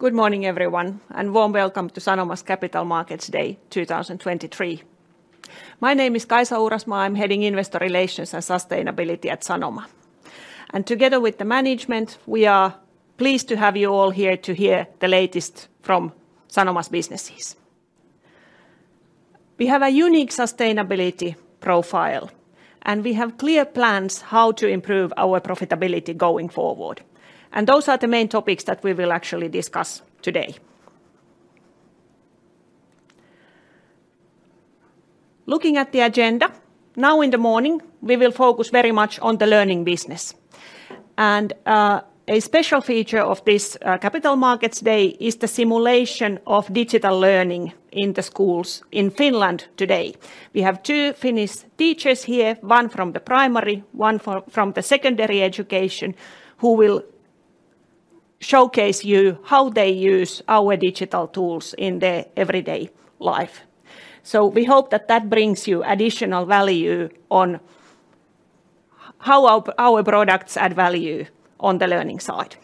Good morning, everyone, and warm welcome to Sanoma's Capital Markets Day 2023. My name is Kaisa Uurasmaa. I'm heading Investor Relations and Sustainability at Sanoma. Together with the management, we are pleased to have you all here to hear the latest from Sanoma's businesses. We have a unique sustainability profile, and we have clear plans how to improve our profitability going forward. Those are the main topics that we will actually discuss today. Looking at the agenda, now in the morning, we will focus very much on the Learning business. A special feature of this Capital Markets Day is the simulation of digital learning in the schools in Finland today. We have two Finnish teachers here, one from the primary, one from the secondary education, who will showcase you how they use our digital tools in their everyday life. So we hope that that brings you additional value on how our products add value on the Learning side.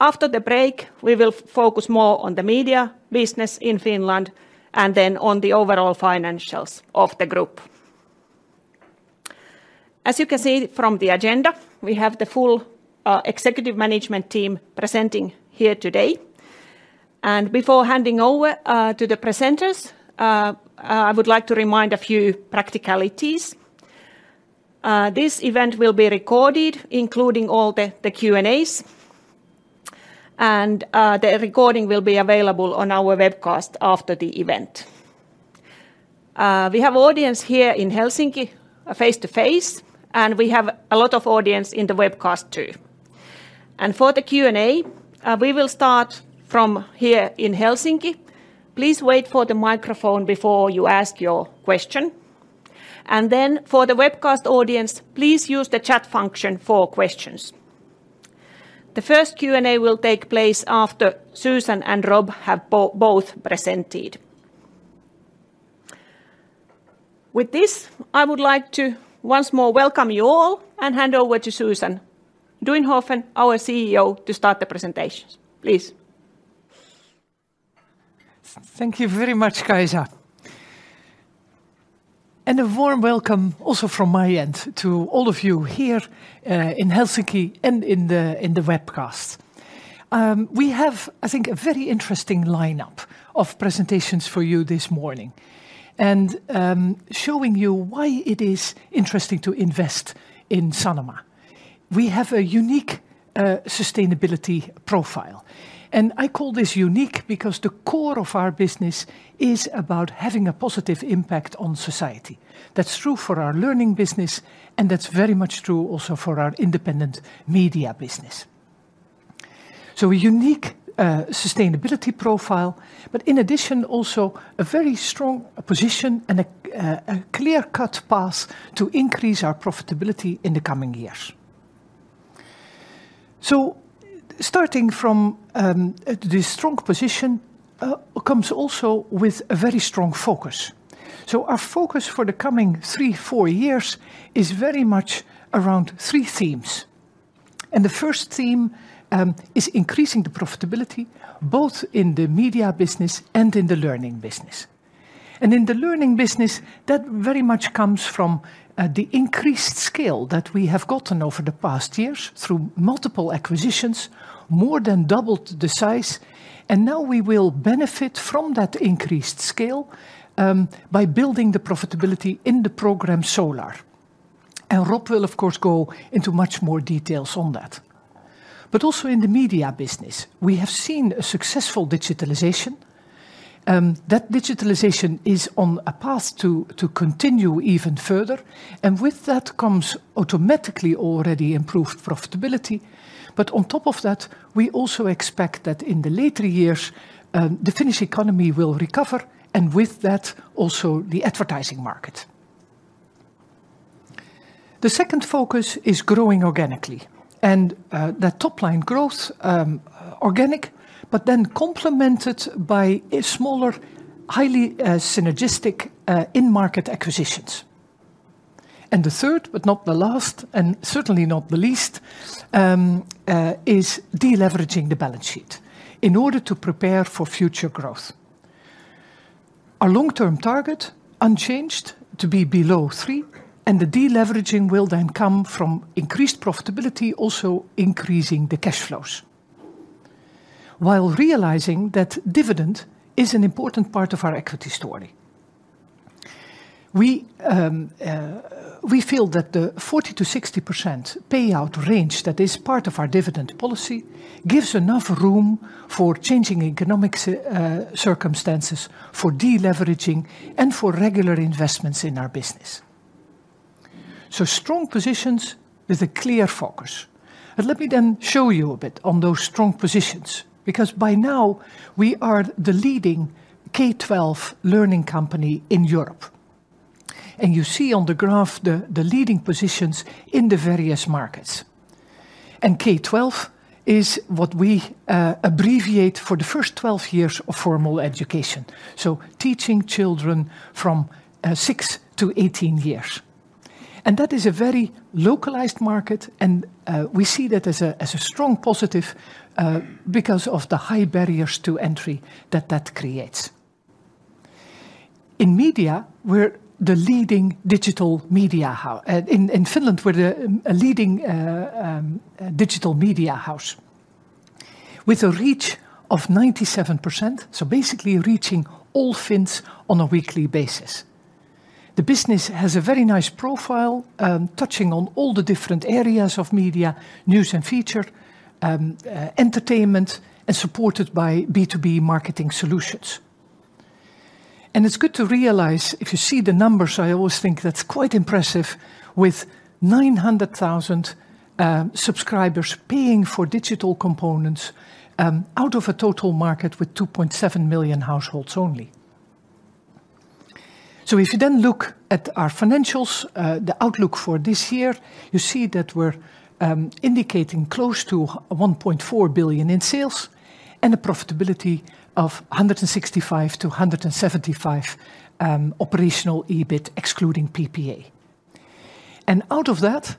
After the break, we will focus more on the media business in Finland and then on the overall financials of the group. As you can see from the agenda, we have the full executive management team presenting here today. Before handing over to the presenters, I would like to remind a few practicalities. This event will be recorded, including all the Q&As, and the recording will be available on our webcast after the event. We have audience here in Helsinki, face-to-face, and we have a lot of audience in the webcast, too. For the Q&A, we will start from here in Helsinki. Please wait for the microphone before you ask your question. Then for the webcast audience, please use the chat function for questions. The first Q&A will take place after Susan and Rob have both presented. With this, I would like to once more welcome you all and hand over to Susan Duinhoven, our CEO, to start the presentations. Please. Thank you very much, Kaisa. A warm welcome also from my end to all of you here in Helsinki and in the webcast. We have, I think, a very interesting lineup of presentations for you this morning, and showing you why it is interesting to invest in Sanoma. We have a unique sustainability profile, and I call this unique because the core of our business is about having a positive impact on society. That's true for our Learning business, and that's very much true also for our independent media business. So a unique sustainability profile, but in addition, also a very strong position and a clear-cut path to increase our profitability in the coming years. So starting from this strong position comes also with a very strong focus. So our focus for the coming three to four years is very much around three themes. The first theme is increasing the profitability, both in the media business and in the Learning business. In the Learning business, that very much comes from the increased scale that we have gotten over the past years through multiple acquisitions, more than doubled the size, and now we will benefit from that increased scale by building the profitability in the Program Solar. Rob will, of course, go into much more details on that. Also in the media business, we have seen a successful digitalization. That digitalization is on a path to, to continue even further, and with that comes automatically already improved profitability. But on top of that, we also expect that in the later years, the Finnish economy will recover, and with that, also the advertising market. The second focus is growing organically, and that top-line growth, organic, but then complemented by a smaller, highly synergistic, in-market acquisitions. And the third, but not the last, and certainly not the least, is de-leveraging the balance sheet in order to prepare for future growth. Our long-term target, unchanged, to be below three, and the de-leveraging will then come from increased profitability, also increasing the cash flows. While realizing that dividend is an important part of our equity story. We feel that the 40%-60% payout range that is part of our dividend policy gives enough room for changing economic circumstances, for de-leveraging, and for regular investments in our business. So strong positions with a clear focus. But let me then show you a bit on those strong positions, because by now, we are the leading K-12 Learning company in Europe. And you see on the graph the leading positions in the various markets. And K-12 is what we abbreviate for the first 12 years of formal education, so teaching children from six to 18 years, and that is a very localized market, and we see that as a strong positive because of the high barriers to entry that that creates. In media, we're the leading digital media house in Finland with a reach of 97%, so basically reaching all Finns on a weekly basis. The business has a very nice profile, touching on all the different areas of media, news and feature, entertainment, and supported by B2B marketing solutions. It's good to realize, if you see the numbers, I always think that's quite impressive, with 900,000 subscribers paying for digital components, out of a total market with 2.7 million households only. So if you then look at our financials, the outlook for this year, you see that we're indicating close to 1.4 billion in sales, and a profitability of 165 million-175 million operational EBIT, excluding PPA. Out of that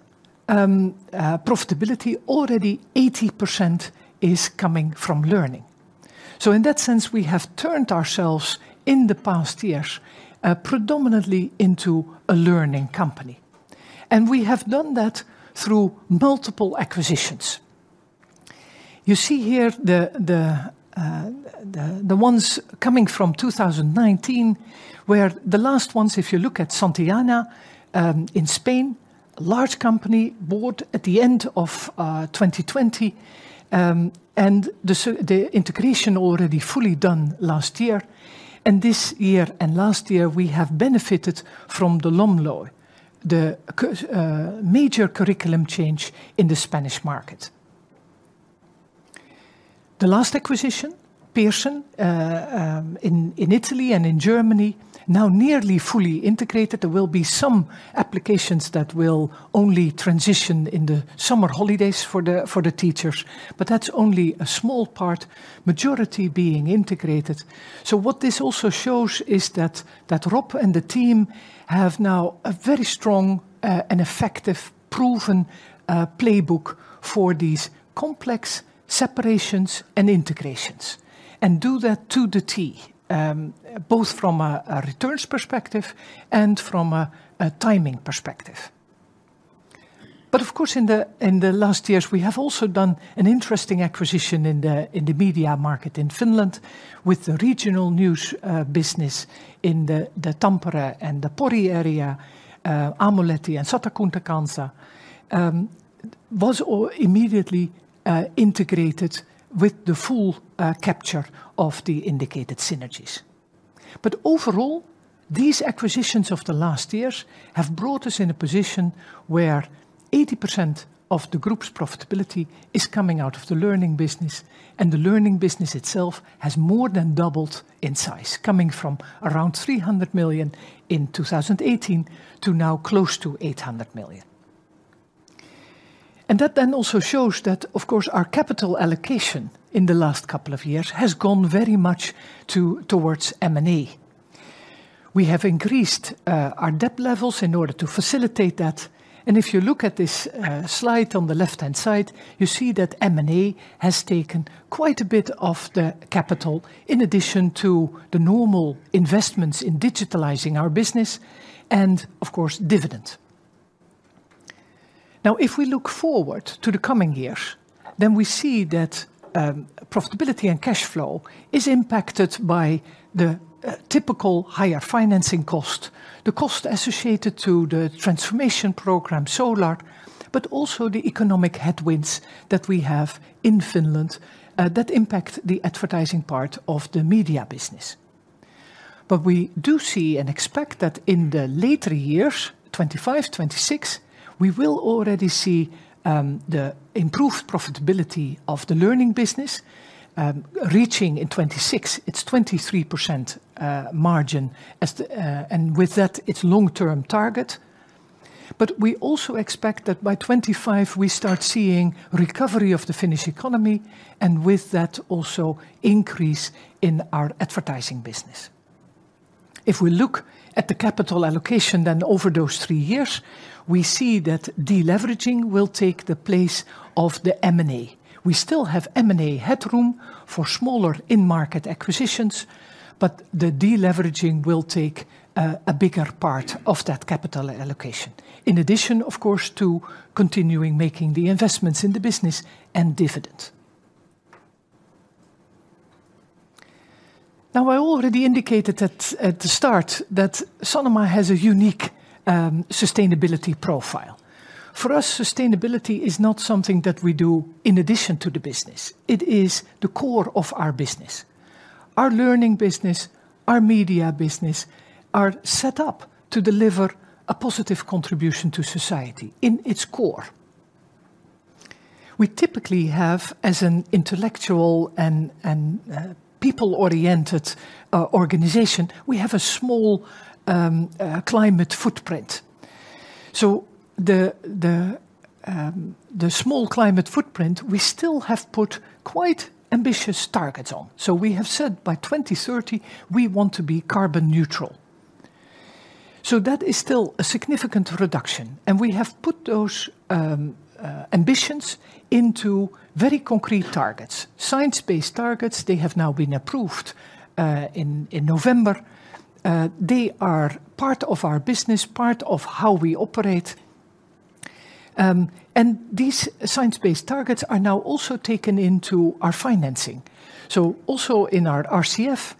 profitability, already 80% is coming from Learning. So in that sense, we have turned ourselves, in the past years, predominantly into a Learning company, and we have done that through multiple acquisitions. You see here the ones coming from 2019, where the last ones, if you look at Santillana, in Spain, a large company bought at the end of 2020, and the integration already fully done last year. And this year and last year, we have benefited from the LOMLOE, the major curriculum change in the Spanish market. The last acquisition, Pearson, in Italy and in Germany, now nearly fully integrated. There will be some applications that will only transition in the summer holidays for the teachers, but that's only a small part, majority being integrated. So what this also shows is that, that Rob and the team have now a very strong, and effective, proven, playbook for these complex separations and integrations, and do that to the T, both from a, a returns perspective and from a, a timing perspective. But of course, in the, in the last years, we have also done an interesting acquisition in the, in the media market in Finland with the regional news, business in the, the Tampere and the Pori area, Aamulehti and Satakunnan Kansa, was all immediately, integrated with the full, capture of the indicated synergies. Overall, these acquisitions of the last years have brought us in a position where 80% of the group's profitability is coming out of the Learning business, and the Learning business itself has more than doubled in size, coming from around 300 million in 2018 to now close to 800 million. That then also shows that, of course, our capital allocation in the last couple of years has gone very much towards M&A. We have increased our debt levels in order to facilitate that, and if you look at this slide on the left-hand side, you see that M&A has taken quite a bit of the capital, in addition to the normal investments in digitalizing our business and, of course, dividend. Now, if we look forward to the coming years, then we see that profitability and cash flow is impacted by the typical higher financing cost, the cost associated to the transformation program, Solar, but also the economic headwinds that we have in Finland that impact the advertising part of the media business. But we do see and expect that in the later years, 2025, 2026, we will already see the improved profitability of the Learning business, reaching in 2026 its 23% margin, and with that, its long-term target. But we also expect that by 2025 we start seeing recovery of the Finnish economy, and with that, also increase in our advertising business. If we look at the capital allocation, then over those three years, we see that deleveraging will take the place of the M&A. We still have M&A headroom for smaller in-market acquisitions, but the deleveraging will take a bigger part of that capital allocation. In addition, of course, to continuing making the investments in the business and dividend. Now, I already indicated at the start that Sanoma has a unique sustainability profile. For us, sustainability is not something that we do in addition to the business, it is the core of our business. Our Learning business, our media business, are set up to deliver a positive contribution to society in its core. We typically have, as an intellectual and people-oriented organization, we have a small climate footprint. So the small climate footprint, we still have put quite ambitious targets on. So we have said by 2030, we want to be carbon neutral. So that is still a significant reduction, and we have put those ambitions into very concrete targets. Science Based Targets, they have now been approved in November. They are part of our business, part of how we operate. And these Science Based Targets are now also taken into our financing. So also in our RCF,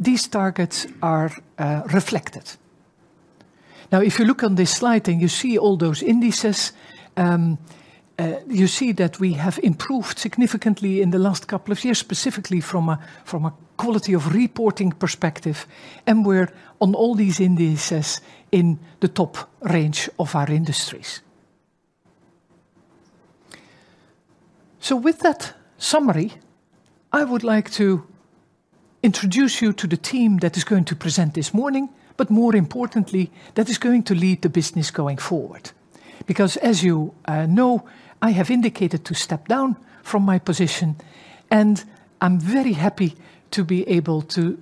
these targets are reflected. Now, if you look on this slide, and you see all those indices, you see that we have improved significantly in the last couple of years, specifically from a quality of reporting perspective, and we're on all these indices in the top range of our industries. So with that summary, I would like to introduce you to the team that is going to present this morning, but more importantly, that is going to lead the business going forward. Because as you know, I have indicated to step down from my position, and I'm very happy to be able to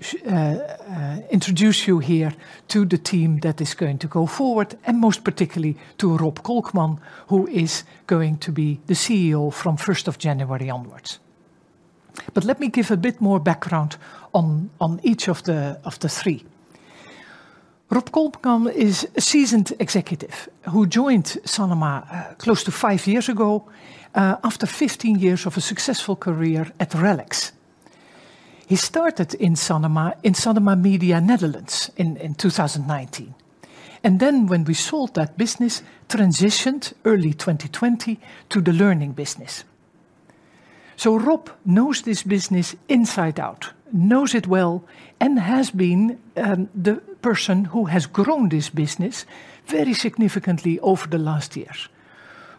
introduce you here to the team that is going to go forward, and most particularly, to Rob Kolkman, who is going to be the CEO from first of January onwards. But let me give a bit more background on each of the three. Rob Kolkman is a seasoned executive who joined Sanoma close to five years ago, after 15 years of a successful career at RELX. He started in Sanoma, in Sanoma Media Netherlands, in 2019, and then when we sold that business, transitioned early 2020 to the Learning business. So Rob knows this business inside out, knows it well, and has been the person who has grown this business very significantly over the last years.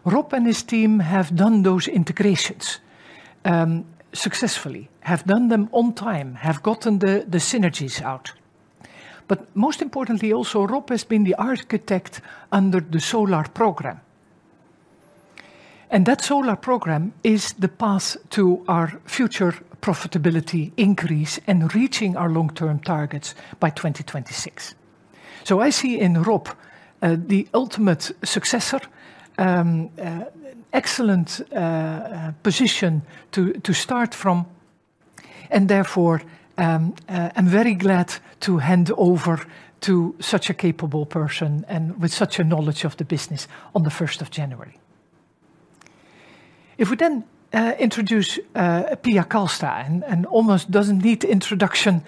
Rob and his team have done those integrations successfully, have done them on time, have gotten the synergies out. But most importantly, also, Rob has been the architect under the Solar Program. And that Solar Program is the path to our future profitability increase and reaching our long-term targets by 2026. So I see in Rob the ultimate successor, excellent position to start from, and therefore, I'm very glad to hand over to such a capable person and with such a knowledge of the business on the first of January. If we then introduce Pia Kalsta, and almost doesn't need introduction,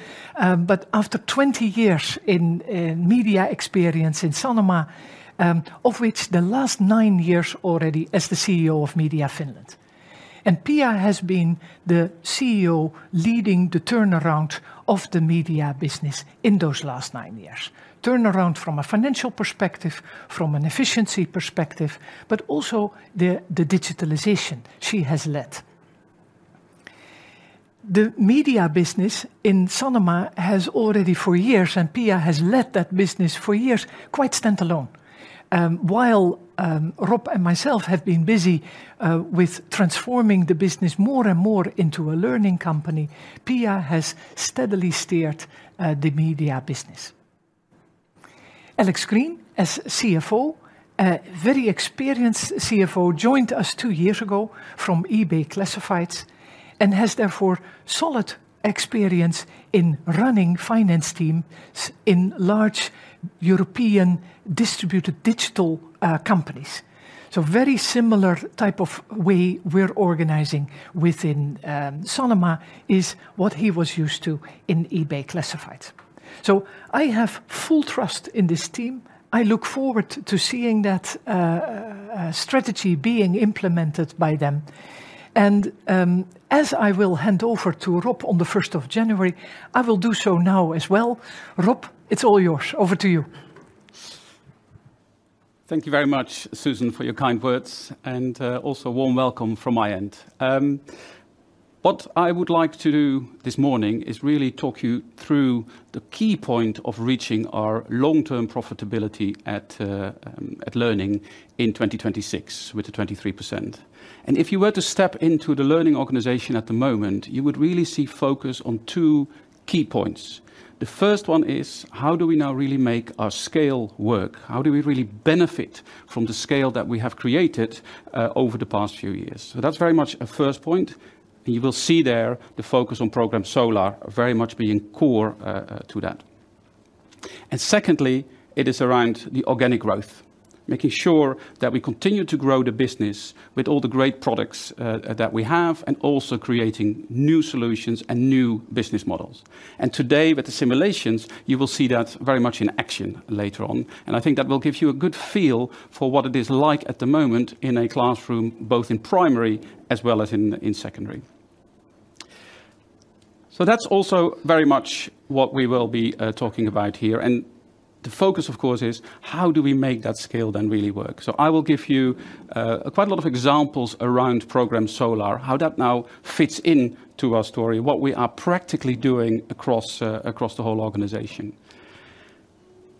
but after 20 years in media experience in Sanoma, of which the last 9 years already as the CEO of Media Finland. Pia has been the CEO leading the turnaround of the media business in those last 9 years. Turnaround from a financial perspective, from an efficiency perspective, but also the digitalization she has led. The media business in Sanoma has already for years, and Pia has led that business for years, quite standalone. While Rob and myself have been busy with transforming the business more and more into a Learning company, Pia has steadily steered the media business. Alex Green, as CFO, a very experienced CFO, joined us two years ago from eBay Classifieds, and has therefore solid experience in running finance teams in large European distributed digital companies. So very similar type of way we're organizing within Sanoma is what he was used to in eBay Classifieds. So I have full trust in this team. I look forward to seeing that strategy being implemented by them. And as I will hand over to Rob on the first of January, I will do so now as well. Rob, it's all yours. Over to you. Thank you very much, Susan, for your kind words, and also a warm welcome from my end. What I would like to do this morning is really talk you through the key point of reaching our long-term profitability at Learning in 2026, with the 23%. And if you were to step into the Learning organization at the moment, you would really see focus on two key points. The first one is: how do we now really make our scale work? How do we really benefit from the scale that we have created over the past few years? So that's very much a first point. You will see there the focus on Program Solar very much being core to that. And secondly, it is around the organic growth, making sure that we continue to grow the business with all the great products that we have, and also creating new solutions and new business models. And today, with the simulations, you will see that very much in action later on. And I think that will give you a good feel for what it is like at the moment in a classroom, both in primary as well as in, in secondary. So that's also very much what we will be talking about here. And the focus, of course, is: how do we make that scale then really work? So I will give you quite a lot of examples around Program Solar, how that now fits into our story, what we are practically doing across, across the whole organization....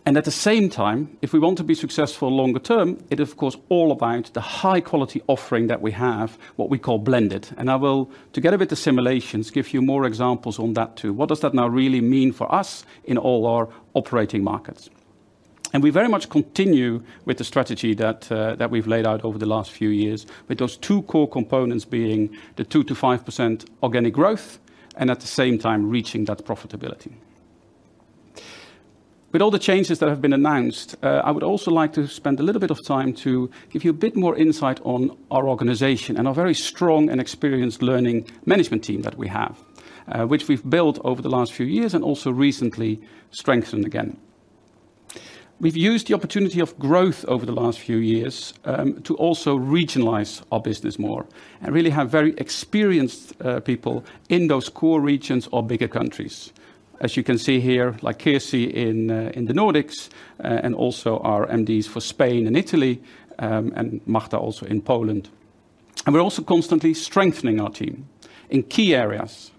And at the same time, if we want to be successful longer term, it of course, all about the high quality offering that we have, what we call blended. And I will, to get a bit of simulations, give you more examples on that too. What does that now really mean for us in all our operating markets? And we very much continue with the strategy that, that we've laid out over the last few years, with those two core components being the 2%-5% organic growth, and at the same time reaching that profitability. With all the changes that have been announced, I would also like to spend a little bit of time to give you a bit more insight on our organization and our very strong and experienced Learning management team that we have, which we've built over the last few years and also recently strengthened again. We've used the opportunity of growth over the last few years to also regionalize our business more, and really have very experienced people in those core regions or bigger countries. As you can see here, like Kirsi in the Nordics, and also our MDs for Spain and Italy, and Marta also in Poland. And we're also constantly strengthening our team in key areas.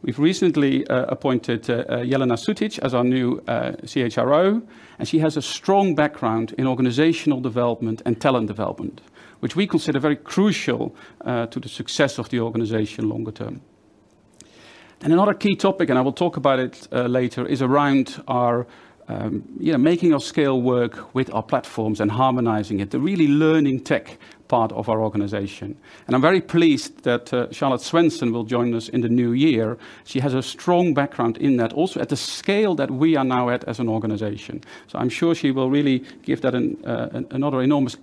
We've recently appointed Jelena Sutic as our new CHRO, and she has a strong background in organizational development and talent development, which we consider very crucial to the success of the organization longer term. Another key topic, which I will talk about later, is around our making our scale work with our platforms and harmonizing it, the really Learning tech part of our organization. I'm very pleased that Charlotte Svensson will join us in the new year. She has a strong background in that, also at the scale that we are now at as an organization. So I'm sure she will really give that an another enormous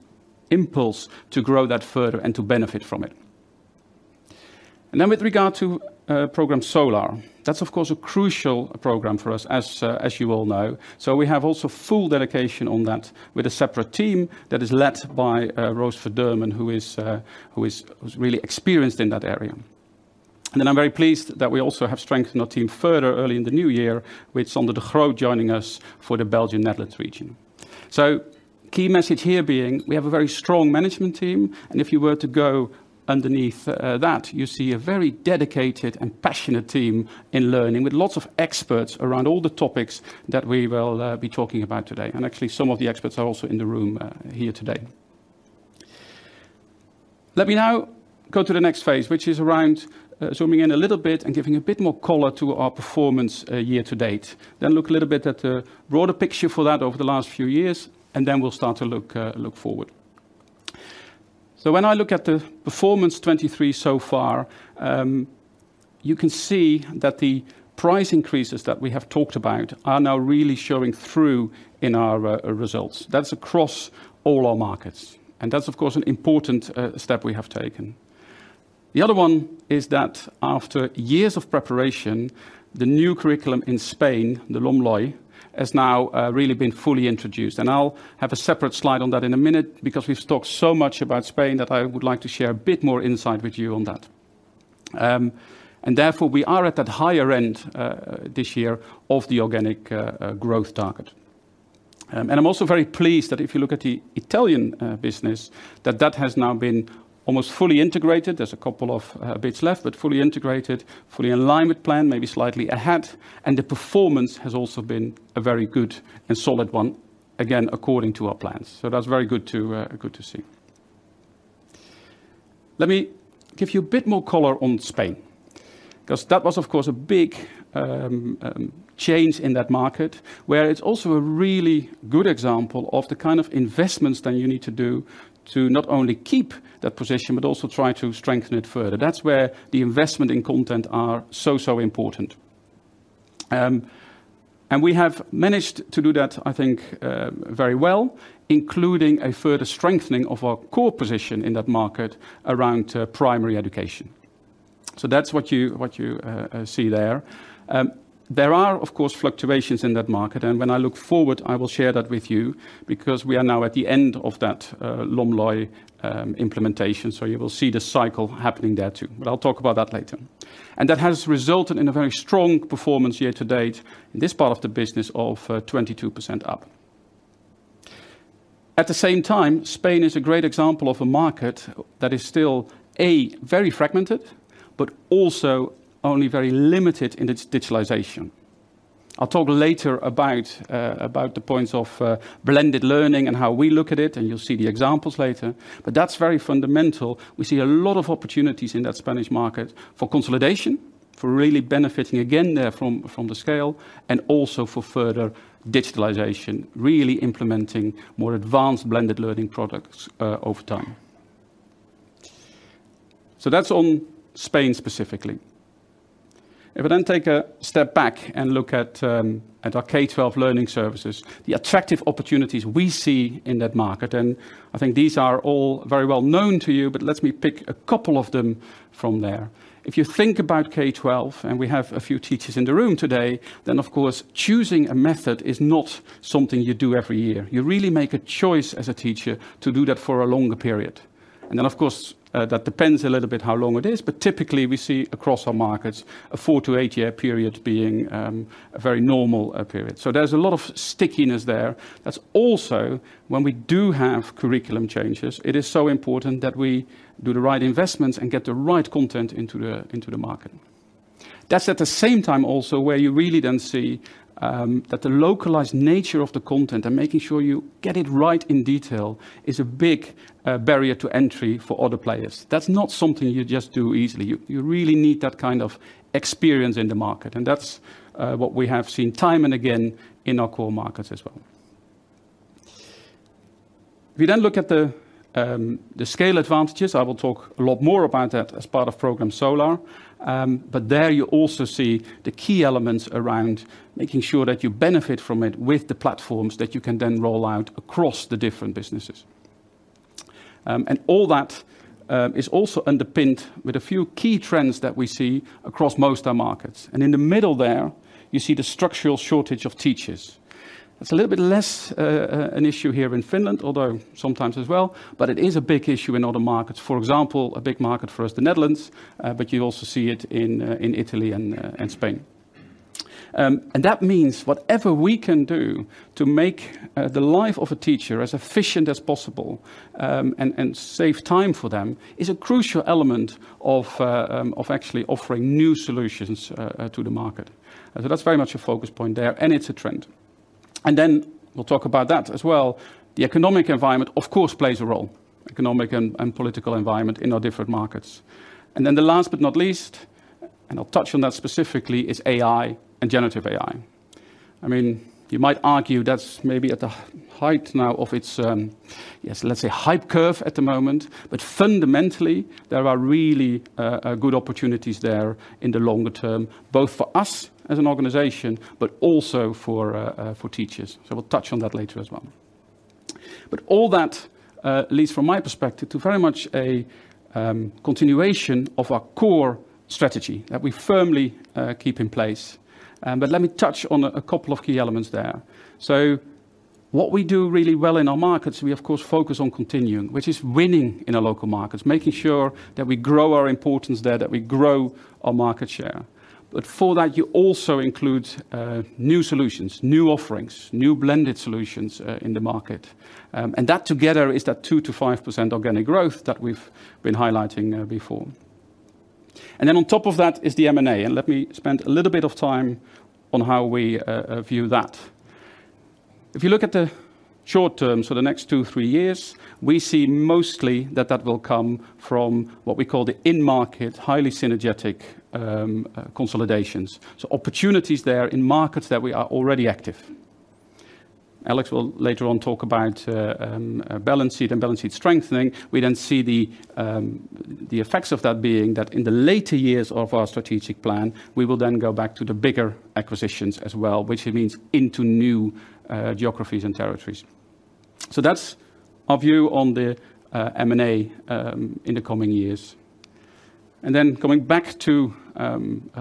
impulse to grow that further and to benefit from it. Then with regard to Program Solar, that's of course a crucial program for us, as you all know. We have also full dedication on that with a separate team that is led by Roos Verdurmen, who is really experienced in that area. Then I'm very pleased that we also have strengthened our team further early in the new year, with Sander de Groot joining us for the Belgium-Netherlands region. Key message here being, we have a very strong management team, and if you were to go underneath that, you see a very dedicated and passionate team in Learning, with lots of experts around all the topics that we will be talking about today. Actually, some of the experts are also in the room here today. Let me now go to the next phase, which is around zooming in a little bit and giving a bit more color to our performance year to date. Then look a little bit at the broader picture for that over the last few years, and then we'll start to look forward. So when I look at the performance 2023 so far, you can see that the price increases that we have talked about are now really showing through in our results. That's across all our markets, and that's, of course, an important step we have taken. The other one is that after years of preparation, the new curriculum in Spain, the LOMLOE, has now really been fully introduced. And I'll have a separate slide on that in a minute because we've talked so much about Spain that I would like to share a bit more insight with you on that. And therefore, we are at that higher end this year of the organic growth target. And I'm also very pleased that if you look at the Italian business, that that has now been almost fully integrated. There's a couple of bits left, but fully integrated, fully in line with plan, maybe slightly ahead, and the performance has also been a very good and solid one, again, according to our plans. So that's very good to good to see. Let me give you a bit more color on Spain, because that was, of course, a big change in that market, where it's also a really good example of the kind of investments that you need to do to not only keep that position, but also try to strengthen it further. That's where the investment in content are so, so important. And we have managed to do that, I think, very well, including a further strengthening of our core position in that market around primary education. So that's what you see there. There are, of course, fluctuations in that market, and when I look forward, I will share that with you because we are now at the end of that LOMLOE implementation, so you will see the cycle happening there, too, but I'll talk about that later. That has resulted in a very strong performance year to date in this part of the business of 22% up. At the same time, Spain is a great example of a market that is still very fragmented, but also only very limited in its digitalization. I'll talk later about the points of blended learning and how we look at it, and you'll see the examples later, but that's very fundamental. We see a lot of opportunities in that Spanish market for consolidation, for really benefiting again there from the scale, and also for further digitalization, really implementing more advanced blended learning products over time. So that's on Spain specifically. If I then take a step back and look at our K-12 Learning services, the attractive opportunities we see in that market, and I think these are all very well known to you, but let me pick a couple of them from there. If you think about K-12, and we have a few teachers in the room today, then of course, choosing a method is not something you do every year. You really make a choice as a teacher to do that for a longer period. Then, of course, that depends a little bit how long it is, but typically we see across our markets, a 4-8-year period being a very normal period. So there's a lot of stickiness there. That's also when we do have curriculum changes, it is so important that we do the right investments and get the right content into the market. That's at the same time also where you really then see that the localized nature of the content and making sure you get it right in detail is a big barrier to entry for other players. That's not something you just do easily. You really need that kind of experience in the market, and that's what we have seen time and again in our core markets as well. We then look at the scale advantages. I will talk a lot more about that as part of Program Solar. But there you also see the key elements around making sure that you benefit from it with the platforms that you can then roll out across the different businesses. And all that is also underpinned with a few key trends that we see across most our markets. And in the middle there, you see the structural shortage of teachers. It's a little bit less an issue here in Finland, although sometimes as well, but it is a big issue in other markets. For example, a big market for us, the Netherlands, but you also see it in, in Italy and, and Spain. And that means whatever we can do to make, the life of a teacher as efficient as possible, and, and save time for them, is a crucial element of, of actually offering new solutions, to the market. So that's very much a focus point there, and it's a trend. And then we'll talk about that as well. The economic environment, of course, plays a role, economic and, and political environment in our different markets. And then the last but not least, and I'll touch on that specifically, is AI and generative AI. I mean, you might argue that's maybe at the height now of its, yes, let's say, hype curve at the moment, but fundamentally, there are really good opportunities there in the longer term, both for us as an organization, but also for teachers. So we'll touch on that later as well. But all that leads from my perspective to very much a continuation of our core strategy that we firmly keep in place. But let me touch on a couple of key elements there. So what we do really well in our markets, we, of course, focus on continuing, which is winning in our local markets, making sure that we grow our importance there, that we grow our market share. But for that, you also include new solutions, new offerings, new blended solutions in the market. And that together is that 2%-5% organic growth that we've been highlighting, before. And then on top of that is the M&A, and let me spend a little bit of time on how we view that. If you look at the short term, so the next 2-3 years, we see mostly that that will come from what we call the in-market, highly synergetic, consolidations. So opportunities there in markets that we are already active. Alex will later on talk about balance sheet and balance sheet strengthening. We then see the effects of that being that in the later years of our strategic plan, we will then go back to the bigger acquisitions as well, which means into new geographies and territories. So that's our view on the M&A in the coming years. Then going back to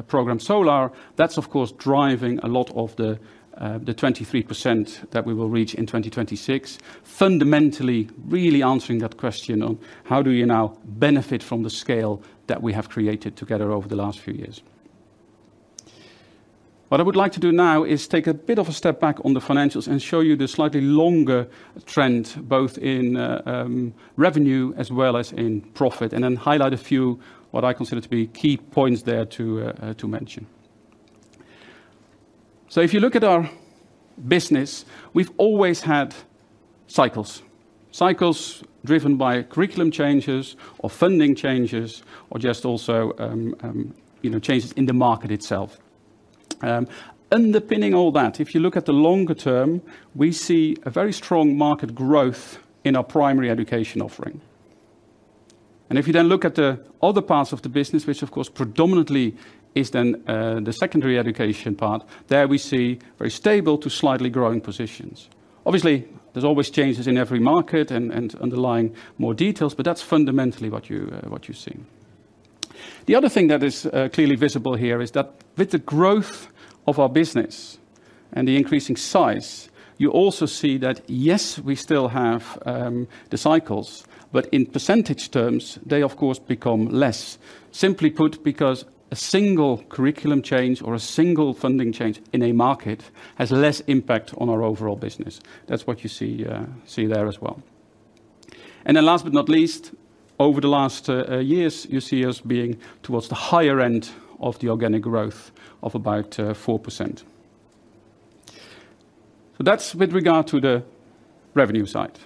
Program Solar, that's of course driving a lot of the 23% that we will reach in 2026. Fundamentally, really answering that question on how do you now benefit from the scale that we have created together over the last few years? What I would like to do now is take a bit of a step back on the financials and show you the slightly longer trend, both in revenue as well as in profit, and then highlight a few what I consider to be key points there to mention. So if you look at our business, we've always had cycles. Cycles driven by curriculum changes or funding changes or just also you know changes in the market itself. Underpinning all that, if you look at the longer term, we see a very strong market growth in our primary education offering. And if you then look at the other parts of the business, which of course, predominantly is then the secondary education part, there we see very stable to slightly growing positions. Obviously, there's always changes in every market and underlying more details, but that's fundamentally what you what you're seeing. The other thing that is clearly visible here is that with the growth of our business and the increasing size, you also see that, yes, we still have the cycles, but in percentage terms, they of course, become less. Simply put, because a single curriculum change or a single funding change in a market has less impact on our overall business. That's what you see see there as well. And then last but not least, over the last years, you see us being towards the higher end of the organic growth of about 4%. So that's with regard to the revenue side.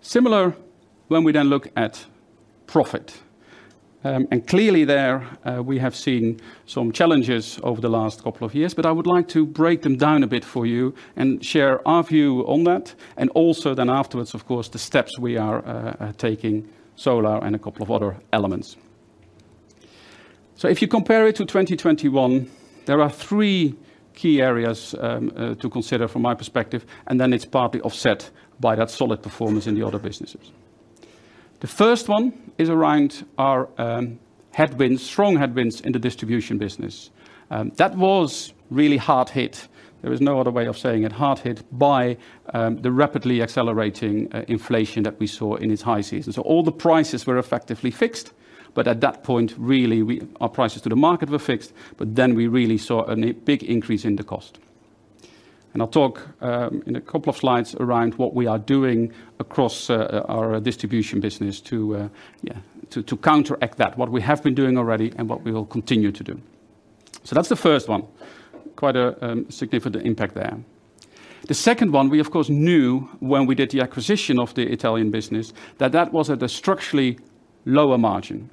Similar when we then look at profit. And clearly there, we have seen some challenges over the last couple of years, but I would like to break them down a bit for you and share our view on that, and also then afterwards, of course, the steps we are taking Solar and a couple of other elements. So if you compare it to 2021, there are three key areas to consider from my perspective, and then it's partly offset by that solid performance in the other businesses. The first one is around our headwinds, strong headwinds in the distribution business. That was really hard hit. There is no other way of saying it, hard hit by the rapidly accelerating inflation that we saw in this high season. So all the prices were effectively fixed, but at that point, really, our prices to the market were fixed, but then we really saw a big increase in the cost. And I'll talk in a couple of slides around what we are doing across our distribution business to counteract that, what we have been doing already and what we will continue to do. So that's the first one. Quite a significant impact there. The second one, we, of course, knew when we did the acquisition of the Italian business, that that was at a structurally lower margin.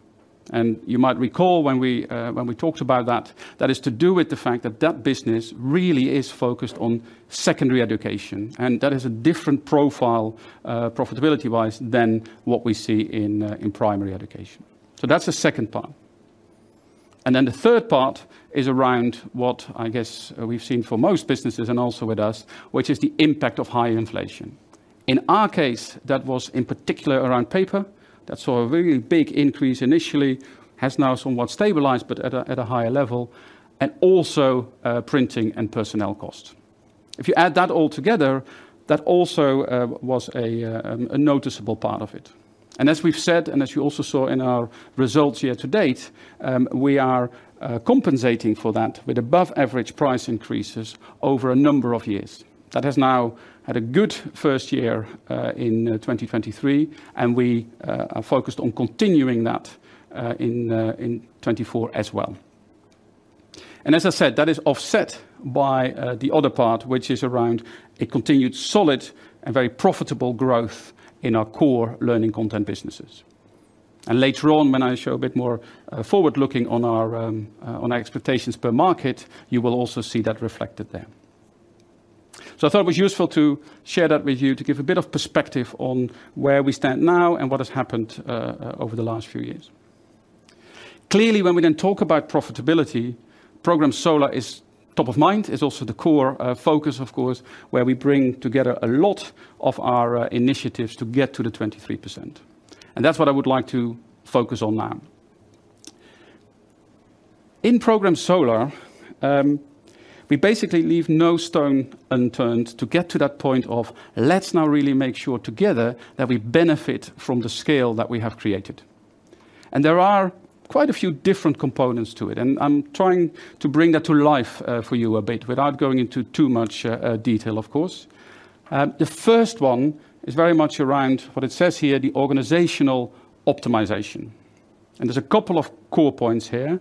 You might recall when we, when we talked about that, that is to do with the fact that that business really is focused on secondary education, and that is a different profile, profitability-wise than what we see in primary education. So that's the second part. Then the third part is around what I guess we've seen for most businesses and also with us, which is the impact of high inflation. In our case, that was in particular around paper. That saw a very big increase initially, has now somewhat stabilized, but at a higher level, and also printing and personnel costs. If you add that all together, that also was a noticeable part of it. As we've said, and as you also saw in our results year to date, we are compensating for that with above-average price increases over a number of years. That has now had a good first year in 2023, and we are focused on continuing that in 2024 as well. As I said, that is offset by the other part, which is around a continued solid and very profitable growth in our core Learning content businesses. Later on, when I show a bit more forward-looking on our expectations per market, you will also see that reflected there. I thought it was useful to share that with you, to give a bit of perspective on where we stand now and what has happened over the last few years. Clearly, when we then talk about profitability, Program Solar is top of mind, is also the core focus, of course, where we bring together a lot of our initiatives to get to the 23%. That's what I would like to focus on now. In Program Solar, we basically leave no stone unturned to get to that point of, let's now really make sure together that we benefit from the scale that we have created. There are quite a few different components to it, and I'm trying to bring that to life for you a bit, without going into too much detail, of course. The first one is very much around what it says here, the organizational optimization. There's a couple of core points here,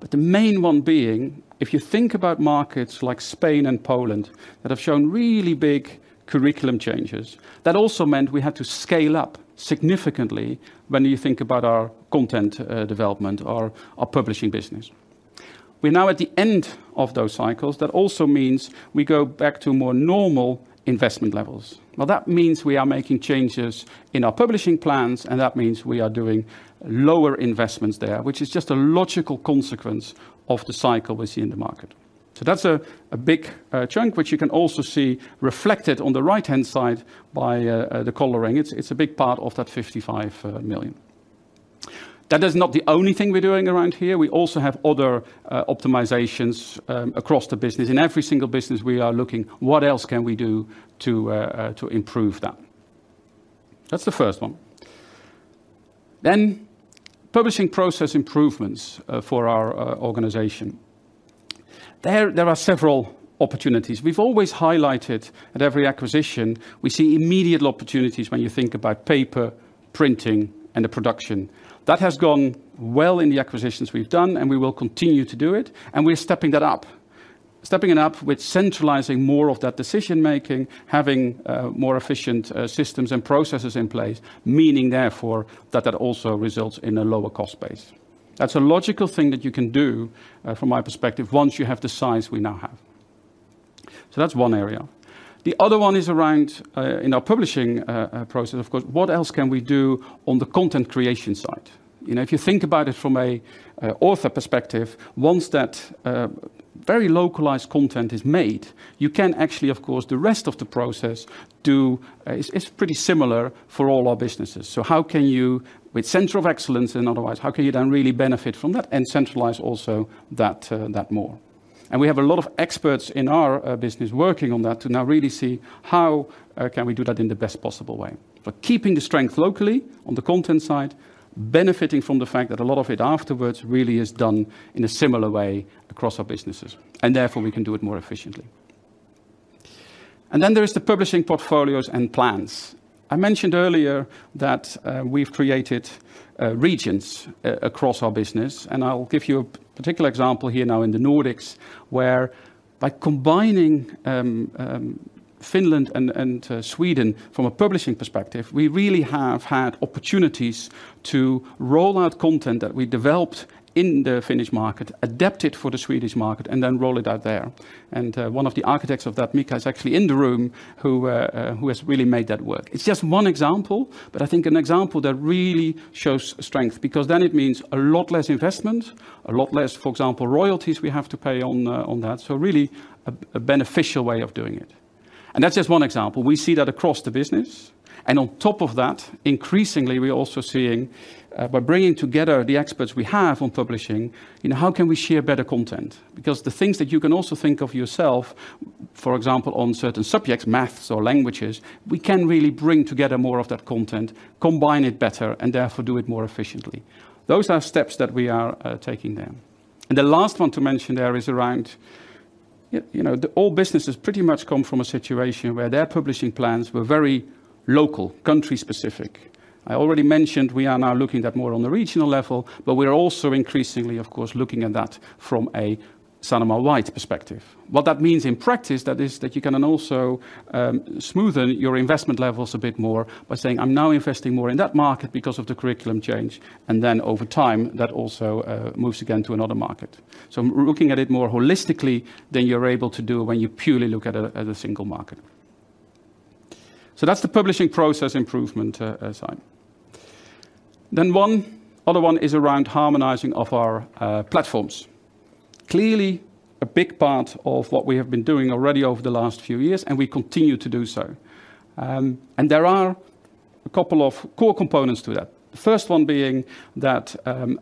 but the main one being, if you think about markets like Spain and Poland that have shown really big curriculum changes, that also meant we had to scale up significantly when you think about our content development or our publishing business. We're now at the end of those cycles. That also means we go back to more normal investment levels. Now, that means we are making changes in our publishing plans, and that means we are doing lower investments there, which is just a logical consequence of the cycle we see in the market. So that's a big chunk, which you can also see reflected on the right-hand side by the coloring. It's a big part of that 55 million. That is not the only thing we're doing around here. We also have other optimizations across the business. In every single business, we are looking, what else can we do to improve that? That's the first one. Then, publishing process improvements for our organization. There are several opportunities. We've always highlighted at every acquisition, we see immediate opportunities when you think about paper, printing, and the production. That has gone well in the acquisitions we've done, and we will continue to do it, and we're stepping that up. Stepping it up with centralizing more of that decision-making, having more efficient systems and processes in place, meaning therefore, that that also results in a lower cost base. That's a logical thing that you can do from my perspective, once you have the size we now have. So that's one area. The other one is around, in our publishing, process, of course, what else can we do on the content creation side? You know, if you think about it from a, author perspective, once that, very localized content is made, you can actually, of course, the rest of the process do... it's, it's pretty similar for all our businesses. So how can you, with center of excellence and otherwise, how can you then really benefit from that and centralize also that, that more? And we have a lot of experts in our, business working on that to now really see how, can we do that in the best possible way. But keeping the strength locally on the content side, benefiting from the fact that a lot of it afterwards really is done in a similar way across our businesses, and therefore, we can do it more efficiently. And then there is the publishing portfolios and plans. I mentioned earlier that we've created regions across our business, and I'll give you a particular example here now in the Nordics, where by combining Finland and Sweden from a publishing perspective, we really have had opportunities to roll out content that we developed in the Finnish market, adapt it for the Swedish market, and then roll it out there. And one of the architects of that, Mika, is actually in the room, who has really made that work. It's just one example, but I think an example that really shows strength, because then it means a lot less investment, a lot less, for example, royalties we have to pay on, on that. So really a beneficial way of doing it. And that's just one example. We see that across the business, and on top of that, increasingly, we are also seeing, by bringing together the experts we have on publishing, you know, how can we share better content? Because the things that you can also think of yourself, for example, on certain subjects, math or languages, we can really bring together more of that content, combine it better, and therefore do it more efficiently. Those are steps that we are taking there. And the last one to mention there is around-... You know, all businesses pretty much come from a situation where their publishing plans were very local, country-specific. I already mentioned we are now looking at more on the regional level, but we're also increasingly, of course, looking at that from a Sanoma-wide perspective. What that means in practice, that is, that you can then also smoothen your investment levels a bit more by saying, "I'm now investing more in that market because of the curriculum change," and then over time, that also moves again to another market. So we're looking at it more holistically than you're able to do when you purely look at it as a single market. So that's the publishing process improvement side. Then one other one is around harmonizing of our platforms. Clearly, a big part of what we have been doing already over the last few years, and we continue to do so. And there are a couple of core components to that. The first one being that,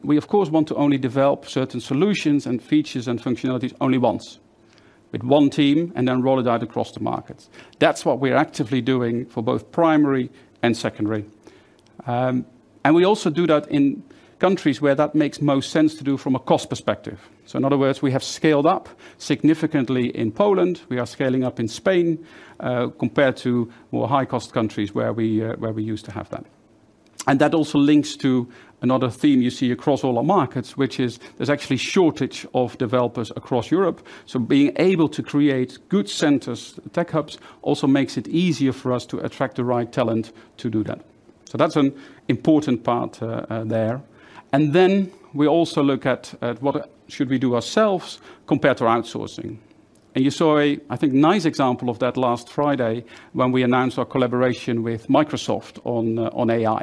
we, of course, want to only develop certain solutions and features and functionalities only once, with one team, and then roll it out across the markets. That's what we're actively doing for both primary and secondary. And we also do that in countries where that makes most sense to do from a cost perspective. So in other words, we have scaled up significantly in Poland. We are scaling up in Spain, compared to more high-cost countries, where we used to have that. And that also links to another theme you see across all our markets, which is there's actually shortage of developers across Europe. So being able to create good centers, tech hubs, also makes it easier for us to attract the right talent to do that. So that's an important part there. And then we also look at what should we do ourselves compared to outsourcing. And you saw a, I think, nice example of that last Friday when we announced our collaboration with Microsoft on AI.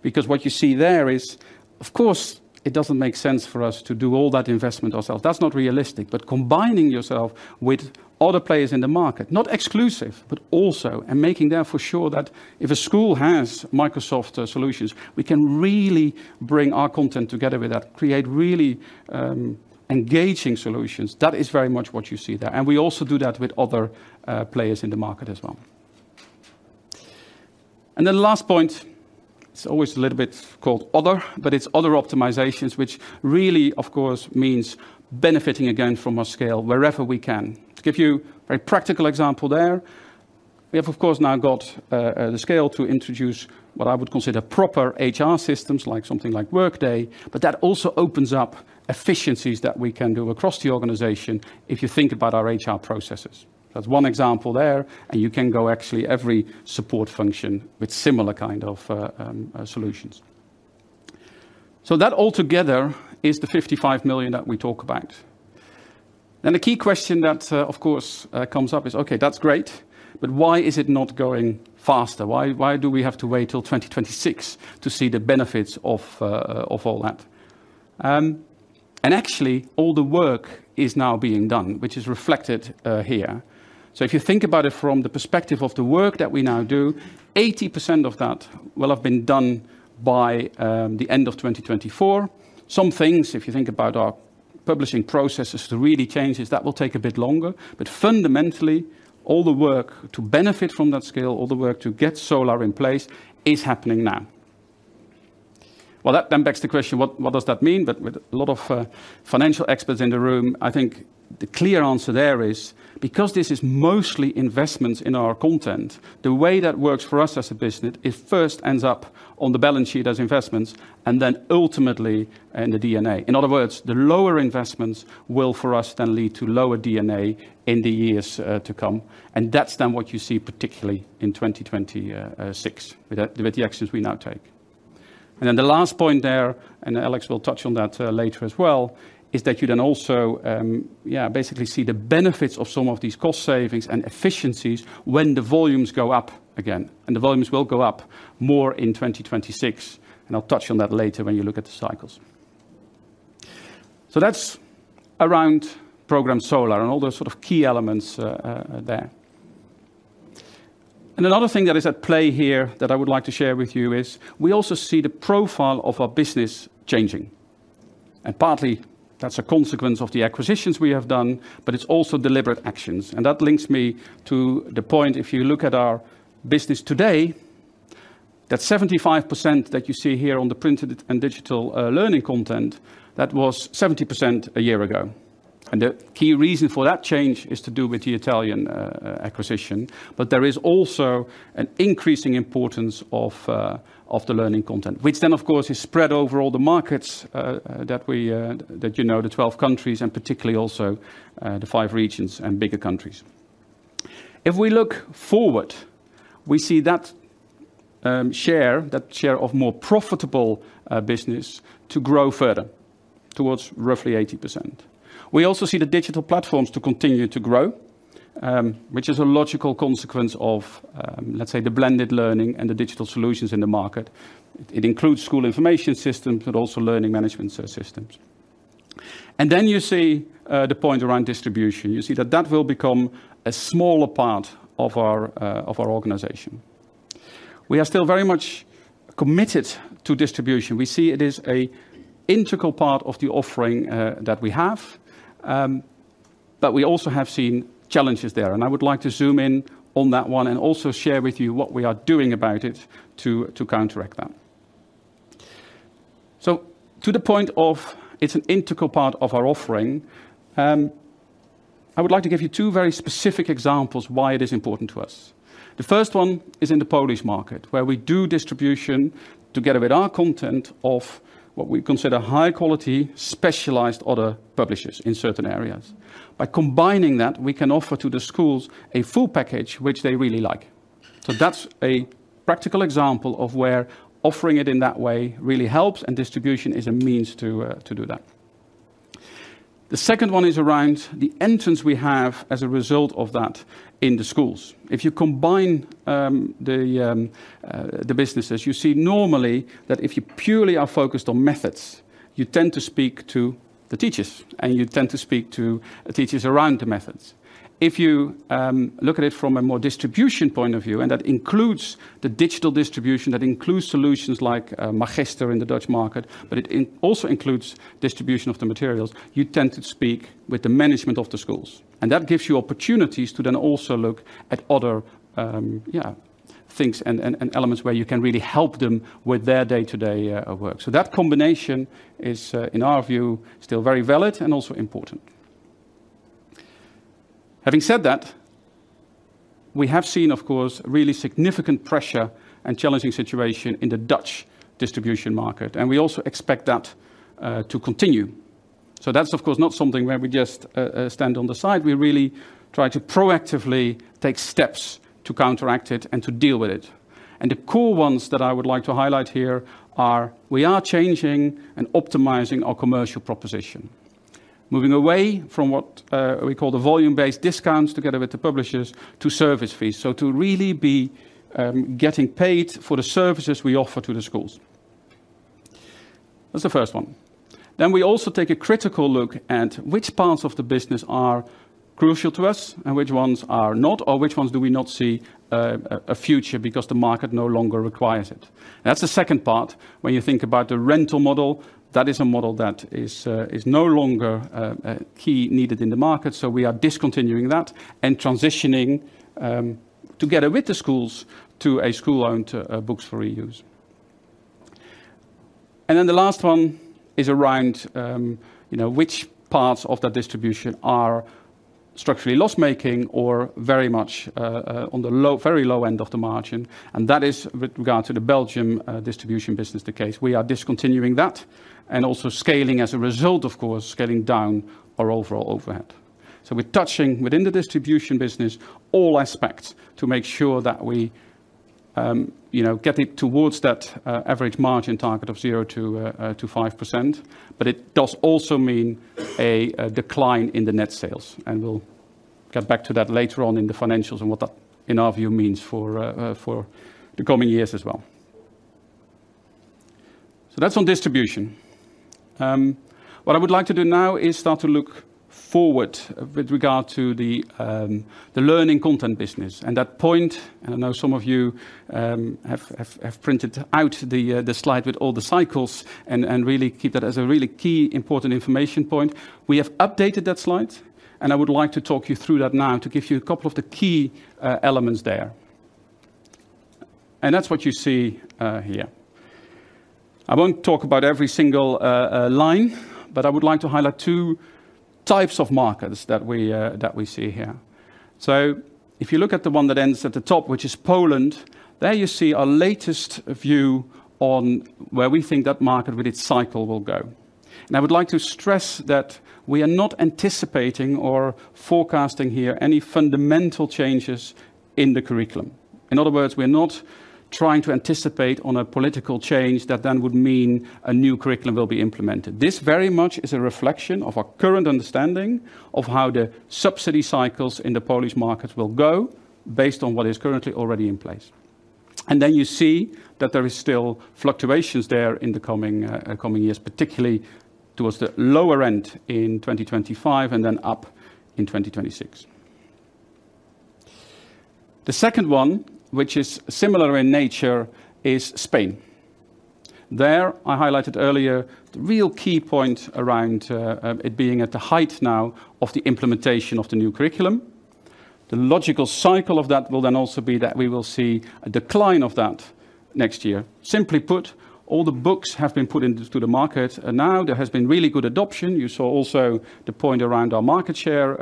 Because what you see there is, of course, it doesn't make sense for us to do all that investment ourselves. That's not realistic, but combining yourself with other players in the market, not exclusive, but also, and making them for sure that if a school has Microsoft solutions, we can really bring our content together with that, create really engaging solutions. That is very much what you see there. We also do that with other players in the market as well. Then the last point, it's always a little bit called other, but it's other optimizations, which really, of course, means benefiting again from our scale wherever we can. To give you a very practical example there, we have, of course, now got the scale to introduce what I would consider proper HR systems, like something like Workday, but that also opens up efficiencies that we can do across the organization if you think about our HR processes. That's one example there, and you can go actually every support function with similar kind of solutions. So that altogether is the 55 million that we talk about. Then the key question that, of course, comes up is, "Okay, that's great, but why is it not going faster? Why, why do we have to wait till 2026 to see the benefits of, of all that?" And actually, all the work is now being done, which is reflected here. So if you think about it from the perspective of the work that we now do, 80% of that will have been done by the end of 2024. Some things, if you think about our publishing processes, to really change this, that will take a bit longer. But fundamentally, all the work to benefit from that scale, all the work to get Solar in place, is happening now. Well, that then begs the question: what, what does that mean? But with a lot of financial experts in the room, I think the clear answer there is, because this is mostly investments in our content, the way that works for us as a business, it first ends up on the balance sheet as investments and then ultimately in the D&A. In other words, the lower investments will, for us, then lead to lower D&A in the years to come, and that's then what you see, particularly in 2026, with the actions we now take. And then the last point there, and Alex will touch on that later as well, is that you then also, yeah, basically see the benefits of some of these cost savings and efficiencies when the volumes go up again, and the volumes will go up more in 2026, and I'll touch on that later when you look at the cycles. So that's around Program Solar and all those sort of key elements there. And another thing that is at play here that I would like to share with you is, we also see the profile of our business changing. And partly, that's a consequence of the acquisitions we have done, but it's also deliberate actions, and that links me to the point, if you look at our business today, that 75% that you see here on the printed and digital, Learning content, that was 70% a year ago. And the key reason for that change is to do with the Italian acquisition. But there is also an increasing importance of, of the Learning content, which then, of course, is spread over all the markets, that we, that you know, the 12 countries, and particularly also, the five regions and bigger countries. If we look forward, we see that share, that share of more profitable, business to grow further, towards roughly 80%. We also see the digital platforms to continue to grow, which is a logical consequence of, let's say, the blended learning and the digital solutions in the market. It includes school information systems, but also learning management systems. And then you see, the point around distribution. You see that that will become a smaller part of our, of our organization. We are still very much committed to distribution. We see it as an integral part of the offering, that we have, but we also have seen challenges there, and I would like to zoom in on that one and also share with you what we are doing about it to counteract that.... So to the point of it's an integral part of our offering, I would like to give you two very specific examples why it is important to us. The first one is in the Polish market, where we do distribution together with our content of what we consider high-quality, specialized other publishers in certain areas. By combining that, we can offer to the schools a full package, which they really like. So that's a practical example of where offering it in that way really helps, and distribution is a means to to do that. The second one is around the entrance we have as a result of that in the schools. If you combine the businesses, you see normally that if you purely are focused on methods, you tend to speak to the teachers, and you tend to speak to the teachers around the methods. If you look at it from a more distribution point of view, and that includes the digital distribution, that includes solutions like Magister in the Dutch market, but it also includes distribution of the materials, you tend to speak with the management of the schools, and that gives you opportunities to then also look at other things and elements where you can really help them with their day-to-day work. So that combination is, in our view, still very valid and also important. Having said that, we have seen, of course, really significant pressure and challenging situation in the Dutch distribution market, and we also expect that to continue. So that's, of course, not something where we just stand on the side. We really try to proactively take steps to counteract it and to deal with it. The core ones that I would like to highlight here are, we are changing and optimizing our commercial proposition. Moving away from what we call the volume-based discounts together with the publishers to service fees, so to really be getting paid for the services we offer to the schools. That's the first one. Then we also take a critical look at which parts of the business are crucial to us and which ones are not, or which ones do we not see a future because the market no longer requires it. That's the second part. When you think about the rental model, that is a model that is no longer key needed in the market, so we are discontinuing that and transitioning together with the schools to a school-owned books for reuse. And then the last one is around, you know, which parts of the distribution are structurally loss-making or very much, on the low, very low end of the margin, and that is with regard to the Belgium distribution business, the case. We are discontinuing that and also scaling as a result, of course, scaling down our overall overhead. So we're touching within the distribution business, all aspects to make sure that we, you know, get it towards that, average margin target of zero to five percent, but it does also mean a decline in the net sales. And we'll get back to that later on in the financials and what that, in our view, means for the coming years as well. So that's on distribution. What I would like to do now is start to look forward with regard to the Learning content business. At that point, I know some of you have printed out the slide with all the cycles and really keep that as a really key important information point. We have updated that slide, and I would like to talk you through that now to give you a couple of the key elements there. And that's what you see here. I won't talk about every single line, but I would like to highlight two types of markets that we see here. So if you look at the one that ends at the top, which is Poland, there you see our latest view on where we think that market with its cycle will go. And I would like to stress that we are not anticipating or forecasting here any fundamental changes in the curriculum. In other words, we're not trying to anticipate on a political change that then would mean a new curriculum will be implemented. This very much is a reflection of our current understanding of how the subsidy cycles in the Polish market will go based on what is currently already in place. And then you see that there is still fluctuations there in the coming years, particularly towards the lower end in 2025 and then up in 2026. The second one, which is similar in nature, is Spain. There, I highlighted earlier, the real key point around it being at the height now of the implementation of the new curriculum. The logical cycle of that will then also be that we will see a decline of that next year. Simply put, all the books have been put into the market, and now there has been really good adoption. You saw also the point around our market share,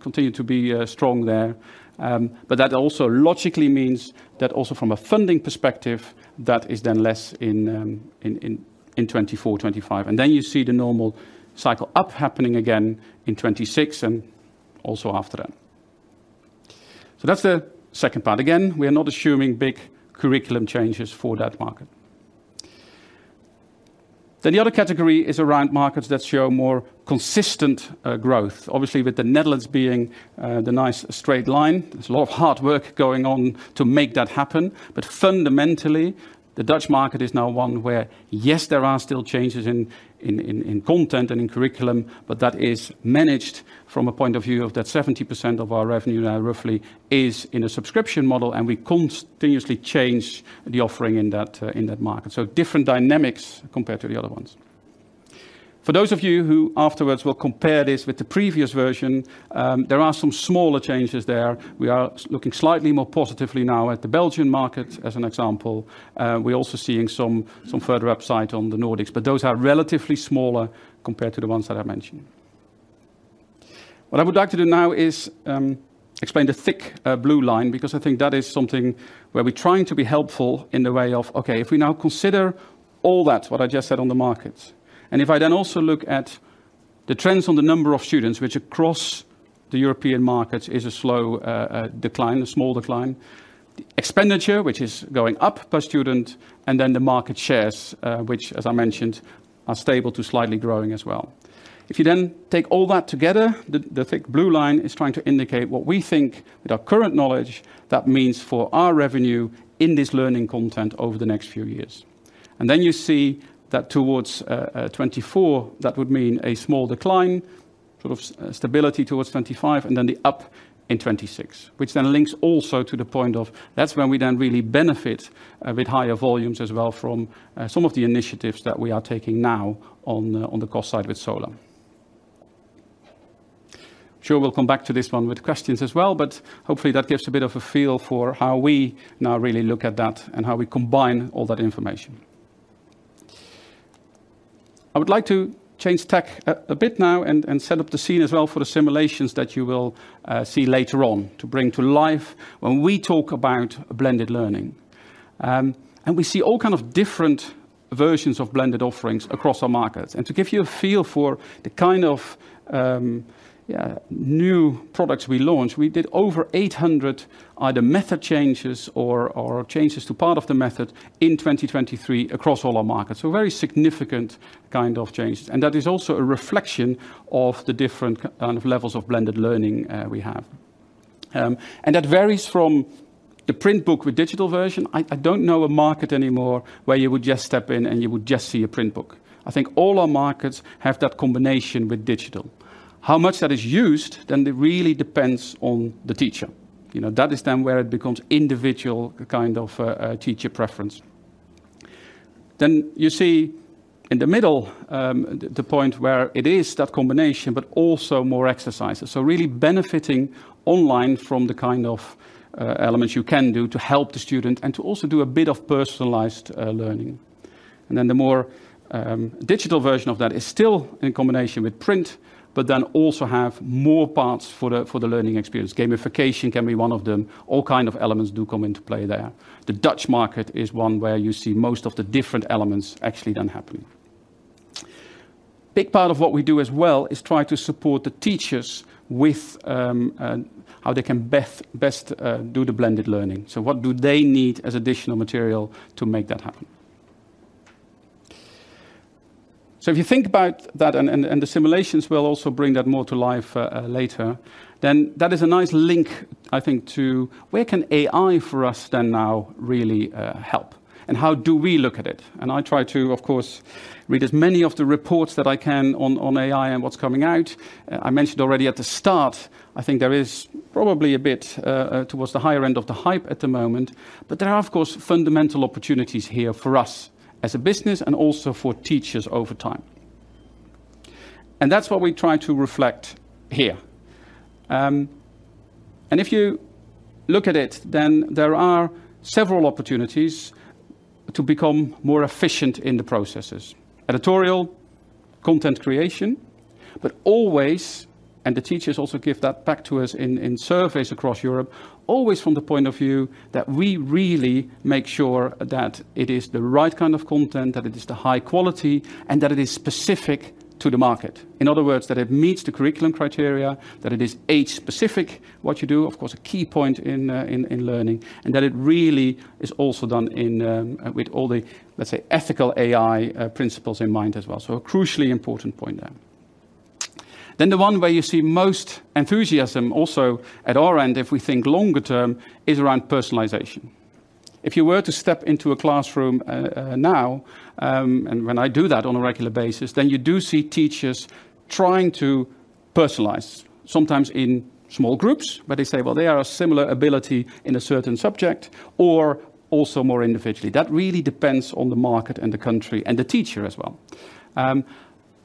continue to be strong there. But that also logically means that also from a funding perspective, that is then less in 2024, 2025. And then you see the normal cycle up happening again in 2026 and also after that. So that's the second part. Again, we are not assuming big curriculum changes for that market. Then the other category is around markets that show more consistent growth. Obviously, with the Netherlands being the nice straight line, there's a lot of hard work going on to make that happen. But fundamentally, the Dutch market is now one where, yes, there are still changes in content and in curriculum, but that is managed from a point of view of that 70% of our revenue now, roughly, is in a subscription model, and we continuously change the offering in that market. So different dynamics compared to the other ones.... For those of you who afterwards will compare this with the previous version, there are some smaller changes there. We are looking slightly more positively now at the Belgian market, as an example. We're also seeing some further upside on the Nordics, but those are relatively smaller compared to the ones that I mentioned. What I would like to do now is explain the thick blue line, because I think that is something where we're trying to be helpful in the way of, okay, if we now consider all that, what I just said on the markets, and if I then also look at the trends on the number of students, which across the European markets is a slow decline, a small decline, expenditure, which is going up per student, and then the market shares, which, as I mentioned, are stable to slightly growing as well. If you then take all that together, the thick blue line is trying to indicate what we think, with our current knowledge, that means for our revenue in this Learning content over the next few years. Then you see that towards 2024, that would mean a small decline, sort of stability towards 2025, and then the up in 2026, which then links also to the point of, that's when we then really benefit with higher volumes as well from some of the initiatives that we are taking now on the cost side with Solar. Sure, we'll come back to this one with questions as well, but hopefully, that gives a bit of a feel for how we now really look at that and how we combine all that information. I would like to change tack a bit now and set up the scene as well for the simulations that you will see later on, to bring to life when we talk about blended learning. And we see all kind of different versions of blended offerings across our markets. And to give you a feel for the kind of new products we launched, we did over 800 either method changes or changes to part of the method in 2023 across all our markets. So very significant kind of changes. And that is also a reflection of the different kind of levels of blended learning we have. And that varies from the print book with digital version. I don't know a market anymore where you would just step in and you would just see a print book. I think all our markets have that combination with digital. How much that is used, then it really depends on the teacher. You know, that is then where it becomes individual kind of teacher preference. Then you see in the middle, the point where it is that combination, but also more exercises. So really benefiting online from the kind of, elements you can do to help the student and to also do a bit of personalized learning. And then the more, digital version of that is still in combination with print, but then also have more parts for the learning experience. Gamification can be one of them. All kind of elements do come into play there. The Dutch market is one where you see most of the different elements actually then happening. A big part of what we do as well is try to support the teachers with how they can best do the blended learning. So what do they need as additional material to make that happen? So if you think about that, and the simulations will also bring that more to life later, then that is a nice link, I think, to where can AI for us then now really help? And how do we look at it? And I try to, of course, read as many of the reports that I can on AI and what's coming out. I mentioned already at the start, I think there is probably a bit towards the higher end of the hype at the moment, but there are, of course, fundamental opportunities here for us as a business and also for teachers over time. And that's what we try to reflect here. And if you look at it, then there are several opportunities to become more efficient in the processes. Editorial, content creation, but always, and the teachers also give that back to us in surveys across Europe, always from the point of view that we really make sure that it is the right kind of content, that it is the high quality, and that it is specific to the market. In other words, that it meets the curriculum criteria, that it is age-specific, what you do, of course, a key point in Learning, and that it really is also done in with all the, let's say, ethical AI principles in mind as well. So a crucially important point there. Then the one where you see most enthusiasm also at our end, if we think longer term, is around personalization. If you were to step into a classroom, and when I do that on a regular basis, then you do see teachers trying to personalize, sometimes in small groups, but they say, well, they are a similar ability in a certain subject or also more individually. That really depends on the market and the country and the teacher as well.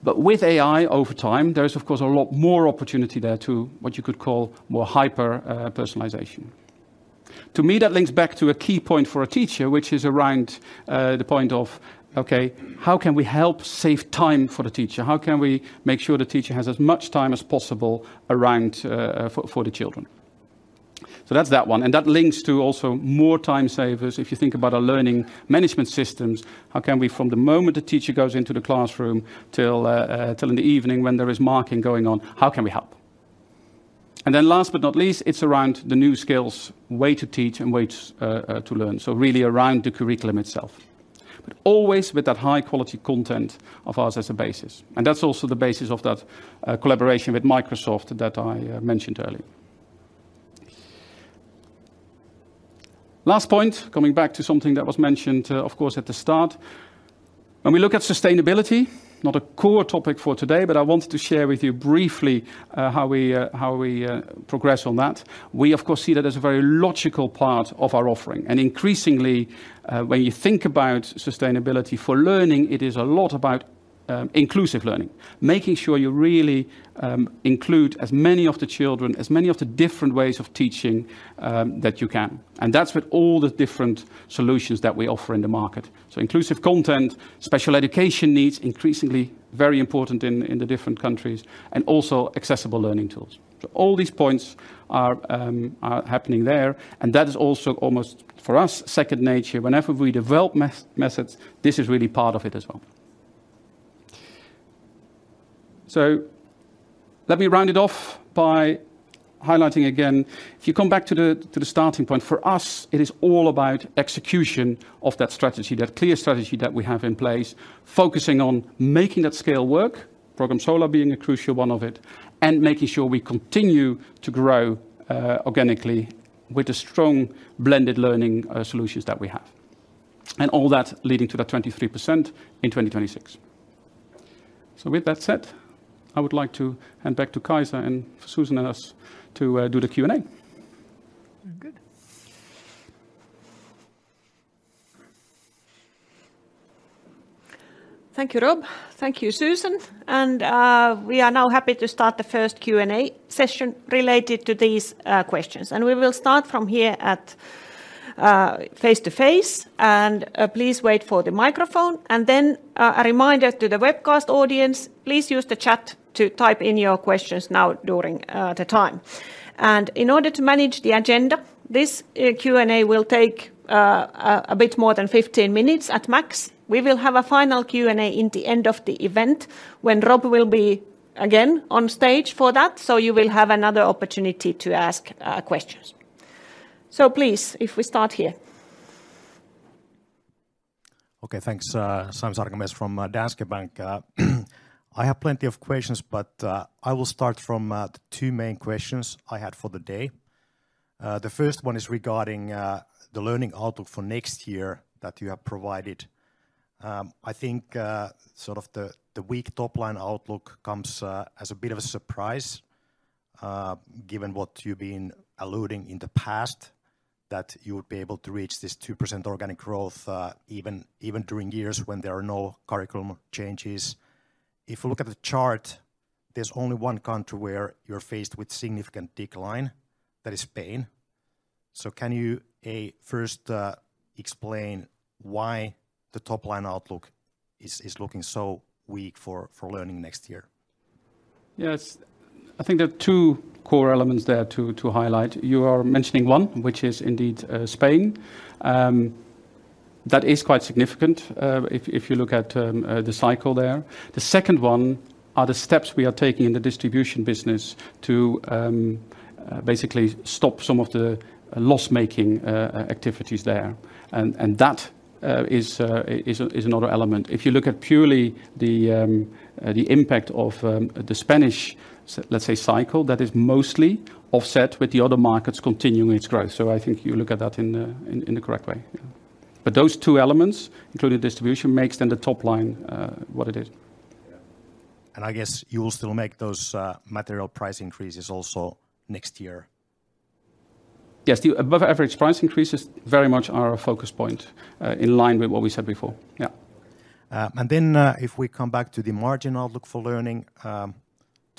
But with AI over time, there is, of course, a lot more opportunity there to what you could call more hyper personalization. To me, that links back to a key point for a teacher, which is around the point of, okay, how can we help save time for the teacher? How can we make sure the teacher has as much time as possible around for the children? So that's that one, and that links to also more time savers. If you think about our learning management systems, how can we, from the moment the teacher goes into the classroom till in the evening when there is marking going on, how can we help? And then last but not least, it's around the new skills, way to teach and way to learn. So really around the curriculum itself, but always with that high-quality content of ours as a basis. And that's also the basis of that collaboration with Microsoft that I mentioned earlier. Last point, coming back to something that was mentioned, of course, at the start. When we look at sustainability, not a core topic for today, but I wanted to share with you briefly, how we progress on that. We, of course, see that as a very logical part of our offering. And increasingly, when you think about sustainability for Learning, it is a lot about inclusive learning, making sure you really include as many of the children, as many of the different ways of teaching that you can. And that's what all the different solutions that we offer in the market. So inclusive content, special education needs, increasingly very important in the different countries, and also accessible learning tools. So all these points are happening there, and that is also almost, for us, second nature. Whenever we develop methods, this is really part of it as well. So let me round it off by highlighting again, if you come back to the, to the starting point, for us, it is all about execution of that strategy, that clear strategy that we have in place, focusing on making that scale work, Program Solar being a crucial one of it, and making sure we continue to grow organically with the strong blended learning solutions that we have. And all that leading to that 23% in 2026. So with that said, I would like to hand back to Kaisa and Susan and us to do the Q&A. Very good. Thank you, Rob. Thank you, Susan. We are now happy to start the first Q&A session related to these questions. We will start from here at face-to-face. Please wait for the microphone. Then, a reminder to the webcast audience, please use the chat to type in your questions now during the time. In order to manage the agenda, this Q&A will take a bit more than 15 minutes at max. We will have a final Q&A in the end of the event, when Rob will be again on stage for that. So you will have another opportunity to ask questions. So please, if we start here. Okay, thanks. Sami Sarkamies from Danske Bank. I have plenty of questions, but I will start from the two main questions I had for the day. The first one is regarding the Learning outlook for next year that you have provided. I think sort of the weak top-line outlook comes as a bit of a surprise, given what you've been alluding in the past, that you would be able to reach this 2% organic growth, even during years when there are no curriculum changes. If you look at the chart, there's only one country where you're faced with significant decline. That is Spain. So can you first explain why the top-line outlook is looking so weak for Learning next year? Yes. I think there are two core elements there to highlight. You are mentioning one, which is indeed Spain. That is quite significant, if you look at the cycle there. The second one are the steps we are taking in the distribution business to basically stop some of the loss-making activities there. And that is another element. If you look at purely the impact of the Spanish, let's say, cycle, that is mostly offset with the other markets continuing its growth. So I think you look at that in the correct way. Yeah. But those two elements, including distribution, makes then the top line what it is. Yeah. I guess you will still make those, material price increases also next year? Yes, the above average price increases very much are a focus point, in line with what we said before. Yeah. And then, if we come back to the margin outlook for Learning,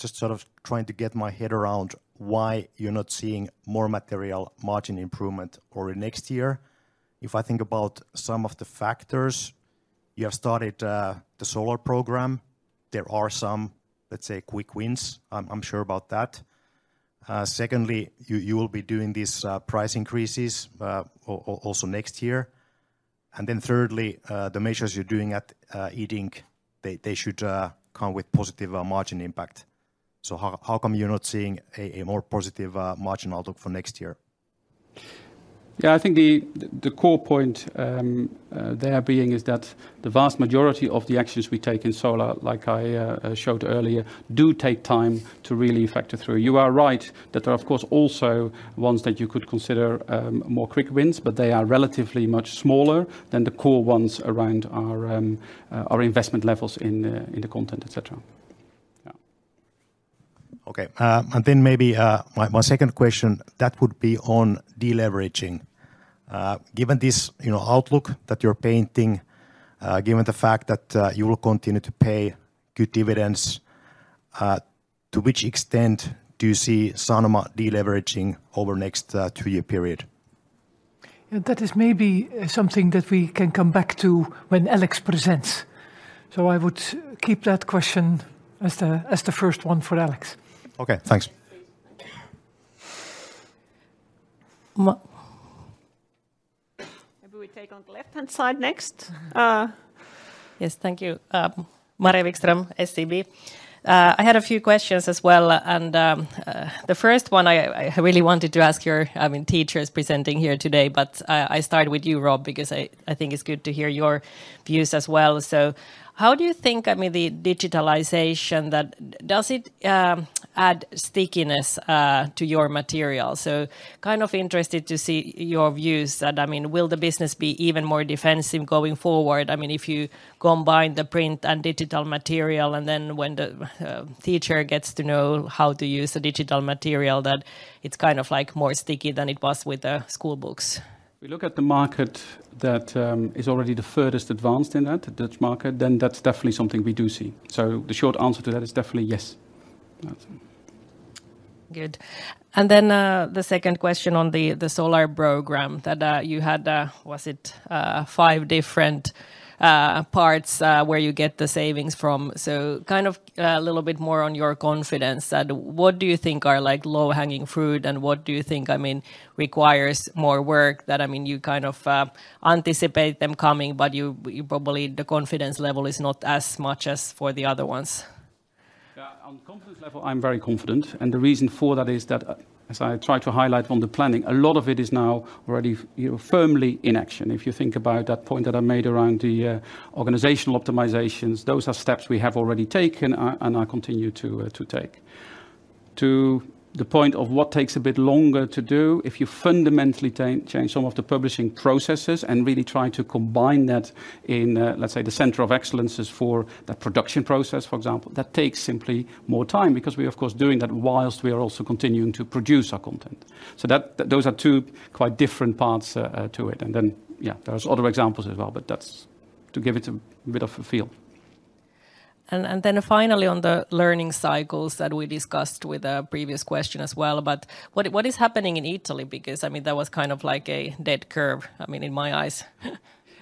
just sort of trying to get my head around why you're not seeing more material margin improvement over next year. If I think about some of the factors, you have started the Solar program. There are some, let's say, quick wins. I'm sure about that. Secondly, you will be doing these price increases also next year. And then thirdly, the measures you're doing at Iddink, they should come with positive margin impact. So how come you're not seeing a more positive margin outlook for next year? Yeah, I think the core point there being is that the vast majority of the actions we take in Solar, like I showed earlier, do take time to really factor through. You are right that there are, of course, also ones that you could consider more quick wins, but they are relatively much smaller than the core ones around our investment levels in the content, et cetera. Yeah. Okay, and then maybe my second question, that would be on deleveraging. Given this, you know, outlook that you're painting, given the fact that you will continue to pay good dividends, to which extent do you see Sanoma deleveraging over next two-year period? That is maybe something that we can come back to when Alex presents. I would keep that question as the first one for Alex. Okay, thanks. Please. Maybe we take on the left-hand side next. Yes, thank you. Maria Wikström, SEB. I had a few questions as well, and the first one I really wanted to ask your teachers presenting here today, but I start with you, Rob, because I think it's good to hear your views as well. So how do you think the digitalization adds stickiness to your material? So kind of interested to see your views. And I mean, will the business be even more defensive going forward? I mean, if you combine the print and digital material, and then when the teacher gets to know how to use the digital material, that it's kind of like more sticky than it was with the school books. We look at the market that is already the furthest advanced in that, the Dutch market, then that's definitely something we do see. So the short answer to that is definitely yes. That's- ... Good. And then, the second question on the, the Program Solar that, you had, was it, five different, parts, where you get the savings from? So kind of, a little bit more on your confidence that what do you think are like low-hanging fruit, and what do you think, I mean, requires more work that, I mean, you kind of, anticipate them coming, but you, you probably the confidence level is not as much as for the other ones? Yeah, on confidence level, I'm very confident, and the reason for that is that, as I tried to highlight on the planning, a lot of it is now already, you know, firmly in action. If you think about that point that I made around the organizational optimizations, those are steps we have already taken and are continue to to take. To the point of what takes a bit longer to do, if you fundamentally change some of the publishing processes and really try to combine that in, let's say, the center of excellences for the production process, for example, that takes simply more time, because we of course doing that while we are also continuing to produce our content. So those are two quite different parts to it. Then, yeah, there's other examples as well, but that's to give it a bit of a feel. Then finally, on the Learning cycles that we discussed with a previous question as well, but what is happening in Italy? Because, I mean, that was kind of like a dead curve, I mean, in my eyes.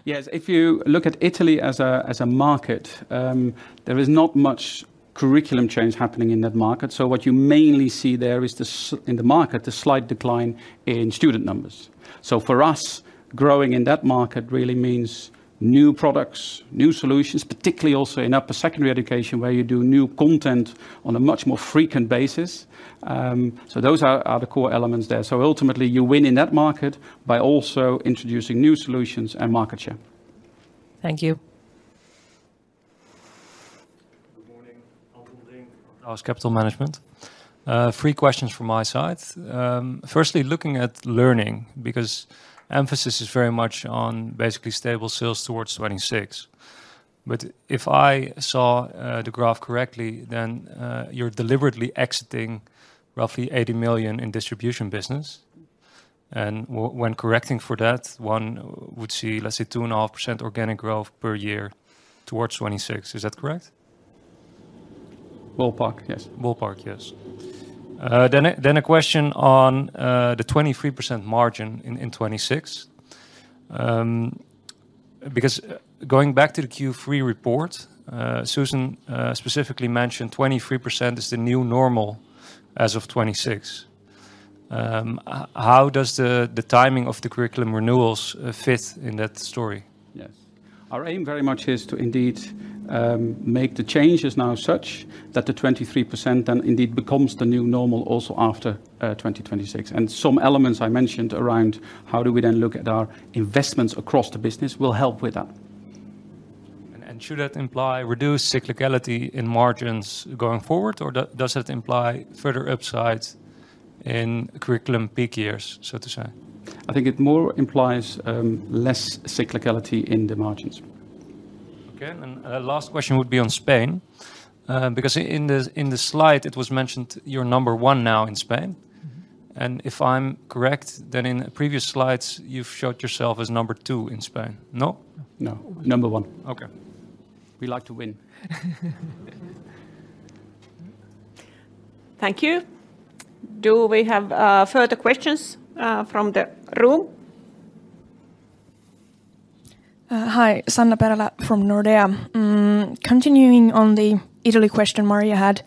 Yes, if you look at Italy as a market, there is not much curriculum change happening in that market. So what you mainly see there is in the market a slight decline in student numbers. So for us, growing in that market really means new products, new solutions, particularly also in upper secondary education, where you do new content on a much more frequent basis. So those are the core elements there. So ultimately, you win in that market by also introducing new solutions and market share. Thank you. Good morning. Anton Brink of Antaurus Capital Management. Three questions from my side. Firstly, looking at Learning, because emphasis is very much on basically stable sales towards 2026. But if I saw the graph correctly, then you're deliberately exiting roughly 80 million in distribution business. And when correcting for that, one would see, let's say, 2.5% organic growth per year towards 2026. Is that correct? Ballpark, yes. Ballpark, yes. Then a question on the 23% margin in 2026. Because going back to the Q3 report, Susan specifically mentioned 23% is the new normal as of 2026. How does the timing of the curriculum renewals fit in that story? Yes. Our aim very much is to indeed make the changes now such that the 23% then indeed becomes the new normal also after 2026. And some elements I mentioned around how do we then look at our investments across the business will help with that. Should that imply reduced cyclicality in margins going forward, or does it imply further upsides in curriculum peak years, so to say? I think it more implies, less cyclicality in the margins. Okay, and the last question would be on Spain. Because in the slide, it was mentioned you're number one now in Spain. Mm-hmm. If I'm correct, then in previous slides, you've showed yourself as number two in Spain. No? No. Number 1. Okay. We like to win. Thank you. Do we have further questions from the room? Hi, Sanna Perälä from Nordea. Continuing on the Italy question Maria had,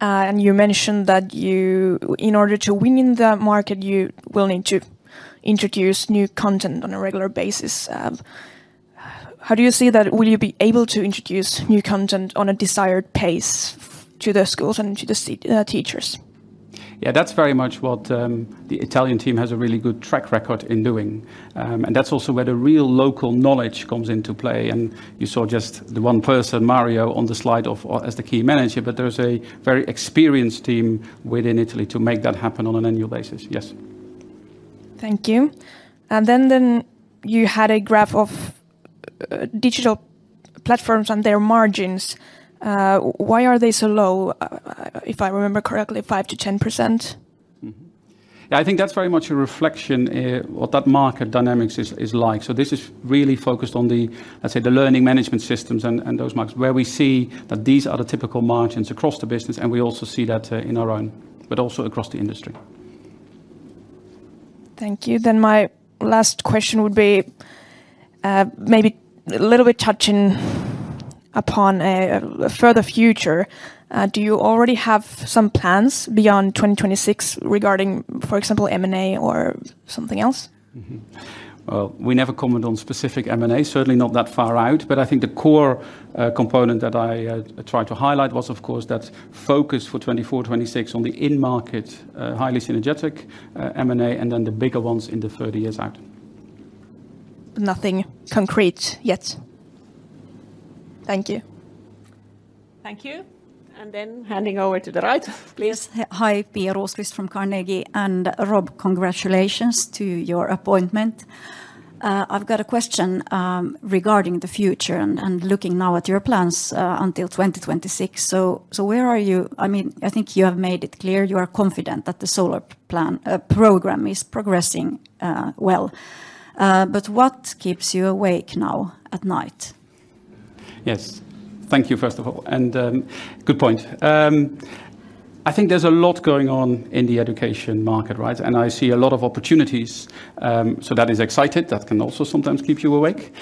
and you mentioned that you... in order to win in the market, you will need to introduce new content on a regular basis. How do you see that? Will you be able to introduce new content on a desired pace to the schools and to the teachers? Yeah, that's very much what the Italian team has a really good track record in doing. And that's also where the real local knowledge comes into play, and you saw just the one person, Mario, on the slide of as the key manager, but there's a very experienced team within Italy to make that happen on an annual basis. Yes. Thank you. Then you had a graph of digital platforms and their margins. Why are they so low? If I remember correctly, 5%-10%. Mm-hmm. Yeah, I think that's very much a reflection, what that market dynamics is, is like. So this is really focused on the, let's say, the learning management systems and, and those markets, where we see that these are the typical margins across the business, and we also see that, in our own, but also across the industry. Thank you. My last question would be, maybe a little bit touching upon a further future. Do you already have some plans beyond 2026 regarding, for example, M&A or something else? Mm-hmm. Well, we never comment on specific M&A, certainly not that far out. But I think the core component that I tried to highlight was, of course, that focus for 2024, 2026 on the in-market, highly synergetic, M&A, and then the bigger ones in the 30 years out. Nothing concrete yet? Thank you. Thank you. And then handing over to the right, please. Yes. Hi, Pia Rosqvist from Carnegie. And Rob, congratulations to your appointment. I've got a question regarding the future and looking now at your plans until 2026. So, so where are you—I mean, I think you have made it clear you are confident that the Solar program is progressing well. But what keeps you awake now at night? ... Yes. Thank you, first of all, and, good point. I think there's a lot going on in the education market, right? And I see a lot of opportunities, so that is excited. That can also sometimes keep you awake.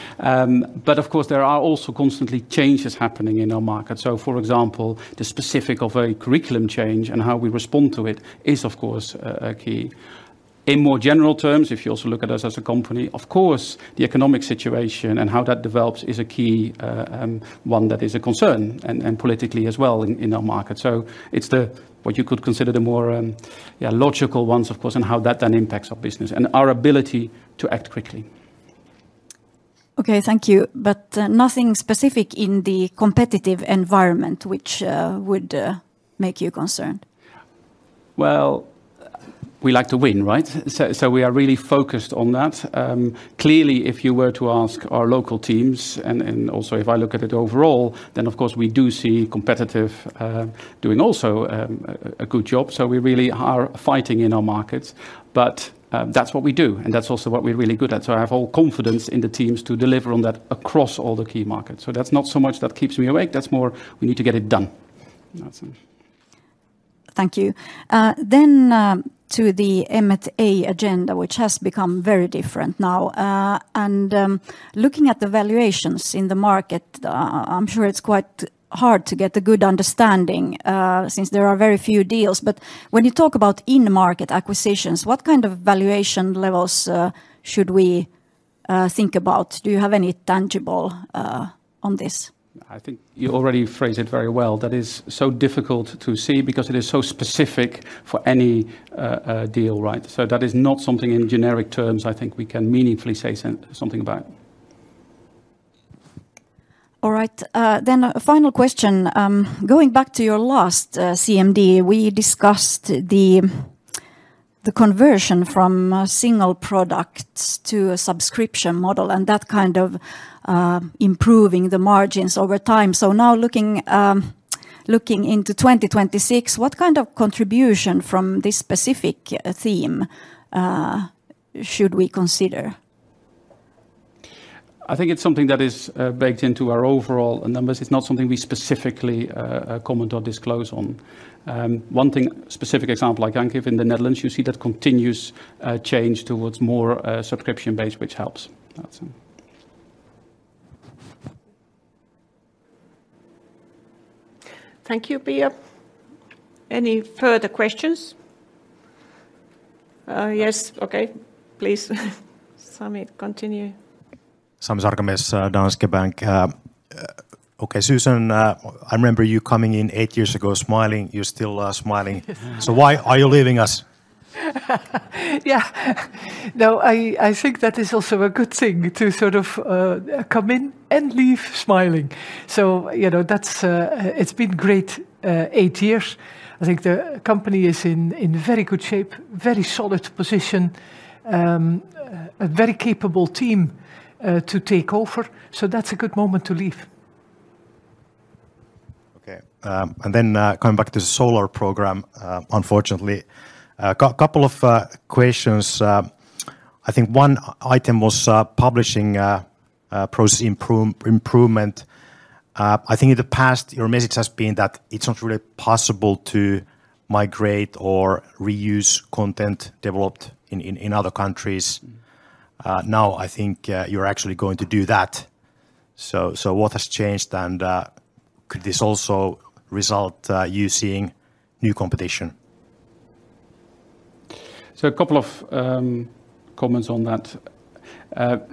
But of course, there are also constantly changes happening in our market. So for example, the specific of a curriculum change and how we respond to it is, of course, a key. In more general terms, if you also look at us as a company, of course, the economic situation and how that develops is a key, one that is a concern, and, and politically as well in, in our market. So it's the, what you could consider the more, yeah, logical ones, of course, and how that then impacts our business and our ability to act quickly. Okay, thank you. But, nothing specific in the competitive environment which would make you concerned? Well, we like to win, right? So we are really focused on that. Clearly, if you were to ask our local teams, and also if I look at it overall, then, of course, we do see competitive doing also a good job. So we really are fighting in our markets. But that's what we do, and that's also what we're really good at. So I have all confidence in the teams to deliver on that across all the key markets. So that's not so much that keeps me awake, that's more we need to get it done. That's it. Thank you. Then to the M&A agenda, which has become very different now. And looking at the valuations in the market, I'm sure it's quite hard to get a good understanding, since there are very few deals. But when you talk about in-market acquisitions, what kind of valuation levels should we think about? Do you have any tangible on this? I think you already phrased it very well. That is so difficult to see because it is so specific for any deal, right? So that is not something in generic terms I think we can meaningfully say something about. All right. Then a final question. Going back to your last CMD, we discussed the conversion from single products to a subscription model, and that kind of improving the margins over time. So now, looking into 2026, what kind of contribution from this specific theme should we consider? I think it's something that is baked into our overall numbers. It's not something we specifically comment or disclose on. One thing, specific example I can give, in the Netherlands, you see that continuous change towards more subscription base, which helps. That's it. Thank you, Pia. Any further questions? Yes. Okay, please. Sami, continue. Sami Sarkamies, Danske Bank. Okay, Susan, I remember you coming in eight years ago, smiling. You're still smiling. So why are you leaving us? Yeah. No, I think that is also a good thing to sort of come in and leave smiling. So, you know, that's... It's been great eight years. I think the company is in very good shape, very solid position, a very capable team to take over, so that's a good moment to leave. Okay. And then, coming back to the Solar program, unfortunately, a couple of questions. I think one item was publishing process improvement. I think in the past, your message has been that it's not really possible to migrate or reuse content developed in other countries. Now, I think you're actually going to do that. So, what has changed, and could this also result in you seeing new competition? So a couple of comments on that.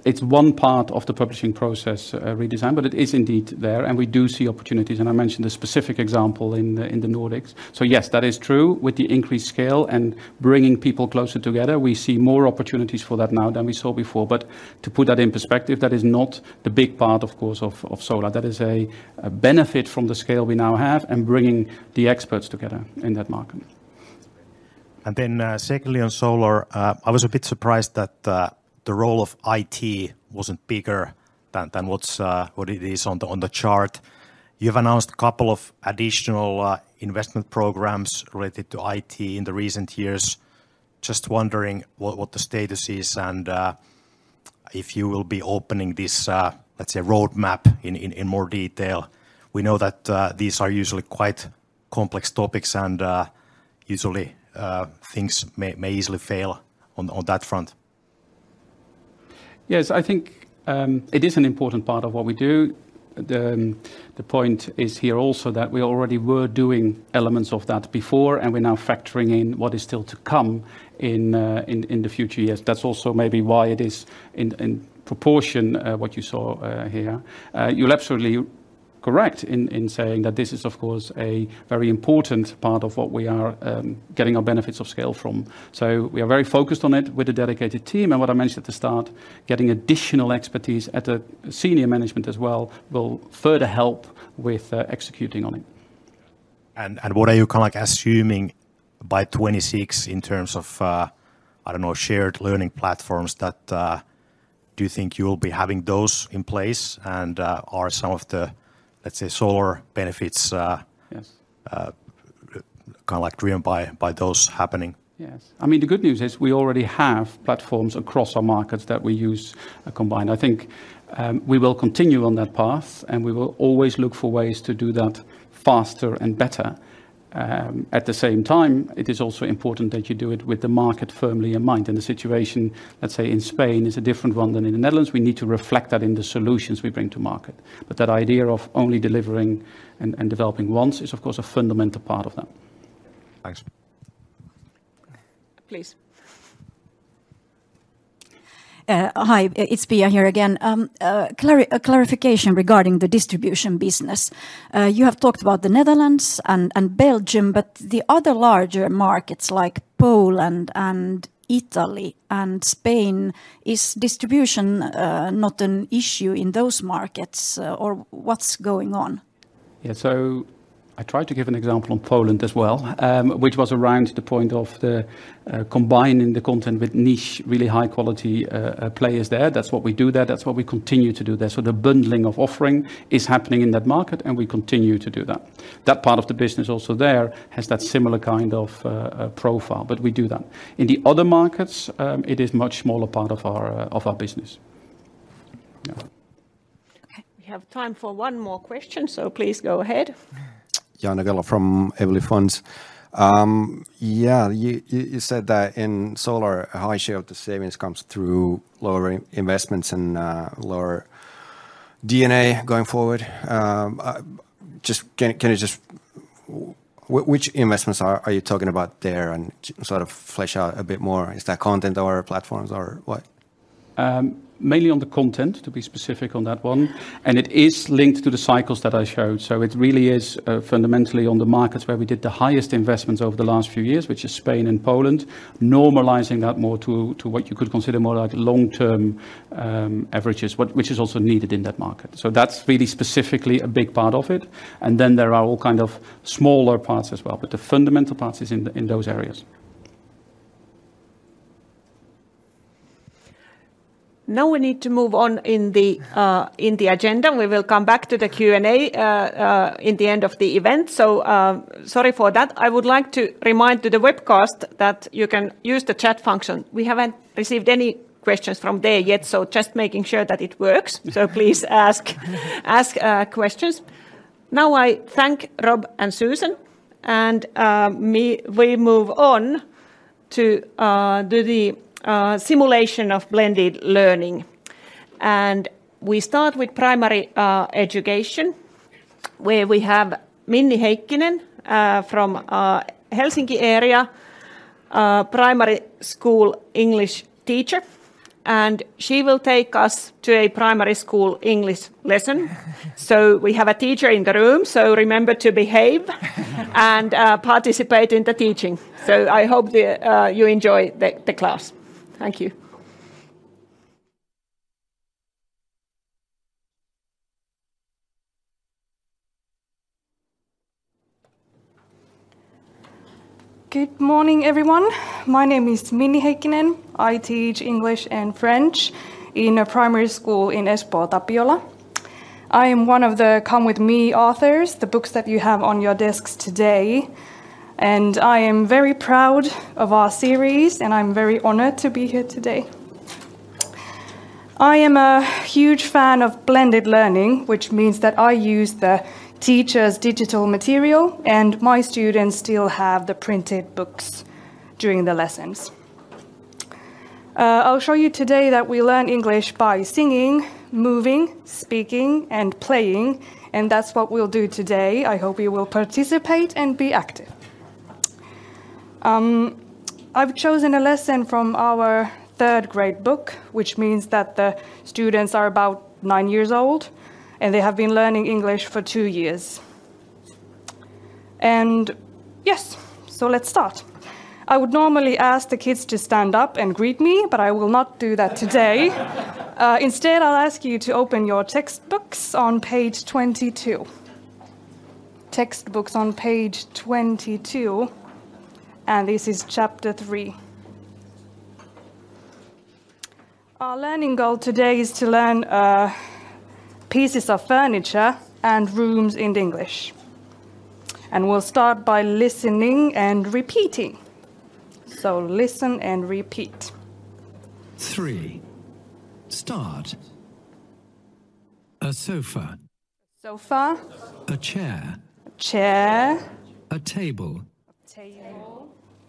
It's one part of the publishing process redesign, but it is indeed there, and we do see opportunities, and I mentioned a specific example in the Nordics. So yes, that is true. With the increased scale and bringing people closer together, we see more opportunities for that now than we saw before. But to put that in perspective, that is not the big part, of course, of Solar. That is a benefit from the scale we now have and bringing the experts together in that market. Then, secondly, on Solar, I was a bit surprised that the role of IT wasn't bigger than what it is on the chart. You've announced a couple of additional investment programs related to IT in recent years. Just wondering what the status is and if you will be opening this, let's say, roadmap in more detail. We know that these are usually quite complex topics, and usually, things may easily fail on that front. Yes, I think, it is an important part of what we do. The point is here also that we already were doing elements of that before, and we're now factoring in what is still to come in the future years. That's also maybe why it is in proportion what you saw here. You're absolutely correct in saying that this is, of course, a very important part of what we are getting our benefits of scale from. So we are very focused on it with a dedicated team, and what I mentioned at the start, getting additional expertise at the senior management as well, will further help with executing on it. What are you kinda like assuming by 2026 in terms of, I don't know, shared Learning platforms that... Do you think you will be having those in place? And, are some of the, let's say, Solar benefits, Yes... kind of like driven by, by those happening? Yes. I mean, the good news is we already have platforms across our markets that we use combined. I think we will continue on that path, and we will always look for ways to do that faster and better. At the same time, it is also important that you do it with the market firmly in mind. And the situation, let's say, in Spain, is a different one than in the Netherlands. We need to reflect that in the solutions we bring to market. But that idea of only delivering and developing once is, of course, a fundamental part of that. Thanks. Please. Hi, it's Pia here again. A clarification regarding the distribution business. You have talked about the Netherlands and Belgium, but the other larger markets, like Poland and Italy and Spain, is distribution not an issue in those markets, or what's going on? Yeah, so I tried to give an example on Poland as well, which was around the point of the combining the content with niche, really high-quality players there. That's what we do there, that's what we continue to do there. So the bundling of offering is happening in that market, and we continue to do that. That part of the business also there has that similar kind of profile, but we do that. In the other markets, it is much smaller part of our business. Yeah. Okay, we have time for one more question, so please go ahead. [Jan Nagell from Evelyn Funds]. Yeah, you said that in solar, a high share of the savings comes through lower investments and lower D&A going forward. Just... Can you just... Which investments are you talking about there, and sort of flesh out a bit more? Is that content or platforms or what? Mainly on the content, to be specific on that one, and it is linked to the cycles that I showed. So it really is, fundamentally on the markets where we did the highest investments over the last few years, which is Spain and Poland, normalising that more to what you could consider more like long-term averages, which is also needed in that market. So that's really specifically a big part of it, and then there are all kind of smaller parts as well, but the fundamental part is in those areas. Now we need to move on in the agenda. We will come back to the Q&A in the end of the event. So, sorry for that. I would like to remind to the webcast that you can use the chat function. We haven't received any questions from there yet, so just making sure that it works. So please ask questions. Now, I thank Rob and Susan, and we move on to do the simulation of blended learning. And we start with primary education, where we have Minni Heikkinen from Helsinki area, a primary school English teacher, and she will take us to a primary school English lesson. So we have a teacher in the room, so remember to behave and participate in the teaching. So I hope you enjoy the class. Thank you. Good morning, everyone. My name is Minni Heikkinen. I teach English and French in a primary school in Espoo, Tapiola. I am one of the Come With Me authors, the books that you have on your desks today, and I am very proud of our series, and I'm very honored to be here today. I am a huge fan of blended learning, which means that I use the teacher's digital material, and my students still have the printed books during the lessons. I'll show you today that we learn English by singing, moving, speaking, and playing, and that's what we'll do today. I hope you will participate and be active. I've chosen a lesson from our third-grade book, which means that the students are about nine years old, and they have been Learning English for two years. Yes, so let's start. I would normally ask the kids to stand up and greet me, but I will not do that today. Instead, I'll ask you to open your textbooks on page 22.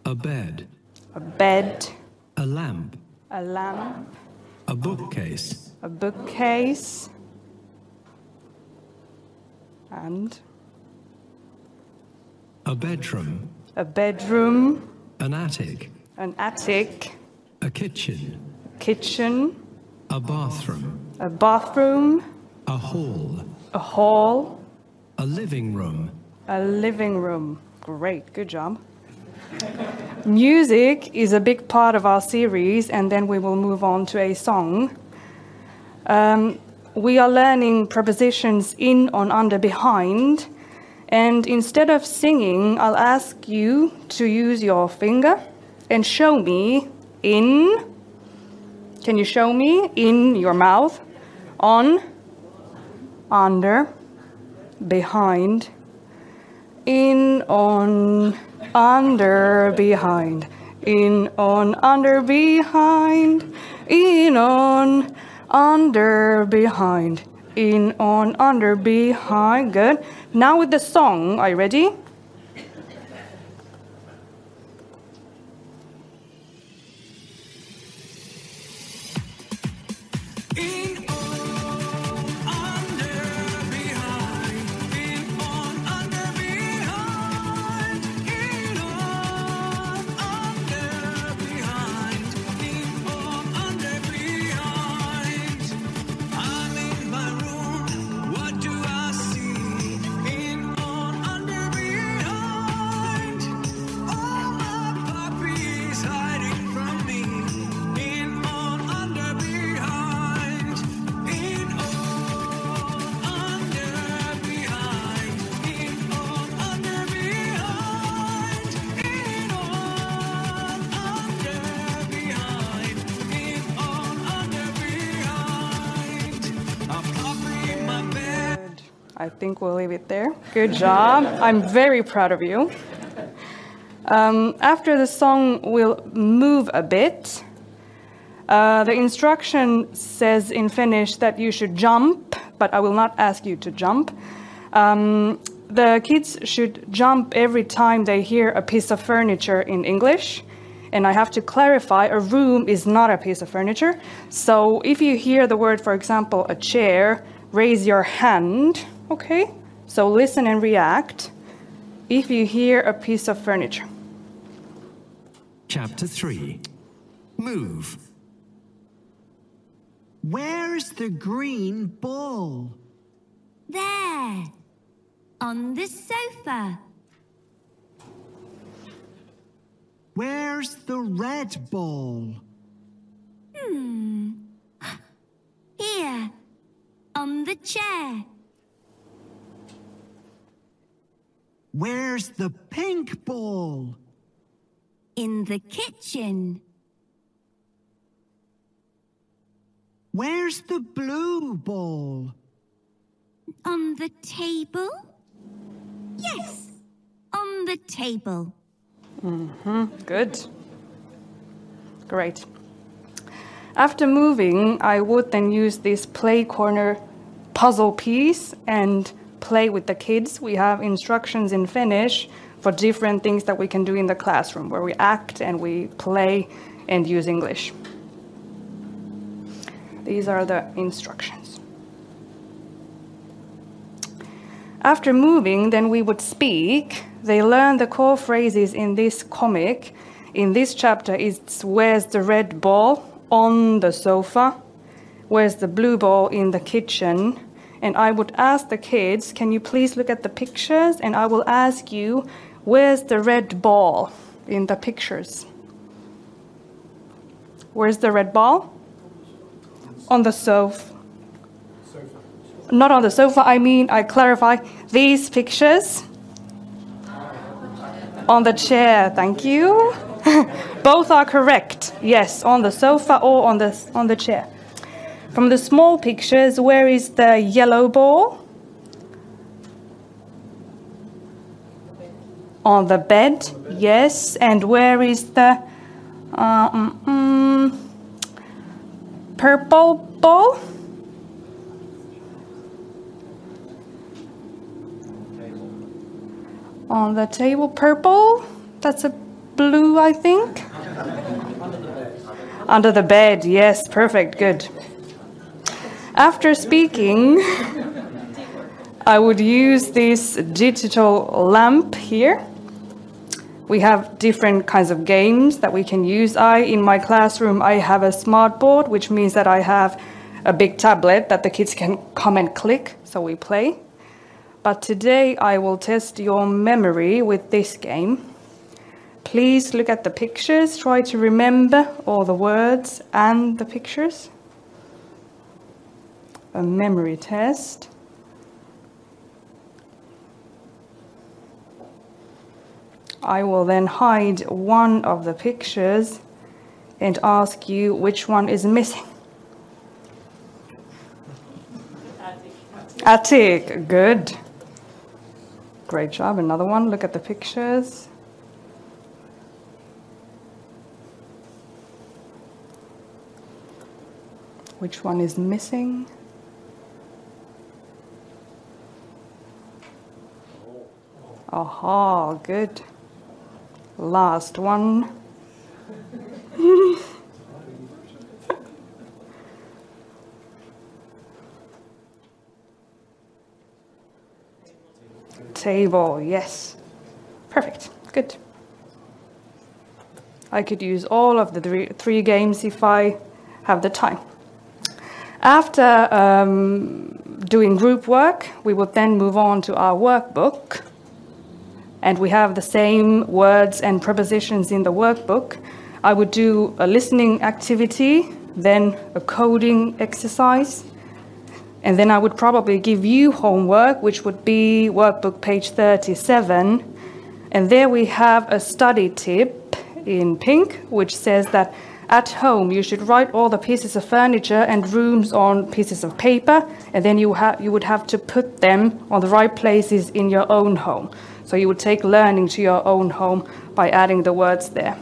A living room. Great, good job! Music is a big part of our series, and then we will move on to a song. We are Learning prepositions: in, on, under, behind. And instead of singing, I'll ask you to use your finger and show me in. Can you show me in your mouth? On.... under, behind, in, on, under, behind. In, on, under, behind. In, on, under, behind. In, on, under, behind. Good. Now with the song. Are you ready? In, on, under, behind. In, on, under, behind. In, on, under, behind. In, on, under, behind. I'm in my room. What do I see? In, on, under, behind. Oh, a puppy is hiding from me. In, on, under, behind. In, on, under, behind. In, on, under, behind. In, on, under, behind. In, on, under, behind. A puppy in my bed. Good. I think we'll leave it there. Good job. I'm very proud of you. After the song, we'll move a bit. The instruction says in Finnish that you should jump, but I will not ask you to jump. The kids should jump every time they hear a piece of furniture in English, and I have to clarify, a room is not a piece of furniture. So if you hear the word, for example, a chair, raise your hand, okay? So listen and react if you hear a piece of furniture. Mm-hmm. Good. Great. After moving, I would then use this play corner puzzle piece and play with the kids. We have instructions in Finnish for different things that we can do in the classroom, where we act and we play and use English. These are the instructions. After moving, then we would speak. They learn the core phrases in this comic. In this chapter, it's: "Where's the red ball?" "On the sofa." "Where's the blue ball?" "In the kitchen." And I would ask the kids, "Can you please look at the pictures? And I will ask you, where's the red ball in the pictures?" Where's the red ball? Under the bed. Yes, perfect. Good. After speaking, I would use this digital lamp here. We have different kinds of games that we can use. I, in my classroom, I have a smart board, which means that I have a big tablet that the kids can come and click, so we play. But today, I will test your memory with this game. Please look at the pictures. Try to remember all the words and the pictures. A memory test. I will then hide one of the pictures and ask you which one is missing. Attic. Attic, good. Great job. Another one. Look at the pictures. Which one is missing? Aha, good. Last one. Table, yes. Perfect. Good. I could use all of the three games if I have the time. After doing group work, we would then move on to our workbook, and we have the same words and prepositions in the workbook. I would do a listening activity, then a coding exercise, and then I would probably give you homework, which would be workbook page 37. And there we have a study tip in pink, which says that at home you should write all the pieces of furniture and rooms on pieces of paper, and then you would have to put them on the right places in your own home. So you would take Learning to your own home by adding the words there.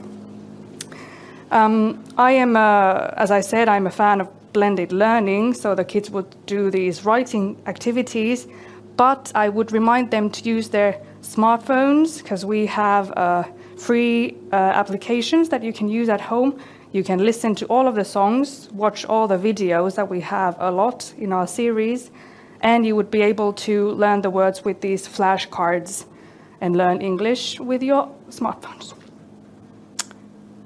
I am, as I said, I'm a fan of blended learning, so the kids would do these writing activities, but I would remind them to use their smartphones, 'cause we have, free, applications that you can use at home. You can listen to all of the songs, watch all the videos that we have a lot in our series, and you would be able to learn the words with these flashcards and learn English with your smartphones.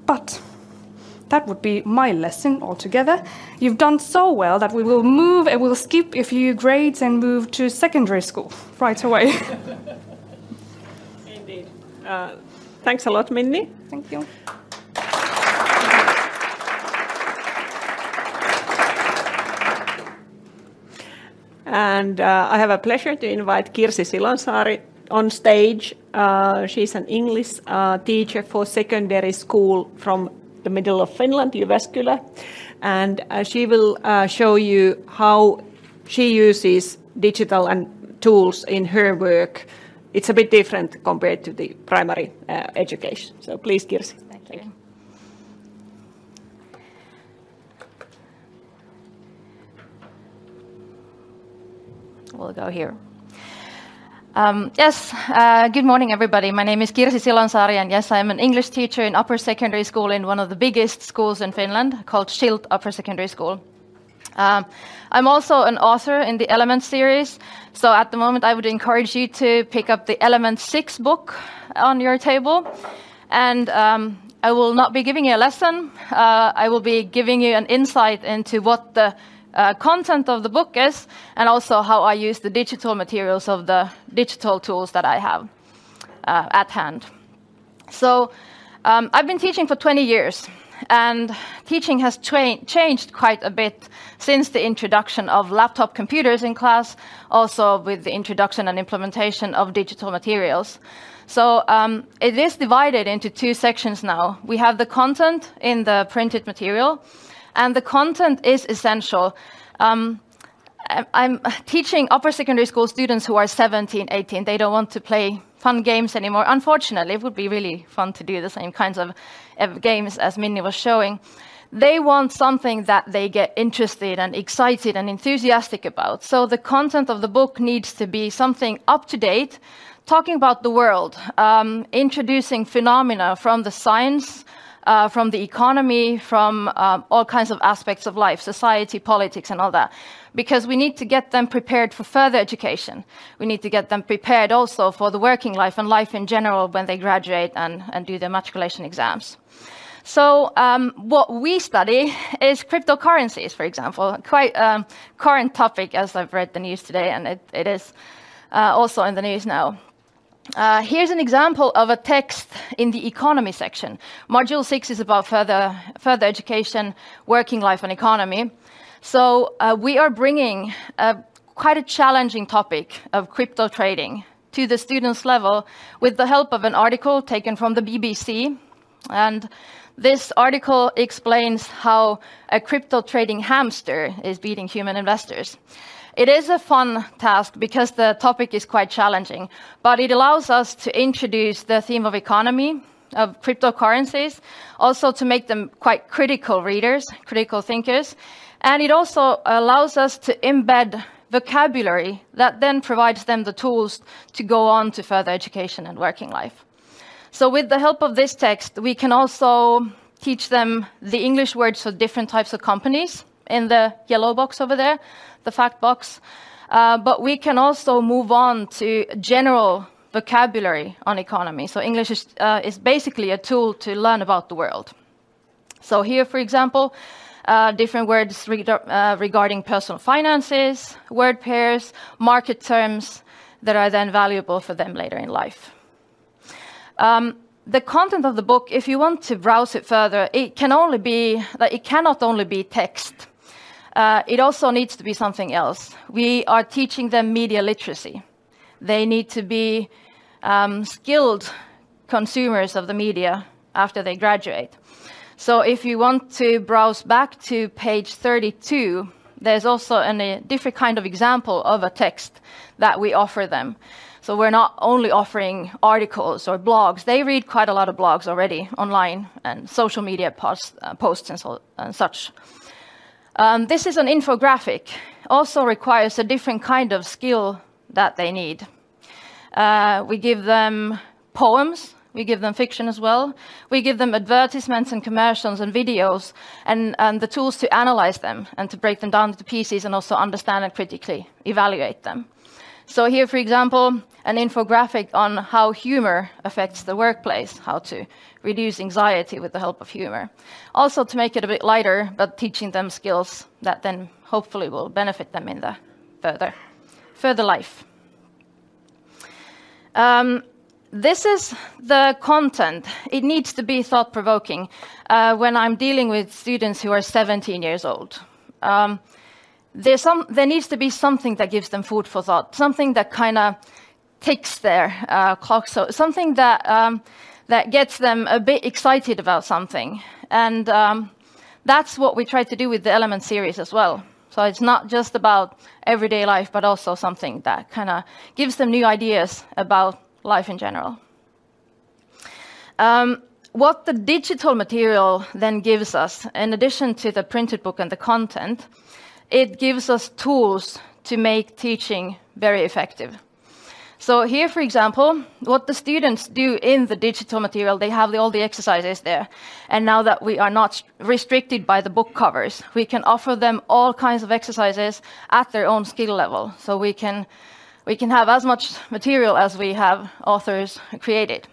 But that would be my lesson altogether. You've done so well that we will move and we'll skip a few grades and move to secondary school right away. Indeed. Thanks a lot, Minni. Thank you. And, I have a pleasure to invite Kirsi Silonsaari on stage. She's an English teacher for secondary school from the middle of Finland, Jyväskylä, and she will show you how she uses digital and tools in her work. It's a bit different compared to the primary education. So please, Kirsi. Thank you. We'll go here. Yes, good morning, everybody. My name is Kirsi Silonsaari, and yes, I'm an English teacher in upper secondary school in one of the biggest schools in Finland called Schildt Upper Secondary School. I'm also an author in the Element series, so at the moment, I would encourage you to pick up the Element 6 book on your table, and I will not be giving you a lesson. I will be giving you an insight into what the content of the book is, and also how I use the digital materials of the digital tools that I have at hand. I've been teaching for 20 years, and teaching has changed quite a bit since the introduction of laptop computers in class, also with the introduction and implementation of digital materials. It is divided into two sections now. We have the content in the printed material, and the content is essential. I'm teaching upper secondary school students who are 17, 18. They don't want to play fun games anymore. Unfortunately, it would be really fun to do the same kinds of, of games as Minni was showing. They want something that they get interested and excited and enthusiastic about. So the content of the book needs to be something up-to-date, talking about the world, introducing phenomena from the science, from the economy, from, all kinds of aspects of life, society, politics, and all that, because we need to get them prepared for further education. We need to get them prepared also for the working life and life in general when they graduate and do their matriculation exams. So, what we study is cryptocurrencies, for example, quite current topic as I've read the news today, and it is also in the news now. Here's an example of a text in the economy section. Module six is about further education, working life, and economy. So, we are bringing quite a challenging topic of crypto trading to the students' level with the help of an article taken from the BBC, and this article explains how a crypto trading hamster is beating human investors. It is a fun task because the topic is quite challenging, but it allows us to introduce the theme of economy, of cryptocurrencies, also to make them quite critical readers, critical thinkers, and it also allows us to embed vocabulary that then provides them the tools to go on to further education and working life. So with the help of this text, we can also teach them the English words for different types of companies in the yellow box over there, the fact box, but we can also move on to general vocabulary on economy. So English is, is basically a tool to learn about the world. So here, for example, different words regarding personal finances, word pairs, market terms that are then valuable for them later in life. The content of the book, if you want to browse it further, it can only be... Like, it cannot only be text, it also needs to be something else. We are teaching them media literacy. They need to be, skilled consumers of the media after they graduate. So if you want to browse back to page 32, there's also a different kind of example of a text that we offer them. So we're not only offering articles or blogs. They read quite a lot of blogs already online, and social media posts and so, and such. This is an infographic, also requires a different kind of skill that they need. We give them poems, we give them fiction as well, we give them advertisements and commercials and videos, and the tools to analyze them and to break them down into pieces, and also understand and critically evaluate them. So here, for example, an infographic on how humor affects the workplace, how to reduce anxiety with the help of humor. Also, to make it a bit lighter, but teaching them skills that then hopefully will benefit them in the further life. This is the content. It needs to be thought-provoking, when I'm dealing with students who are 17 years old. There needs to be something that gives them food for thought, something that kinda ticks their clock. So something that that gets them a bit excited about something, and that's what we try to do with the Element Series as well. So it's not just about everyday life, but also something that kinda gives them new ideas about life in general. What the digital material then gives us, in addition to the printed book and the content, it gives us tools to make teaching very effective. So here, for example, what the students do in the digital material, they have all the exercises there. And now that we are not restricted by the book covers, we can offer them all kinds of exercises at their own skill level. So we can, we can have as much material as we have authors create it.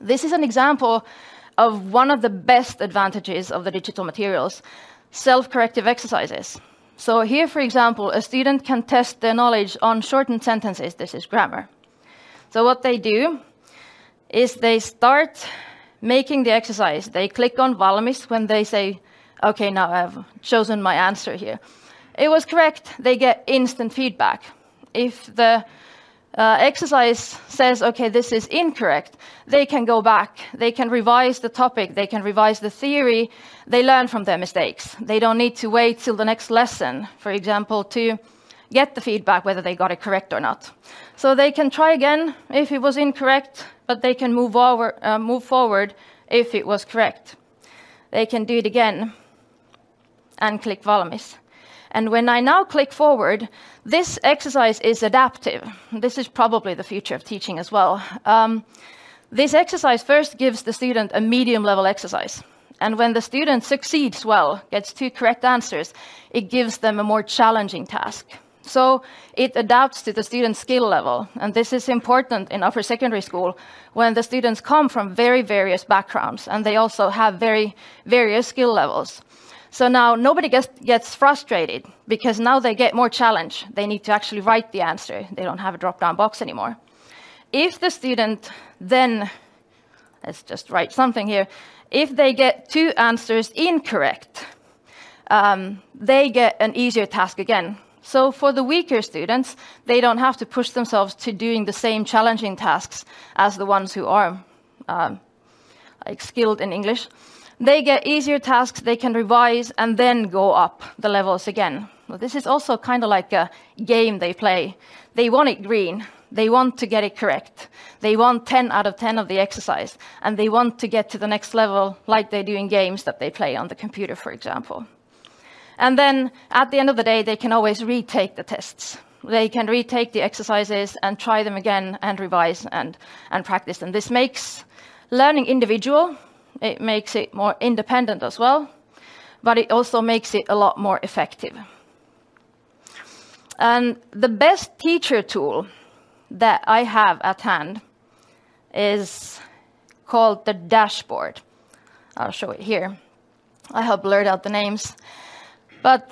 This is an example of one of the best advantages of the digital materials: self-corrective exercises. So here, for example, a student can test their knowledge on shortened sentences. This is grammar. So what they do is they start making the exercise. They click on Valmis when they say, "Okay, now I've chosen my answer here." It was correct, they get instant feedback. If the exercise says, "Okay, this is incorrect," they can go back, they can revise the topic, they can revise the theory. They learn from their mistakes. They don't need to wait till the next lesson, for example, to get the feedback, whether they got it correct or not. So they can try again if it was incorrect, but they can move over, move forward if it was correct. They can do it again and click Valmis. And when I now click forward, this exercise is adaptive. This is probably the future of teaching as well. This exercise first gives the student a medium level exercise, and when the student succeeds well, gets two correct answers, it gives them a more challenging task. So it adapts to the student's skill level, and this is important in upper secondary school when the students come from very various backgrounds, and they also have very various skill levels. So now nobody gets frustrated because now they get more challenge. They need to actually write the answer. They don't have a drop-down box anymore. If the student then, let's just write something here. If they get two answers incorrect, they get an easier task again. So for the weaker students, they don't have to push themselves to doing the same challenging tasks as the ones who are, like, skilled in English. They get easier tasks, they can revise, and then go up the levels again. Well, this is also kind of like a game they play. They want it green. They want to get it correct. They want ten out of ten of the exercise, and they want to get to the next level like they do in games that they play on the computer, for example. And then, at the end of the day, they can always retake the tests. They can retake the exercises and try them again and revise and practice, and this makes Learning individual. It makes it more independent as well, but it also makes it a lot more effective. The best teacher tool that I have at hand is called the Dashboard. I'll show it here. I have blurred out the names, but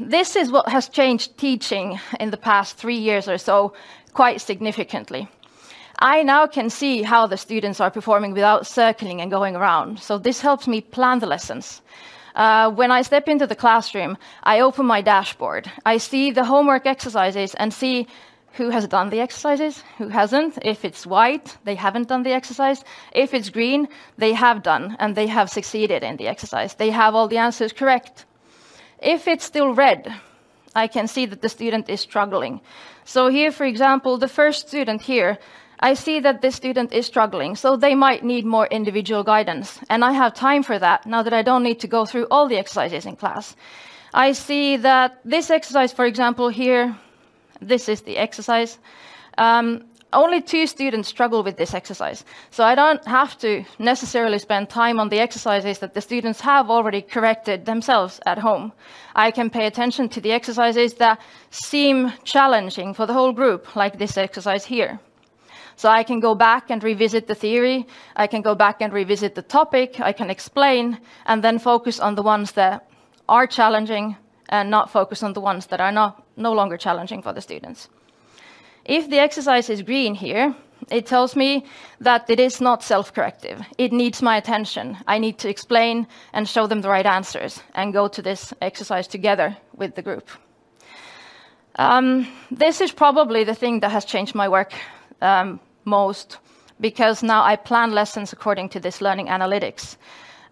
this is what has changed teaching in the past three years or so quite significantly. I now can see how the students are performing without circling and going around, so this helps me plan the lessons. When I step into the classroom, I open my dashboard, I see the homework exercises, and see who has done the exercises, who hasn't. If it's white, they haven't done the exercise. If it's green, they have done, and they have succeeded in the exercise. They have all the answers correct. If it's still red, I can see that the student is struggling. So here, for example, the first student here, I see that this student is struggling, so they might need more individual guidance, and I have time for that now that I don't need to go through all the exercises in class. I see that this exercise, for example, here, this is the exercise. Only two students struggle with this exercise, so I don't have to necessarily spend time on the exercises that the students have already corrected themselves at home. I can pay attention to the exercises that seem challenging for the whole group, like this exercise here. So I can go back and revisit the theory, I can go back and revisit the topic, I can explain, and then focus on the ones that are challenging and not, no longer, focus on the ones that are not challenging for the students. If the exercise is green here, it tells me that it is not self-corrective. It needs my attention. I need to explain and show them the right answers and go to this exercise together with the group. This is probably the thing that has changed my work most because now I plan lessons according to this learning analytics,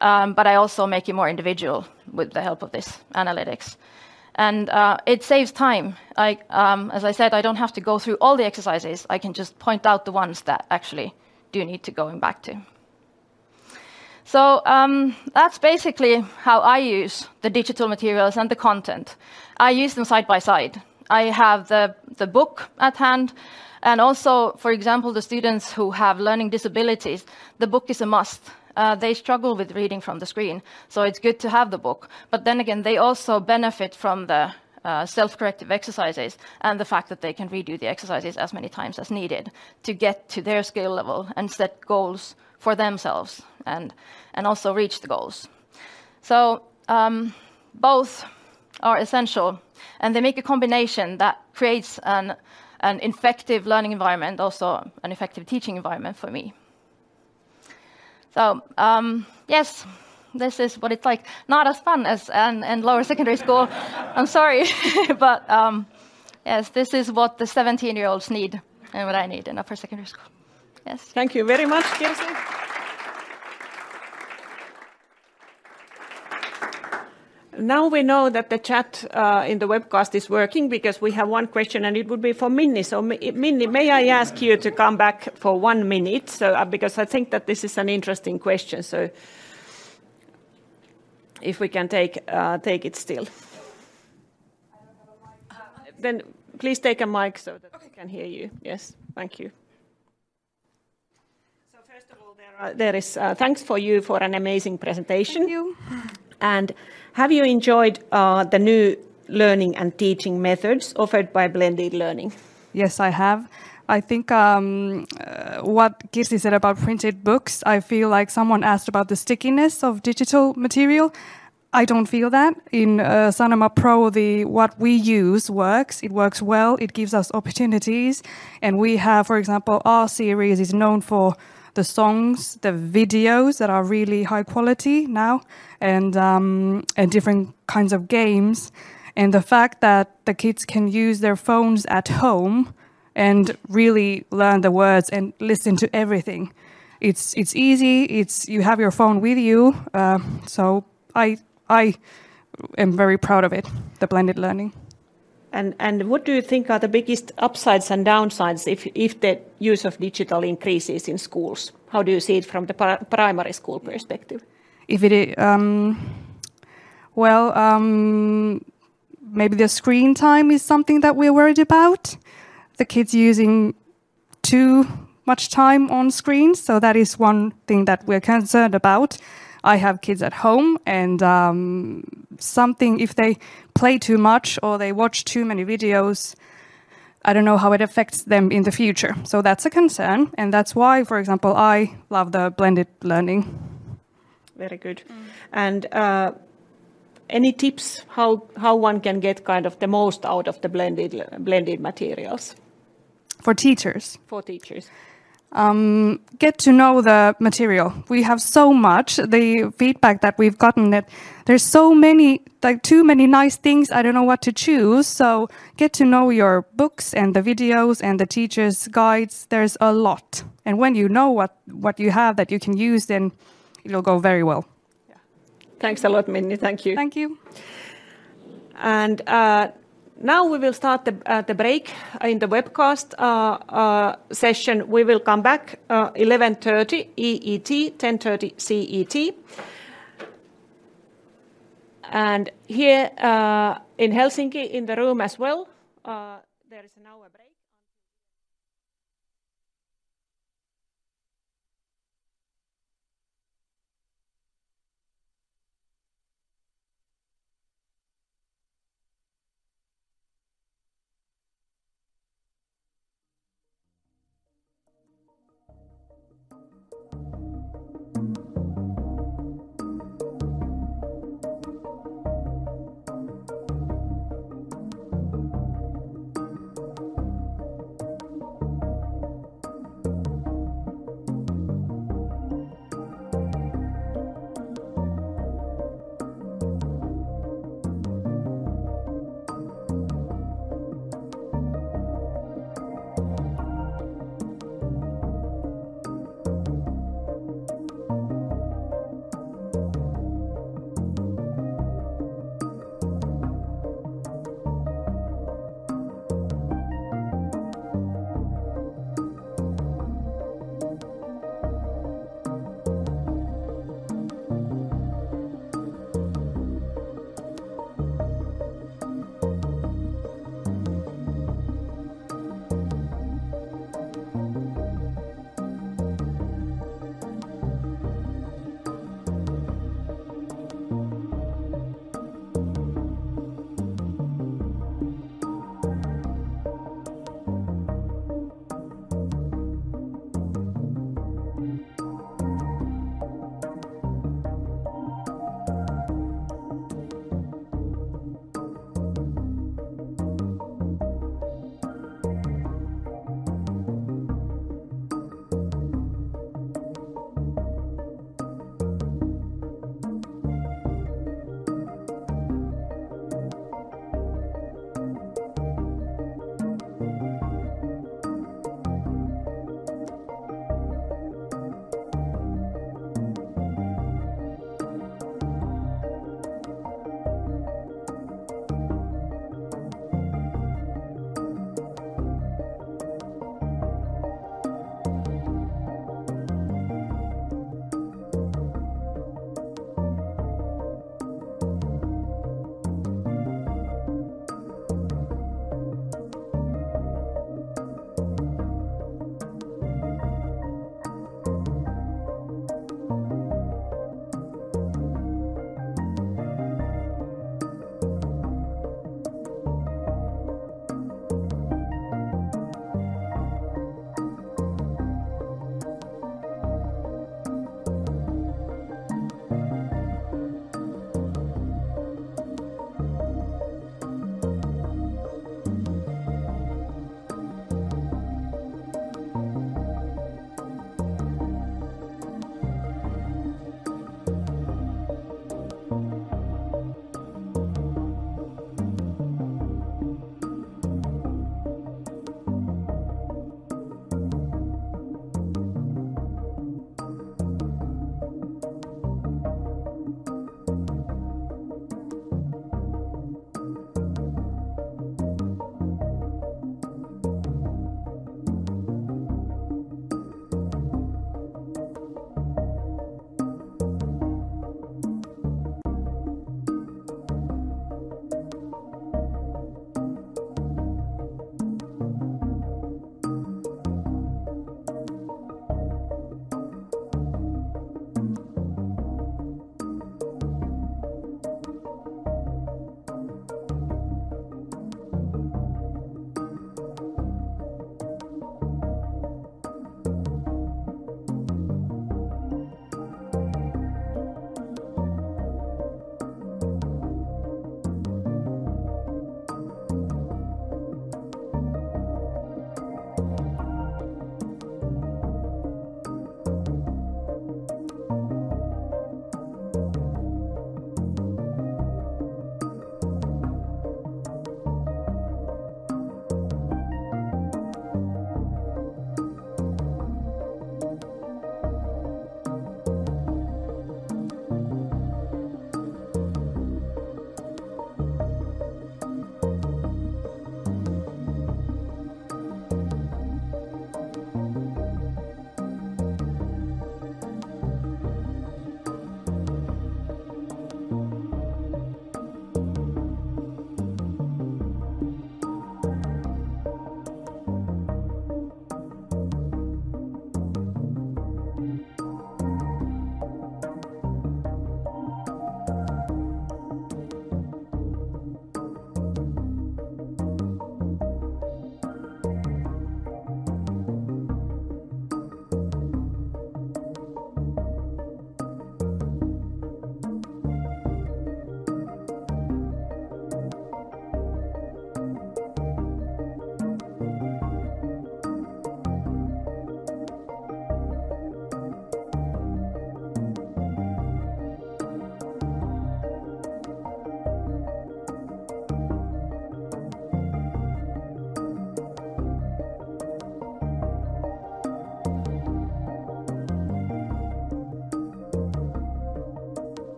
but I also make it more individual with the help of this analytics. It saves time. As I said, I don't have to go through all the exercises. I can just point out the ones that actually do need to going back to. So, that's basically how I use the digital materials and the content. I use them side by side. I have the, the book at hand and also, for example, the students who have learning disabilities, the book is a must. They struggle with reading from the screen, so it's good to have the book. But then again, they also benefit from the, self-corrective exercises and the fact that they can redo the exercises as many times as needed to get to their skill level and set goals for themselves and, and also reach the goals. So, both are essential, and they make a combination that creates an, an effective learning environment, also an effective teaching environment for me. So, yes, this is what it's like. Not as fun as in lower secondary school. I'm sorry, but yes, this is what the 17-year-olds need and what I need in upper secondary school. Yes. Thank you very much, Kirsi. Now we know that the chat in the webcast is working because we have one question, and it would be for Minni. So Minni, may I ask you to come back for one minute? So, because I think that this is an interesting question, so if we can take it still. I don't have a mic. Then please take a mic so that we can hear you. Yes. Thank you. So first of all, there is thanks for you for an amazing presentation. Thank you. And have you enjoyed the new learning and teaching methods offered by blended learning? Yes, I have. I think, what Kirsi said about printed books, I feel like someone asked about the stickiness of digital material. I don't feel that. In Sanoma Pro, what we use works. It works well, it gives us opportunities, and we have, for example, our series is known for the songs, the videos that are really high quality now, and, and different kinds of games, and the fact that the kids can use their phones at home and really learn the words and listen to everything. It's easy, it's you have your phone with you. So I, I am very proud of it, the blended learning. What do you think are the biggest upsides and downsides if, if the use of digital increases in schools? How do you see it from the primary school perspective? If it... Well, maybe the screen time is something that we're worried about, the kids using too much time on screens, so that is one thing that we're concerned about. I have kids at home and, if they play too much or they watch too many videos, I don't know how it affects them in the future. So that's a concern, and that's why, for example, I love the blended learning. Very good. And, any tips how one can get kind of the most out of the blended materials? For teachers? For teachers. Get to know the material. We have so much. The feedback that we've gotten that there's so many, like, too many nice things, I don't know what to choose, so get to know your books and the videos and the teacher's guides. There's a lot, and when you know what you have that you can use, then it'll go very well. Yeah. Thanks a lot, Minni. Thank you. Thank you. Now we will start the break in the webcast session. We will come back 11:30 EET, 10:30 CET. Here, in Helsinki, in the room as well, there is an hour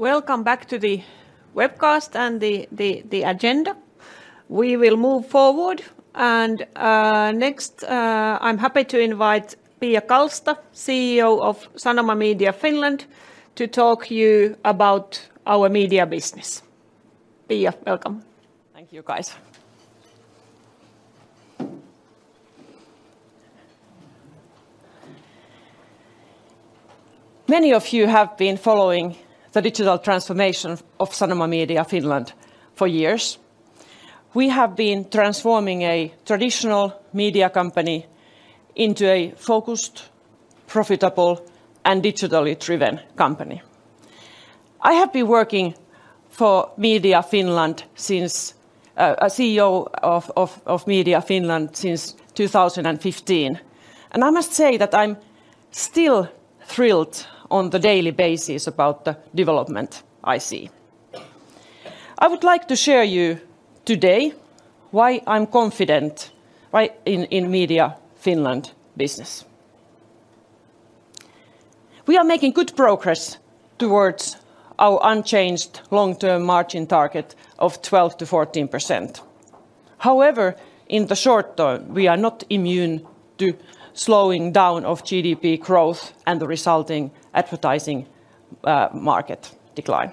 break until Welcome back to the webcast and the agenda. We will move forward, and next, I'm happy to invite Pia Kalsta, CEO of Sanoma Media Finland, to talk you about our media business. Pia, welcome. Thank you, guys. Many of you have been following the digital transformation of Sanoma Media Finland for years. We have been transforming a traditional media company into a focused, profitable, and digitally-driven company. I have been working for Media Finland since a CEO of Media Finland since 2015, and I must say that I'm still thrilled on the daily basis about the development I see. I would like to share you today why I'm confident right in Media Finland business. We are making good progress towards our unchanged long-term margin target of 12%-14%. However, in the short term, we are not immune to slowing down of GDP growth and the resulting advertising market decline...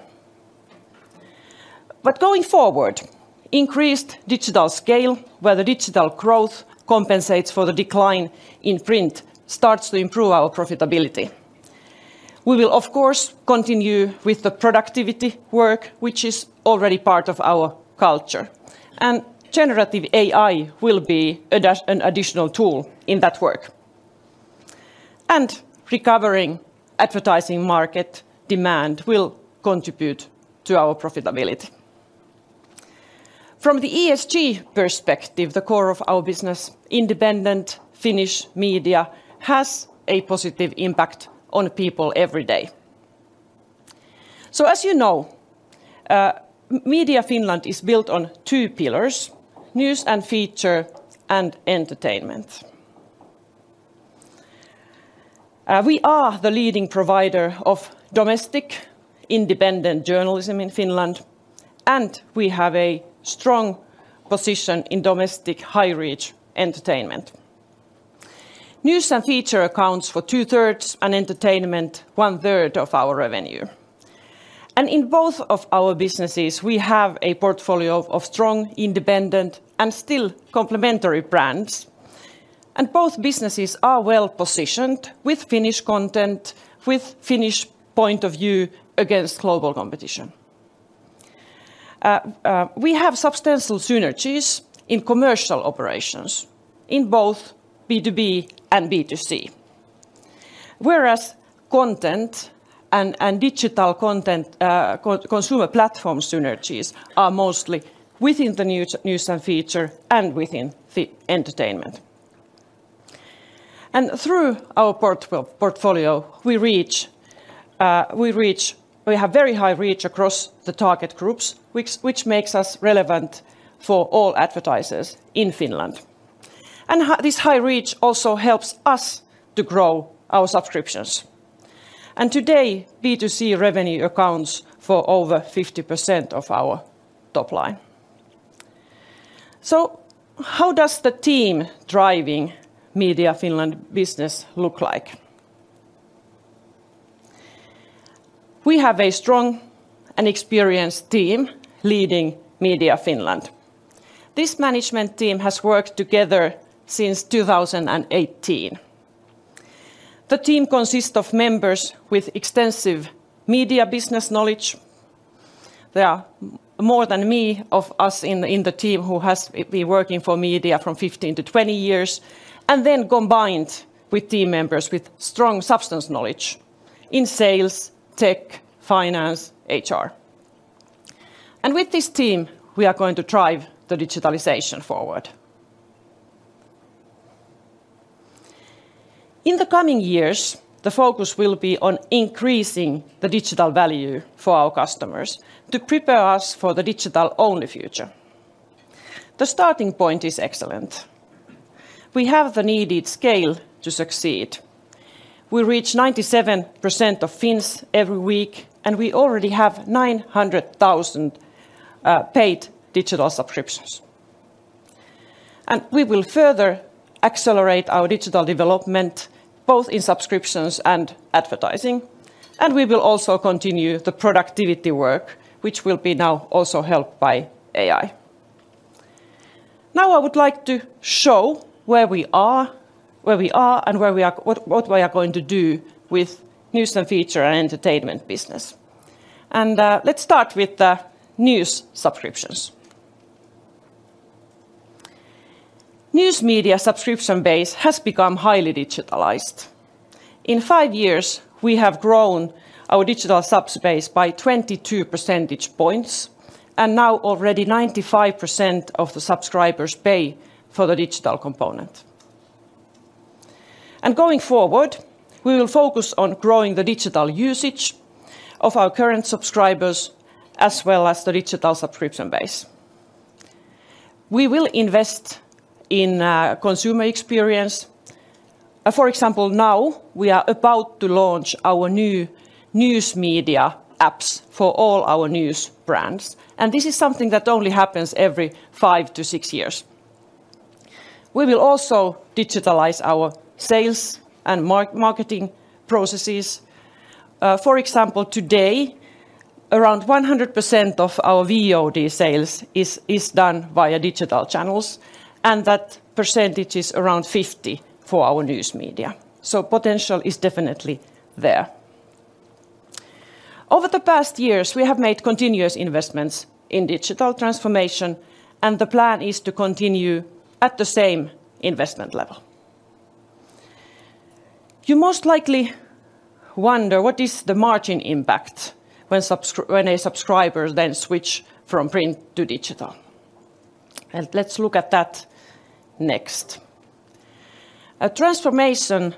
but going forward, increased digital scale, where the digital growth compensates for the decline in print, starts to improve our profitability. We will, of course, continue with the productivity work, which is already part of our culture, and generative AI will be an additional tool in that work. And recovering advertising market demand will contribute to our profitability. From the ESG perspective, the core of our business, independent Finnish media, has a positive impact on people every day. So as you know, Media Finland is built on two pillars: news and feature, and entertainment. We are the leading provider of domestic independent journalism in Finland, and we have a strong position in domestic high-reach entertainment. News and feature accounts for two-thirds, and entertainment one-third of our revenue. And in both of our businesses, we have a portfolio of strong, independent, and still complementary brands, and both businesses are well-positioned with Finnish content, with Finnish point of view against global competition. We have substantial synergies in commercial operations in both B2B and B2C, whereas content and digital content consumer platform synergies are mostly within the news and feature and within the entertainment. And through our portfolio, we reach, we have very high reach across the target groups, which makes us relevant for all advertisers in Finland. And this high reach also helps us to grow our subscriptions. And today, B2C revenue accounts for over 50% of our top line. So how does the team driving Media Finland business look like? We have a strong and experienced team leading Media Finland. This management team has worked together since 2018. The team consists of members with extensive media business knowledge. There are more of us in the team who has been working for media from 15-20 years, and then combined with team members with strong substance knowledge in sales, tech, finance, HR. With this team, we are going to drive the digitalization forward. In the coming years, the focus will be on increasing the digital value for our customers to prepare us for the digital-only future. The starting point is excellent. We have the needed scale to succeed. We reach 97% of Finns every week, and we already have 900,000 paid digital subscriptions. We will further accelerate our digital development, both in subscriptions and advertising, and we will also continue the productivity work, which will now also be helped by AI. Now, I would like to show where we are and what we are going to do with news and feature and entertainment business. Let's start with the news subscriptions. News media subscription base has become highly digitalized. In five years, we have grown our digital subs base by 22 percentage points, and now already 95% of the subscribers pay for the digital component. Going forward, we will focus on growing the digital usage of our current subscribers, as well as the digital subscription base. We will invest in consumer experience. For example, now we are about to launch our new news media apps for all our news brands, and this is something that only happens every five to six years. We will also digitalize our sales and marketing processes. For example, today, around 100% of our VOD sales is done via digital channels, and that percentage is around 50% for our news media. So potential is definitely there. Over the past years, we have made continuous investments in digital transformation, and the plan is to continue at the same investment level. You most likely wonder, what is the margin impact when a subscriber then switch from print to digital? And let's look at that next. A transformation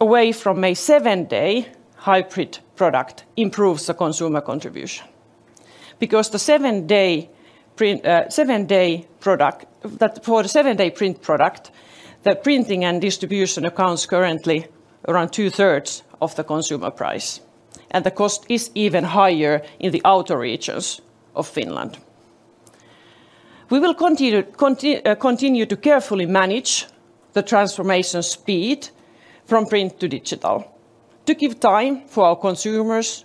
away from a seven-day hybrid product improves the consumer contribution. Because the seven-day print, seven-day product, that for the seven-day print product, the printing and distribution accounts currently around two-thirds of the consumer price, and the cost is even higher in the outer regions of Finland... We will continue to carefully manage the transformation speed from print to digital, to give time for our consumers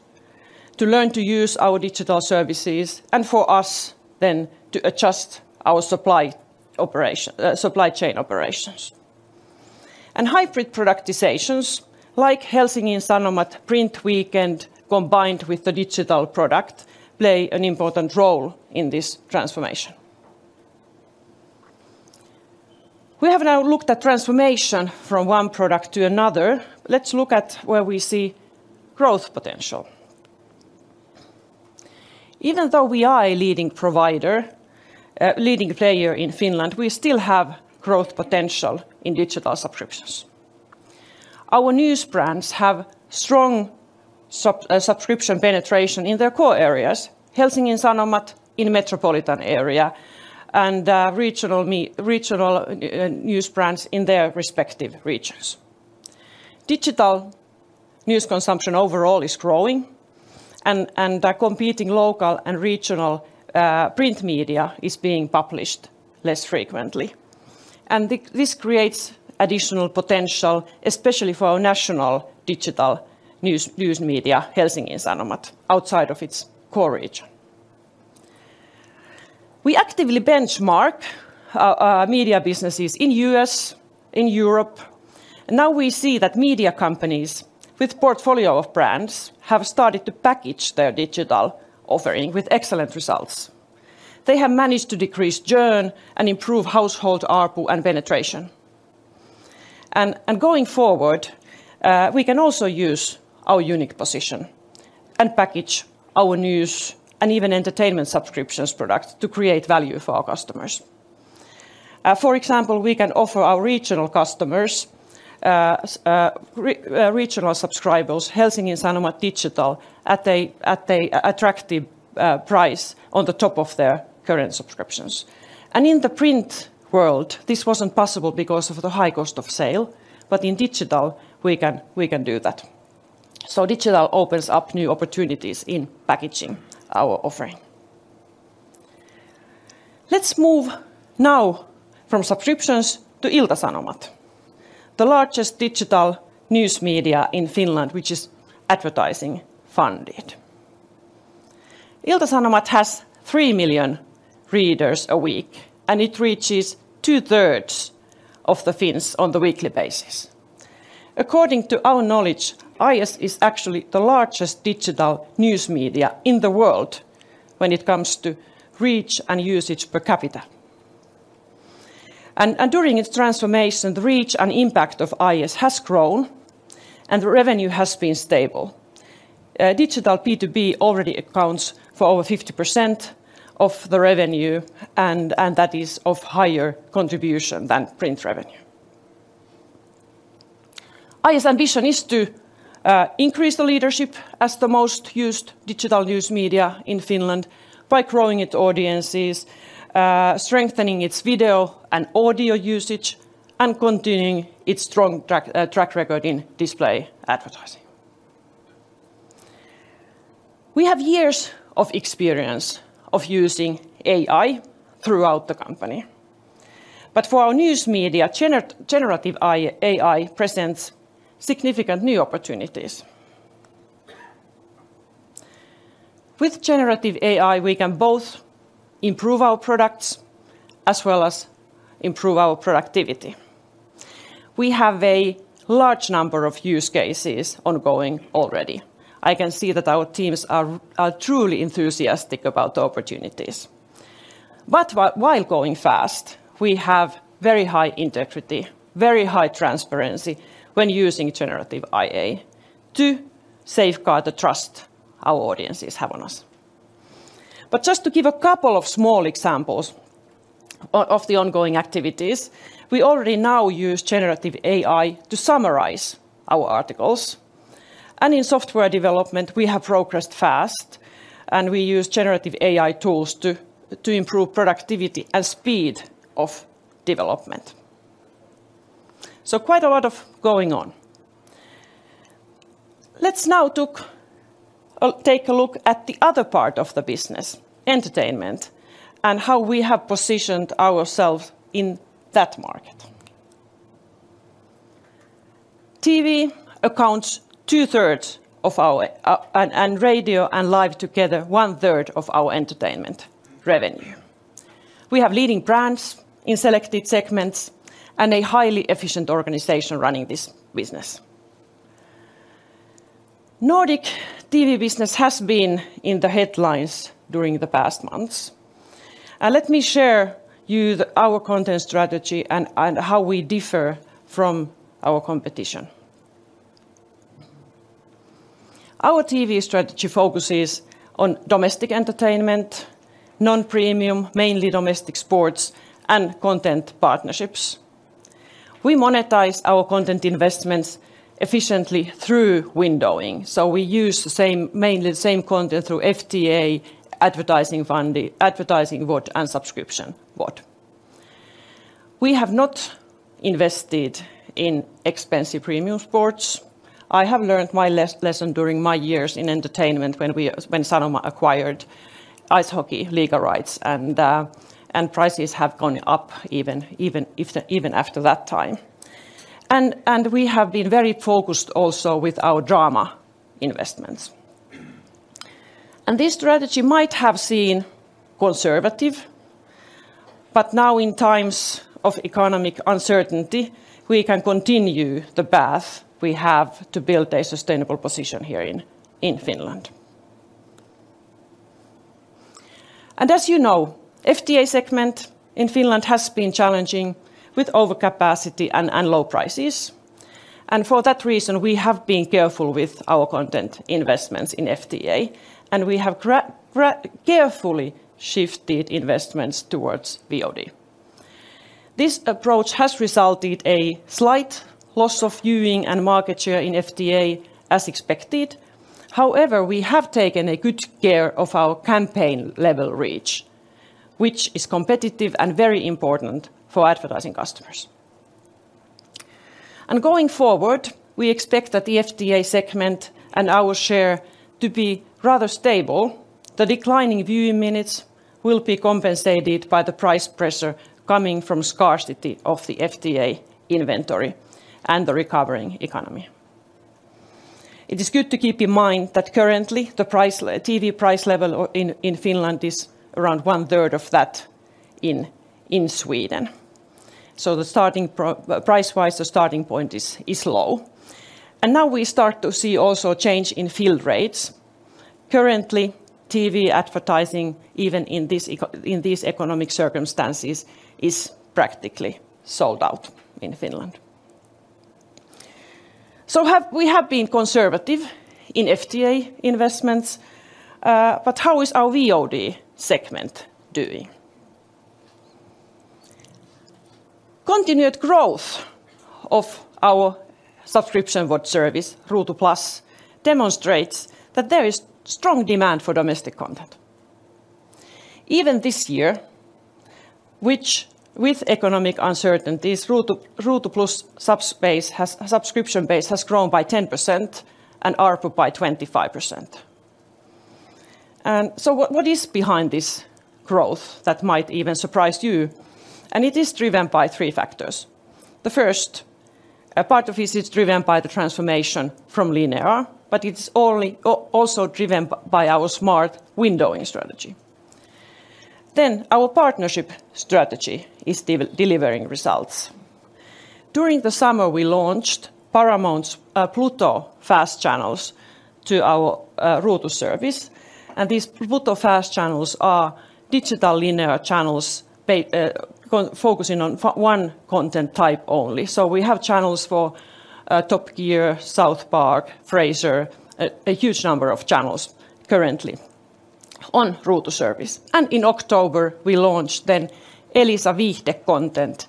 to learn to use our digital services, and for us then to adjust our supply operation, supply chain operations. And hybrid productizations, like Helsingin Sanomat Print Weekend, combined with the digital product, play an important role in this transformation. We have now looked at transformation from one product to another. Let's look at where we see growth potential. Even though we are a leading provider, leading player in Finland, we still have growth potential in digital subscriptions. Our news brands have strong subscription penetration in their core areas: Helsingin Sanomat in metropolitan area, and regional news brands in their respective regions. Digital news consumption overall is growing, and the competing local and regional print media is being published less frequently. This creates additional potential, especially for our national digital news media, Helsingin Sanomat, outside of its core region. We actively benchmark our media businesses in U.S., in Europe, and now we see that media companies with portfolio of brands have started to package their digital offering with excellent results. They have managed to decrease churn and improve household ARPU and penetration. And going forward, we can also use our unique position and package our news and even entertainment subscriptions products to create value for our customers. For example, we can offer our regional customers regional subscribers Helsingin Sanomat digital at an attractive price on the top of their current subscriptions. In the print world, this wasn't possible because of the high cost of sale, but in digital, we can, we can do that. Digital opens up new opportunities in packaging our offering. Let's move now from subscriptions to Ilta-Sanomat, the largest digital news media in Finland, which is advertising-funded. Ilta-Sanomat has 3 million readers a week, and it reaches two-thirds of the Finns on the weekly basis. According to our knowledge, IS is actually the largest digital news media in the world when it comes to reach and usage per capita. And, and during its transformation, the reach and impact of IS has grown, and the revenue has been stable. Digital B2B already accounts for over 50% of the revenue, and, and that is of higher contribution than print revenue. IS ambition is to increase the leadership as the most used digital news media in Finland by growing its audiences, strengthening its video and audio usage, and continuing its strong track record in display advertising. We have years of experience of using AI throughout the company. But for our news media, generative AI presents significant new opportunities. With generative AI, we can both improve our products as well as improve our productivity. We have a large number of use cases ongoing already. I can see that our teams are truly enthusiastic about the opportunities. But while going fast, we have very high integrity, very high transparency when using generative AI to safeguard the trust our audiences have on us. But just to give a couple of small examples of the ongoing activities, we already now use generative AI to summarize our articles, and in software development, we have progressed fast, and we use generative AI tools to improve productivity and speed of development. So quite a lot of going on. Let's now take a look at the other part of the business, entertainment, and how we have positioned ourselves in that market. TV accounts two-thirds of our and radio and live together one-third of our entertainment revenue. We have leading brands in selected segments and a highly efficient organization running this business. Nordic TV business has been in the headlines during the past months. And let me share you the our content strategy and how we differ from our competition. Our TV strategy focuses on domestic entertainment, non-premium, mainly domestic sports, and content partnerships. We monetize our content investments efficiently through windowing, so we use the same, mainly the same content through FTA, advertising funding, advertising VOD, and subscription VOD. We have not invested in expensive premium sports. I have learned my lesson during my years in entertainment when we, when Sanoma acquired ice hockey league rights, and prices have gone up even, even if, even after that time. And we have been very focused also with our drama investments. And this strategy might have seemed conservative, but now in times of economic uncertainty, we can continue the path we have to build a sustainable position here in Finland. And as you know, FTA segment in Finland has been challenging with overcapacity and low prices. And for that reason, we have been careful with our content investments in FTA, and we have carefully shifted investments towards VOD. This approach has resulted in a slight loss of viewing and market share in FTA as expected. However, we have taken good care of our campaign-level reach, which is competitive and very important for advertising customers. Going forward, we expect that the FTA segment and our share to be rather stable. The declining viewing minutes will be compensated by the price pressure coming from scarcity of the FTA inventory and the recovering economy. It is good to keep in mind that currently, the TV price level in Finland is around one third of that in Sweden. So the starting point price-wise is low. Now we start to see also change in field rates. Currently, TV advertising, even in these economic circumstances, is practically sold out in Finland. So we have been conservative in FTA investments, but how is our VOD segment doing? Continued growth of our subscription VOD service, Ruutu+, demonstrates that there is strong demand for domestic content. Even this year, which with economic uncertainties, Ruutu, Ruutu+ subscription base has grown by 10% and ARPU by 25%. And so what is behind this growth that might even surprise you? And it is driven by three factors. The first, a part of this is driven by the transformation from linear, but it's also driven by our smart windowing strategy. Then, our partnership strategy is delivering results. During the summer, we launched Paramount's Pluto FAST channels to our Ruutu service, and these Pluto FAST channels are digital linear channels focusing on one content type only. So we have channels for Top Gear, South Park, Frasier, a huge number of channels currently on Ruutu service. And in October, we launched then Elisa Viihde content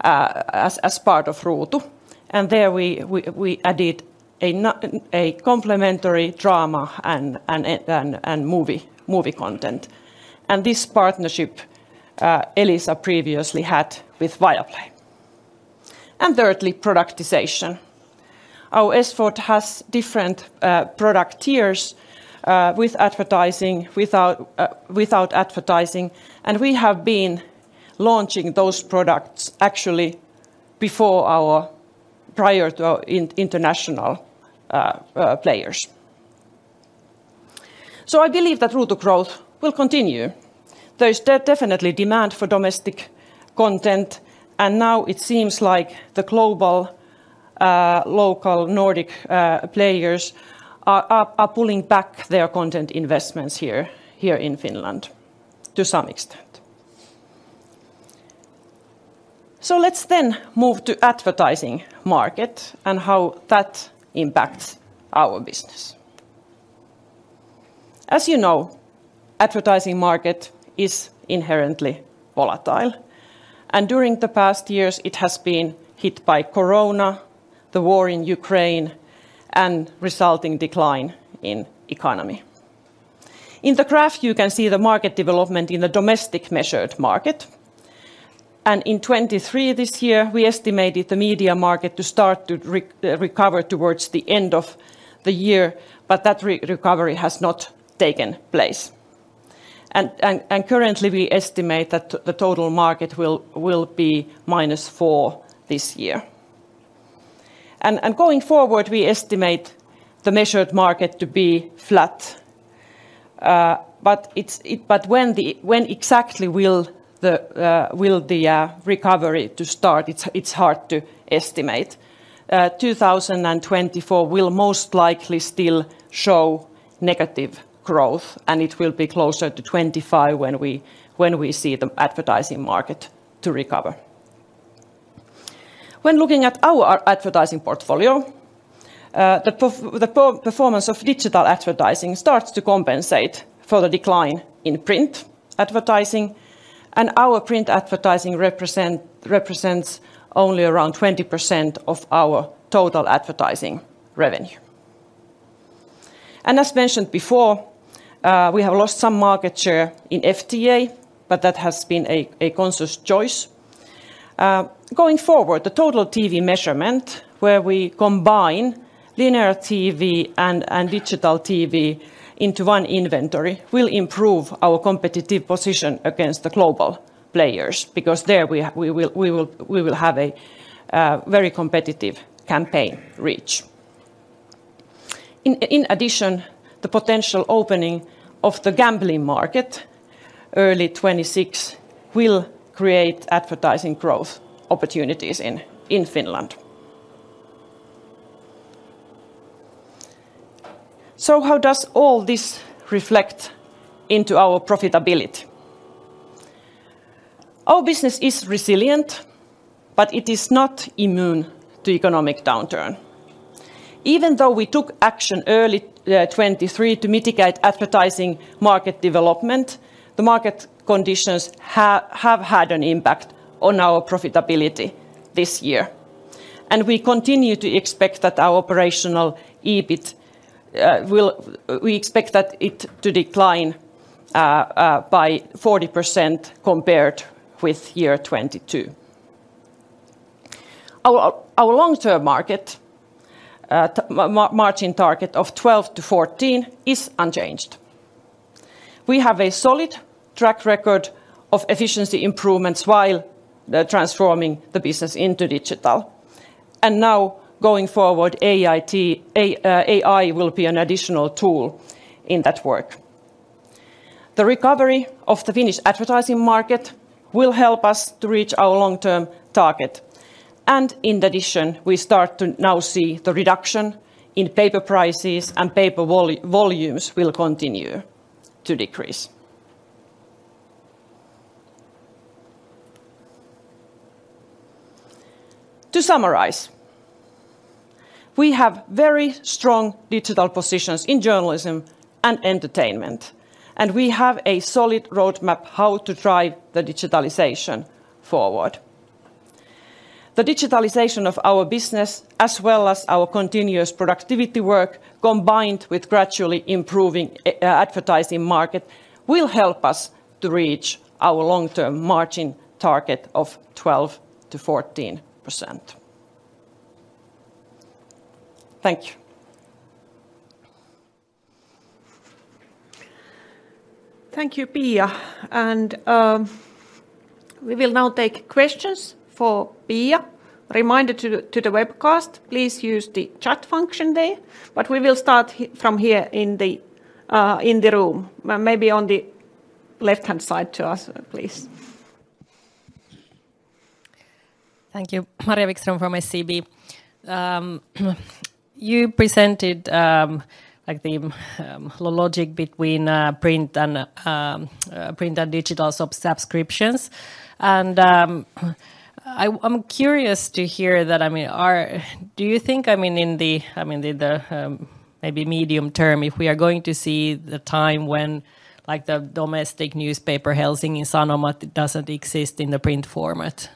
as part of Ruutu, and there we added a complimentary drama and movie content. And this partnership Elisa previously had with Viaplay. And thirdly, productization. Our SVOD has different product tiers with advertising, without advertising, and we have been launching those products actually before our prior to international players. So I believe that Ruutu growth will continue. There is definitely demand for domestic content, and now it seems like the global, local Nordic players are pulling back their content investments here in Finland to some extent. So let's then move to advertising market and how that impacts our business. As you know, advertising market is inherently volatile, and during the past years, it has been hit by Corona, the war in Ukraine, and resulting decline in economy. In the graph, you can see the market development in the domestic measured market, and in 2023, this year, we estimated the media market to start to recover towards the end of the year, but that recovery has not taken place. Currently, we estimate that the total market will be -4% this year. Going forward, we estimate the measured market to be flat, but when exactly will the recovery start? It's hard to estimate. 2024 will most likely still show negative growth, and it will be closer to 25 when we see the advertising market recover. When looking at our advertising portfolio, the performance of digital advertising starts to compensate for the decline in print advertising, and our print advertising represents only around 20% of our total advertising revenue. As mentioned before, we have lost some market share in FTA, but that has been a conscious choice. Going forward, the total TV measurement, where we combine linear TV and digital TV into one inventory, will improve our competitive position against the global players, because there we will have a very competitive campaign reach. In addition, the potential opening of the gambling market early 2026 will create advertising growth opportunities in Finland. So how does all this reflect into our profitability? Our business is resilient, but it is not immune to economic downturn. Even though we took action early 2023 to mitigate advertising market development, the market conditions have had an impact on our profitability this year. And we continue to expect that our operational EBIT, we expect that it to decline by 40% compared with year 2022. Our long-term margin target of 12-14 is unchanged. We have a solid track record of efficiency improvements while transforming the business into digital. And now, going forward, AI will be an additional tool in that work. The recovery of the Finnish advertising market will help us to reach our long-term target, and in addition, we start to now see the reduction in paper prices, and paper volumes will continue to decrease. To summarize, we have very strong digital positions in journalism and entertainment, and we have a solid roadmap how to drive the digitalization forward. The digitalization of our business, as well as our continuous productivity work, combined with gradually improving advertising market, will help us to reach our long-term margin target of 12%-14%. Thank you. Thank you, Pia. And, we will now take questions for Pia. Reminder to the webcast, please use the chat function there, but we will start from here in the room. Maybe on the left-hand side to us, please. Thank you. Maria Wikström from SEB. You presented, like the logic between print and digital subscriptions. I'm curious to hear that... I mean, do you think, I mean, in the medium term, if we are going to see the time when, like, the domestic newspaper Helsingin Sanomat doesn't exist in the print format?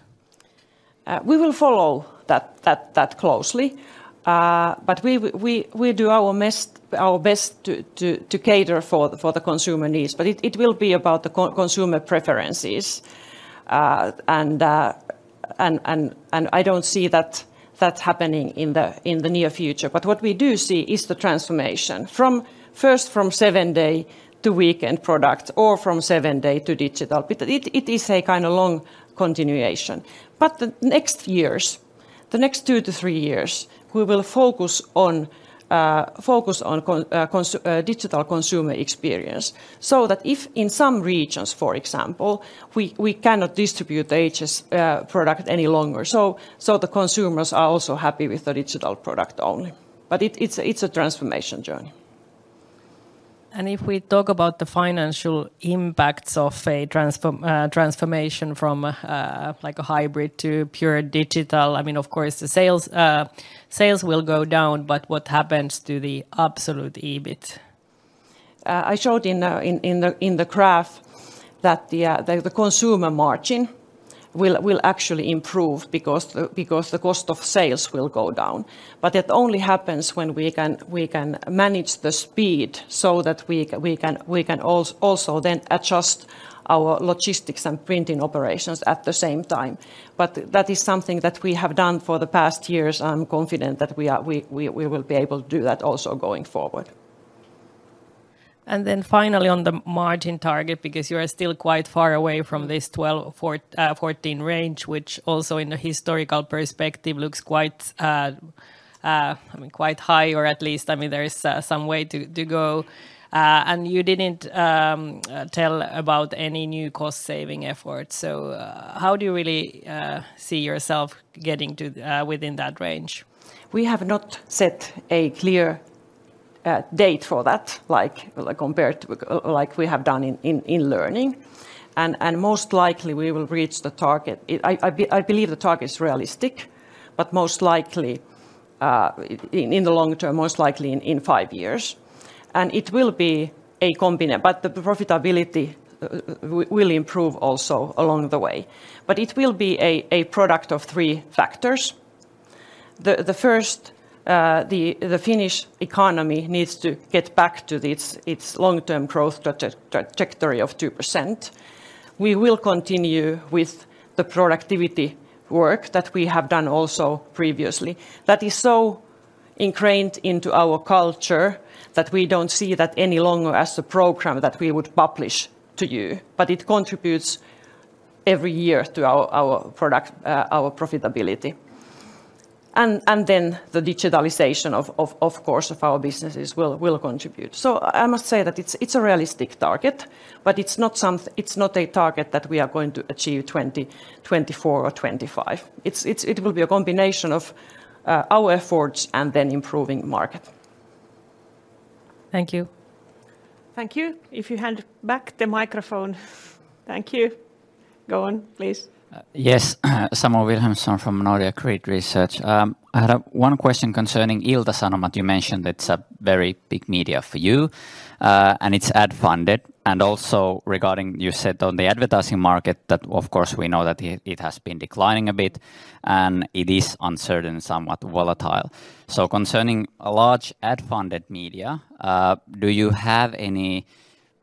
We will follow that closely. But we do our best to cater for the consumer needs. But it will be about the consumer preferences. And I don't see that happening in the near future. But what we do see is the transformation from seven-day to weekend product or from seven-day to digital. But it is a kind of long continuation. But the next years, the next 2-3 years, we will focus on digital consumer experience, so that if in some regions, for example, we cannot distribute the HS product any longer, the consumers are also happy with the digital product only. But it's a transformation journey. If we talk about the financial impacts of a transformation from, like, a hybrid to pure digital, I mean, of course, the sales will go down, but what happens to the absolute EBIT? I showed in the graph that the consumer margin will actually improve because the cost of sales will go down. But that only happens when we can manage the speed so that we can also then adjust our logistics and printing operations at the same time. But that is something that we have done for the past years. I'm confident that we will be able to do that also going forward. Then finally, on the margin target, because you are still quite far away from this 12-14 range, which also in the historical perspective looks quite, I mean, quite high, or at least, I mean, there is some way to go. You didn't tell about any new cost-saving efforts. How do you really see yourself getting to within that range? We have not set a clear date for that, like, compared to like we have done in Learning. And most likely, we will reach the target. I believe the target is realistic, but most likely, in the long term, most likely in five years. And it will be a but the profitability will improve also along the way. But it will be a product of three factors: The first, the Finnish economy needs to get back to its long-term growth trajectory of 2%. We will continue with the productivity work that we have done also previously. That is so ingrained into our culture that we don't see that any longer as a program that we would publish to you, but it contributes every year to our product, our profitability. And then the digitalization, of course, of our businesses will contribute. So I must say that it's a realistic target, but it's not a target that we are going to achieve 2024 or 2025. It will be a combination of our efforts and then improving market. Thank you. Thank you. If you hand back the microphone. Thank you. Go on, please. Yes, Samuel Wilhelmsson from Nordea Credit Research. I had one question concerning Ilta-Sanomat. You mentioned it's a very big media for you, and it's ad-funded. And also regarding you said on the advertising market that, of course, we know that it has been declining a bit, and it is uncertain, somewhat volatile. So concerning a large ad-funded media, do you have any,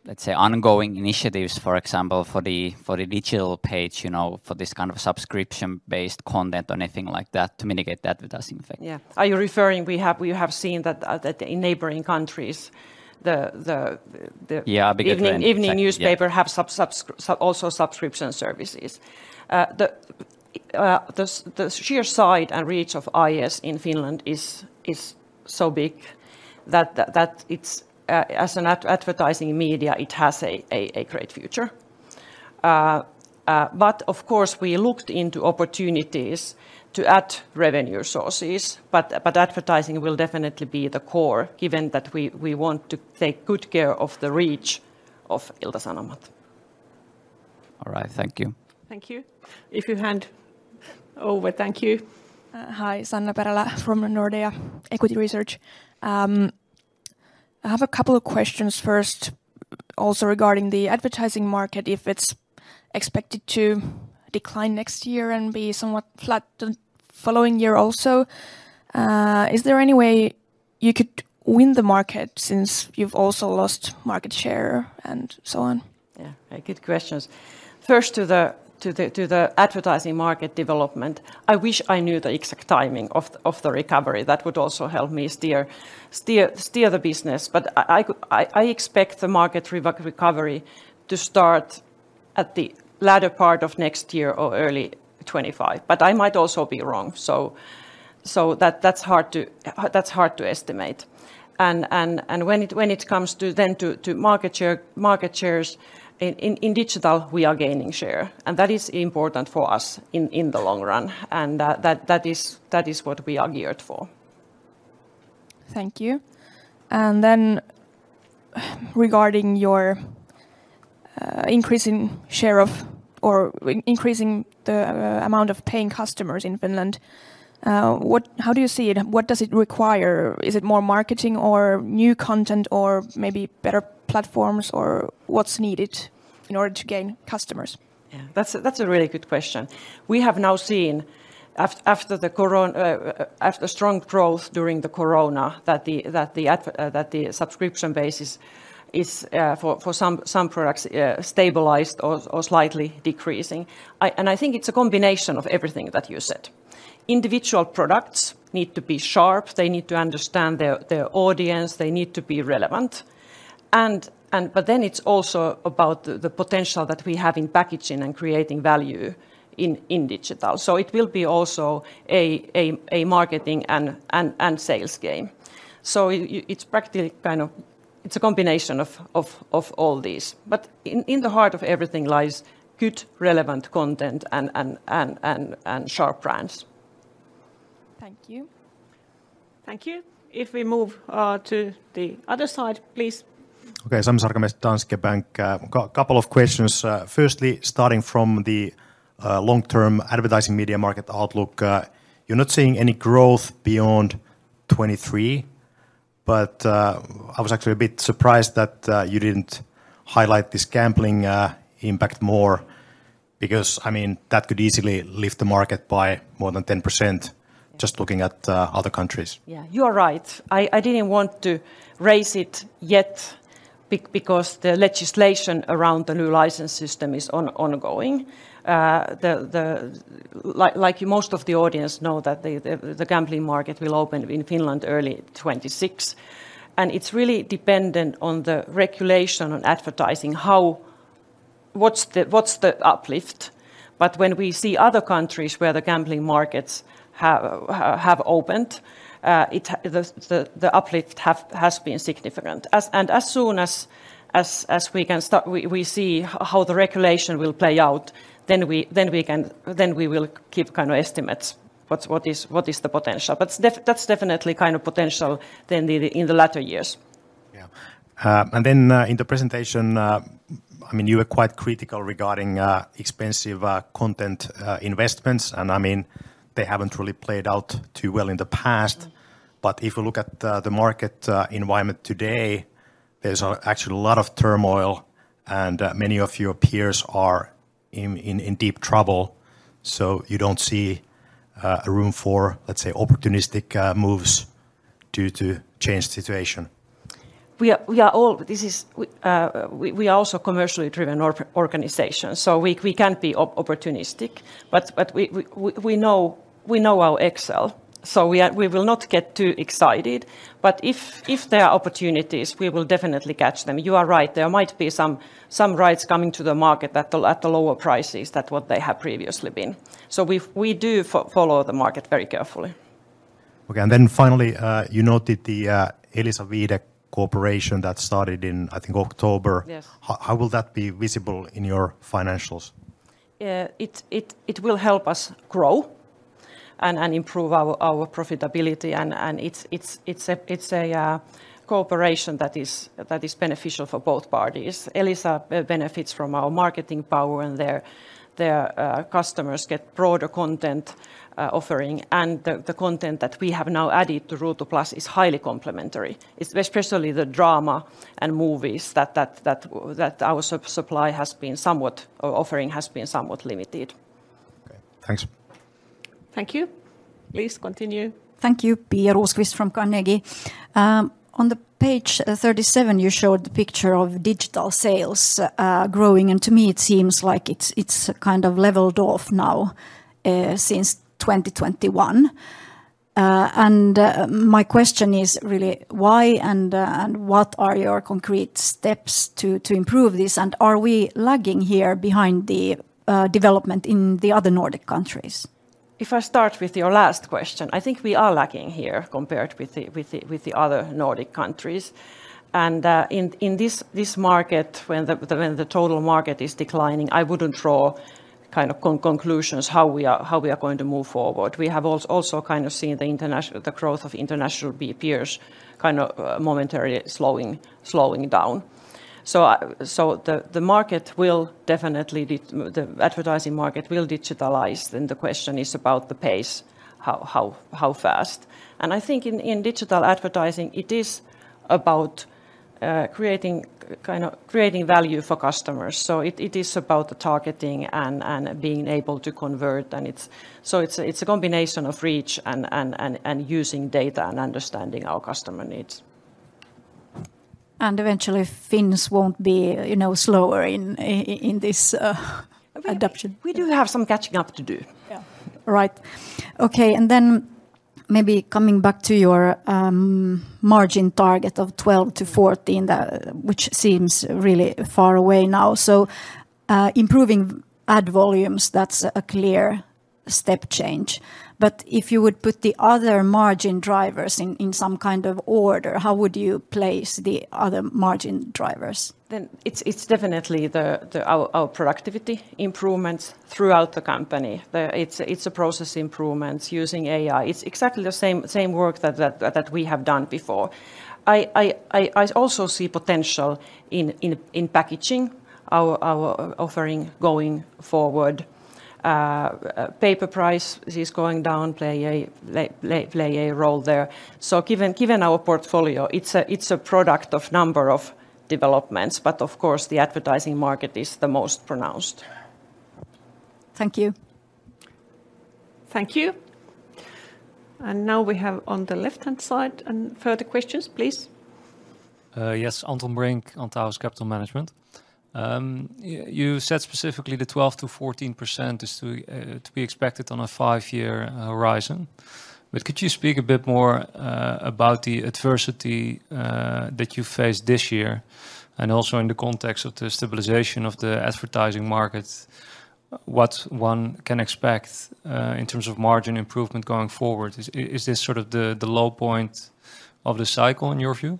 let's say, ongoing initiatives, for example, for the digital page, you know, for this kind of subscription-based content or anything like that to mitigate the advertising effect? Yeah. Are you referring we have seen that in neighboring countries? Yeah, because the-... evening, evening newspaper- Yeah... have also subscription services. The sheer size and reach of IS in Finland is so big that it's as an advertising media, it has a great future. But of course, we looked into opportunities to add revenue sources, but advertising will definitely be the core, given that we want to take good care of the reach of Ilta-Sanomat. All right. Thank you. Thank you. If you hand over. Thank you. Hi, Sanna Perälä from Nordea Equity Research. I have a couple of questions first also regarding the advertising market. If it's expected to decline next year and be somewhat flat the following year also, is there any way you could win the market since you've also lost market share and so on? Yeah, good questions. First, to the advertising market development, I wish I knew the exact timing of the recovery. That would also help me steer the business. But I expect the market recovery to start at the latter part of next year or early 2025, but I might also be wrong. So, that's hard to estimate. And when it comes to market share in digital, we are gaining share, and that is important for us in the long run, and that is what we are geared for. Thank you. And then regarding your increasing share of or increasing the amount of paying customers in Finland, how do you see it? What does it require? Is it more marketing or new content or maybe better platforms, or what's needed in order to gain customers? Yeah, that's a really good question. We have now seen, after strong growth during the Corona, that the subscription base is for some products stabilized or slightly decreasing. I think it's a combination of everything that you said. Individual products need to be sharp. They need to understand their audience. They need to be relevant. But then it's also about the potential that we have in packaging and creating value in digital. So it will be also a marketing and sales game. So it's practically kind of a combination of all these. But in the heart of everything lies good, relevant content and sharp brands. Thank you. Thank you. If we move to the other side, please. Okay, Sami Sarkamies, Danske Bank. A couple of questions. Firstly, starting from the long-term advertising media market outlook, you're not seeing any growth beyond 2023, but I was actually a bit surprised that you didn't highlight this gambling impact more because, I mean, that could easily lift the market by more than 10%- Yeah... just looking at other countries. Yeah, you are right. I didn't want to raise it yet because the legislation around the new license system is ongoing. Like most of the audience know, that the gambling market will open in Finland early 2026, and it's really dependent on the regulation on advertising, what's the uplift? But when we see other countries where the gambling markets have opened, the uplift has been significant. And as soon as we can start... we see how the regulation will play out, then we can, then we will give kind of estimates, what is the potential. But that's definitely kind of potential in the latter years. Yeah. And then, in the presentation, I mean, you were quite critical regarding expensive content investments, and I mean, they haven't really played out too well in the past. Mm. But if you look at the market environment today, there's actually a lot of turmoil, and many of your peers are in deep trouble, so you don't see a room for, let's say, opportunistic moves due to changed situation? We are also commercially driven organization, so we can be opportunistic. But we know how to excel, so we will not get too excited. But if there are opportunities, we will definitely catch them. You are right, there might be some rights coming to the market at the lower prices than what they have previously been. So we do follow the market very carefully. Okay, and then finally, you noted the Elisa Viihde cooperation that started in, I think, October. Yes. How will that be visible in your financials? It will help us grow and improve our profitability, and it's a cooperation that is beneficial for both parties. Elisa benefits from our marketing power, and their customers get broader content offering. And the content that we have now added to Ruutu Plus is highly complementary. It's especially the drama and movies that our supply has been somewhat... or offering has been somewhat limited. Okay, thanks. Thank you. Please continue. Thank you. Pia Rosqvist from Carnegie. On the page 37, you showed the picture of digital sales growing, and to me it seems like it's, it's kind of leveled off now since 2021. And my question is really why, and what are your concrete steps to improve this? Are we lagging here behind the development in the other Nordic countries? If I start with your last question, I think we are lagging here compared with the other Nordic countries. And in this market, when the total market is declining, I wouldn't draw kind of conclusions how we are going to move forward. We have also kind of seen the growth of international peers kind of momentarily slowing down. So the market will definitely the advertising market will digitalize, then the question is about the pace. How fast? And I think in digital advertising, it is about creating kind of creating value for customers. So it is about the targeting and being able to convert, and it's... So it's a combination of reach and using data and understanding our customer needs. Eventually, things won't be, you know, slower in this adoption. We do have some catching up to do. Yeah. Right. Okay, and then maybe coming back to your margin target of 12%-14%, the, which seems really far away now. So, improving ad volumes, that's a clear step change. But if you would put the other margin drivers in, in some kind of order, how would you place the other margin drivers? Then, it's definitely our productivity improvements throughout the company. It's process improvements using AI. It's exactly the same work that we have done before. I also see potential in packaging our offering going forward. Paper price is going down, play a role there. So given our portfolio, it's a product of number of developments, but of course, the advertising market is the most pronounced. Thank you. Thank you. Now we have on the left-hand side, any further questions, please? Yes, Anton Brink, Antaurus Capital Management. You said specifically the 12%-14% is to be expected on a five-year horizon. But could you speak a bit more about the adversity that you faced this year, and also in the context of the stabilization of the advertising market, what one can expect in terms of margin improvement going forward? Is this sort of the low point of the cycle in your view?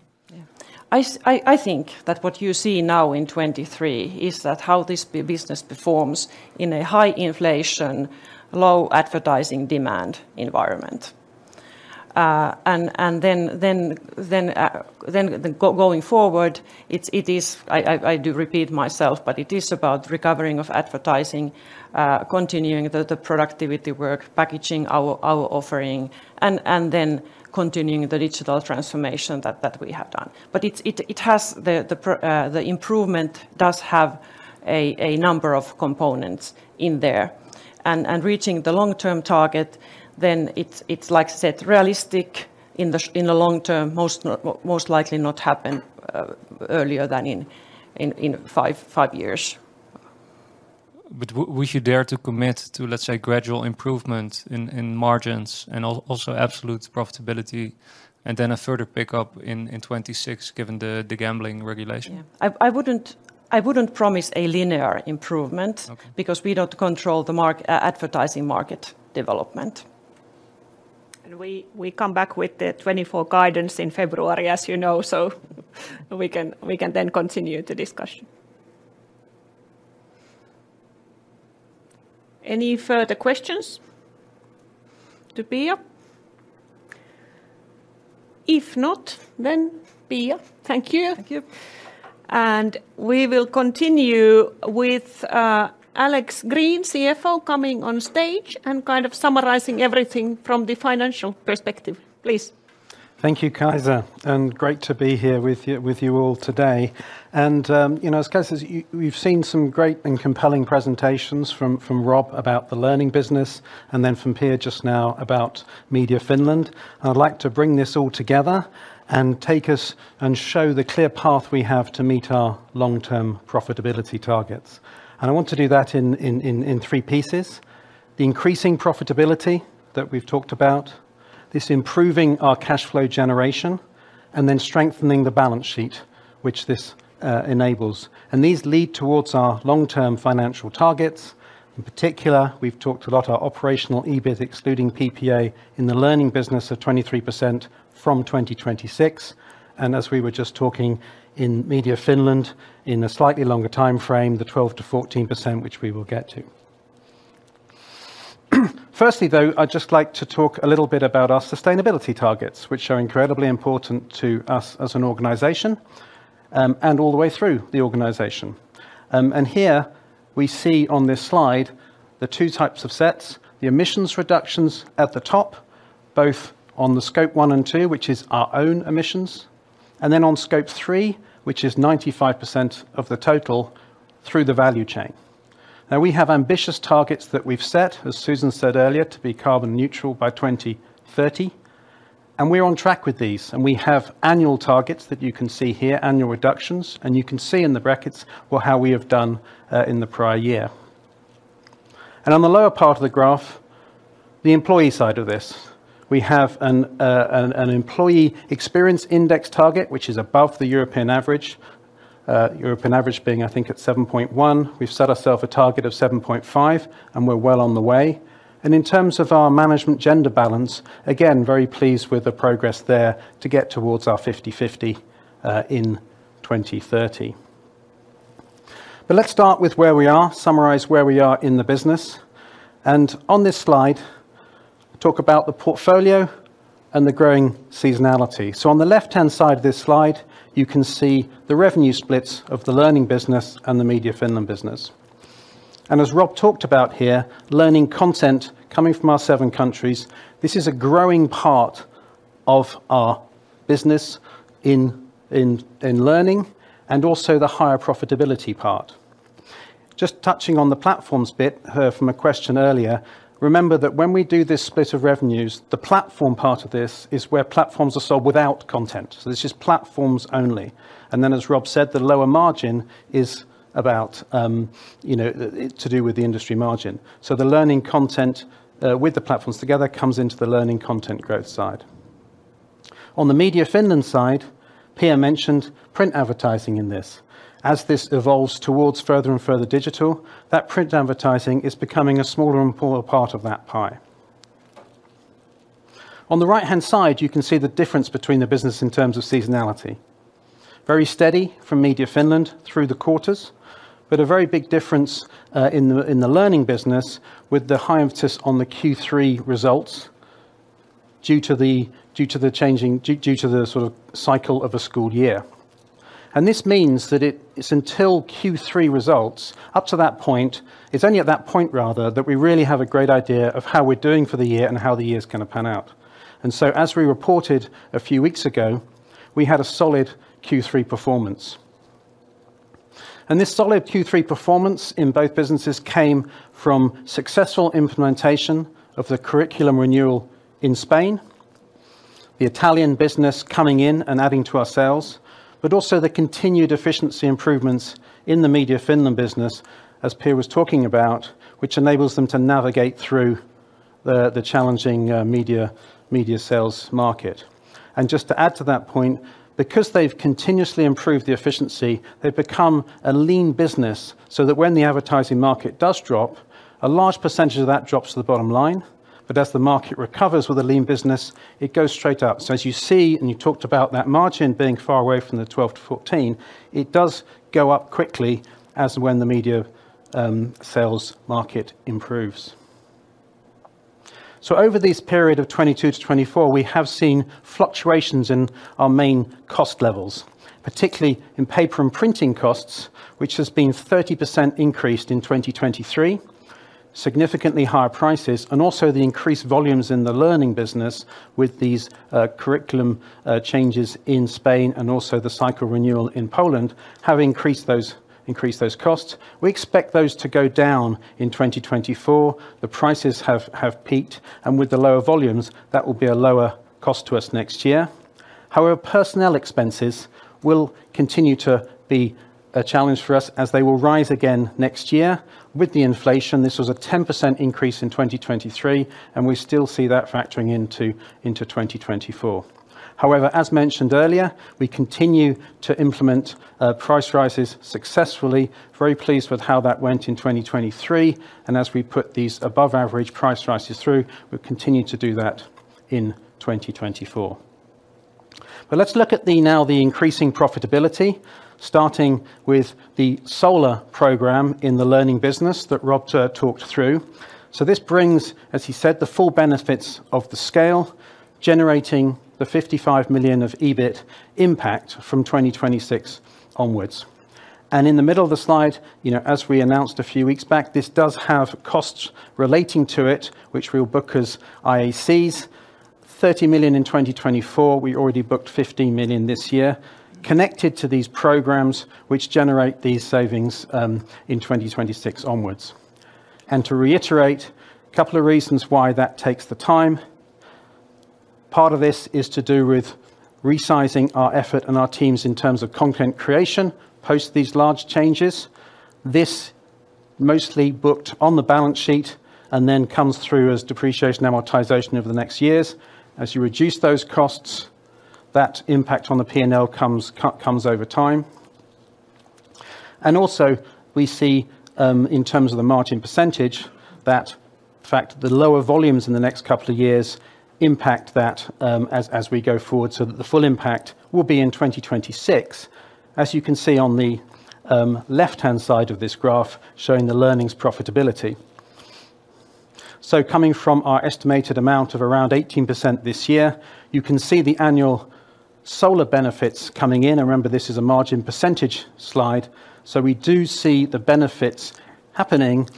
Yeah. I think that what you see now in 2023 is that how this business performs in a high inflation, low advertising demand environment. And then going forward, it is. I do repeat myself, but it is about recovering of advertising, continuing the productivity work, packaging our offering, and then continuing the digital transformation that we have done. But it has the improvement does have a number of components in there. And reaching the long-term target, then it's like I said, realistic. In the long term, most likely not happen earlier than in five years. But would you dare to commit to, let's say, gradual improvement in margins and also absolute profitability, and then a further pickup in 2026, given the gambling regulation? Yeah. I wouldn't promise a linear improvement- Okay... because we don't control the advertising market development. And we come back with the 2024 guidance in February, as you know, so we can then continue the discussion. Any further questions to Pia? If not, then, Pia, thank you. Thank you.... We will continue with Alex Green, CFO, coming on stage and kind of summarizing everything from the financial perspective. Please. Thank you, Kaisa, and great to be here with you, with you all today. And, you know, as Kaisa said, we've seen some great and compelling presentations from Rob about the Learning business, and then from Pia just now about Media Finland. I'd like to bring this all together and take us and show the clear path we have to meet our long-term profitability targets. And I want to do that in three pieces: the increasing profitability that we've talked about, this improving our cash flow generation, and then strengthening the balance sheet, which this enables. And these lead towards our long-term financial targets. In particular, we've talked a lot our operational EBIT, excluding PPA, in the Learning business of 23% from 2026, and as we were just talking in Media Finland, in a slightly longer timeframe, the 12%-14%, which we will get to. Firstly, though, I'd just like to talk a little bit about our sustainability targets, which are incredibly important to us as an organization, and all the way through the organization. And here we see on this slide the two types of sets, the emissions reductions at the top, both on the Scope 1 and 2, which is our own emissions, and then on Scope 3, which is 95% of the total through the value chain. Now, we have ambitious targets that we've set, as Susan said earlier, to be carbon neutral by 2030, and we're on track with these. We have annual targets that you can see here, annual reductions, and you can see in the brackets well, how we have done in the prior year. On the lower part of the graph, the employee side of this. We have an employee experience index target, which is above the European average. European average being, I think, at 7.1. We've set ourself a target of 7.5, and we're well on the way. In terms of our management gender balance, again, very pleased with the progress there to get towards our 50/50 in 2030. But let's start with where we are, summarize where we are in the business. On this slide, talk about the portfolio and the growing seasonality. So on the left-hand side of this slide, you can see the revenue splits of the Learning business and the Media Finland business. And as Rob talked about here, Learning content coming from our seven countries, this is a growing part of our business in Learning and also the higher profitability part. Just touching on the platforms bit, heard from a question earlier, remember that when we do this split of revenues, the platform part of this is where platforms are sold without content. So this is platforms only. And then, as Rob said, the lower margin is about, you know, to do with the industry margin. So the Learning content with the platforms together comes into the Learning content growth side. On the Media Finland side, Pia mentioned print advertising in this. As this evolves towards further and further digital, that print advertising is becoming a smaller and poorer part of that pie. On the right-hand side, you can see the difference between the business in terms of seasonality. Very steady from Media Finland through the quarters, but a very big difference in the Learning business, with the high emphasis on the Q3 results due to the sort of cycle of a school year. This means that until Q3 results, up to that point, it's only at that point, rather, that we really have a great idea of how we're doing for the year and how the year's gonna pan out. So as we reported a few weeks ago, we had a solid Q3 performance. This solid Q3 performance in both businesses came from successful implementation of the curriculum renewal in Spain, the Italian business coming in and adding to our sales, but also the continued efficiency improvements in the Media Finland business, as Pia was talking about, which enables them to navigate through the challenging media sales market. Just to add to that point, because they've continuously improved the efficiency, they've become a lean business, so that when the advertising market does drop, a large percentage of that drops to the bottom line. But as the market recovers with a lean business, it goes straight up. As you see, and you talked about that margin being far away from the 12-14, it does go up quickly as when the media sales market improves. Over this period of 2022-2024, we have seen fluctuations in our main cost levels, particularly in paper and printing costs, which has been 30% increased in 2023. Significantly higher prices and also the increased volumes in the Learning business with these curriculum changes in Spain and also the cycle renewal in Poland, have increased those, increased those costs. We expect those to go down in 2024. The prices have, have peaked, and with the lower volumes, that will be a lower cost to us next year. However, personnel expenses will continue to be a challenge for us as they will rise again next year. With the inflation, this was a 10% increase in 2023, and we still see that factoring into, into 2024. However, as mentioned earlier, we continue to implement price rises successfully. Very pleased with how that went in 2023, and as we put these above-average price rises through, we'll continue to do that in 2024. But let's look at now the increasing profitability, starting with the solar program in the Learning business that Rob talked through. So this brings, as he said, the full benefits of the scale, generating the 55 million of EBIT impact from 2026 onwards. And in the middle of the slide, you know, as we announced a few weeks back, this does have costs relating to it, which we will book as IACs. 30 million in 2024, we already booked 15 million this year, connected to these programs, which generate these savings in 2026 onwards. And to reiterate, a couple of reasons why that takes the time. Part of this is to do with resizing our effort and our teams in terms of content creation, post these large changes. This mostly booked on the balance sheet and then comes through as depreciation and amortization over the next years. As you reduce those costs, that impact on the P&L comes comes over time. And also we see, in terms of the margin percentage, that fact, the lower volumes in the next couple of years impact that, as we go forward, so that the full impact will be in 2026, as you can see on the, left-hand side of this graph, showing the Learning's profitability. So coming from our estimated amount of around 18% this year, you can see the annual Solar benefits coming in. Remember, this is a margin percentage slide, so we do see the benefits happening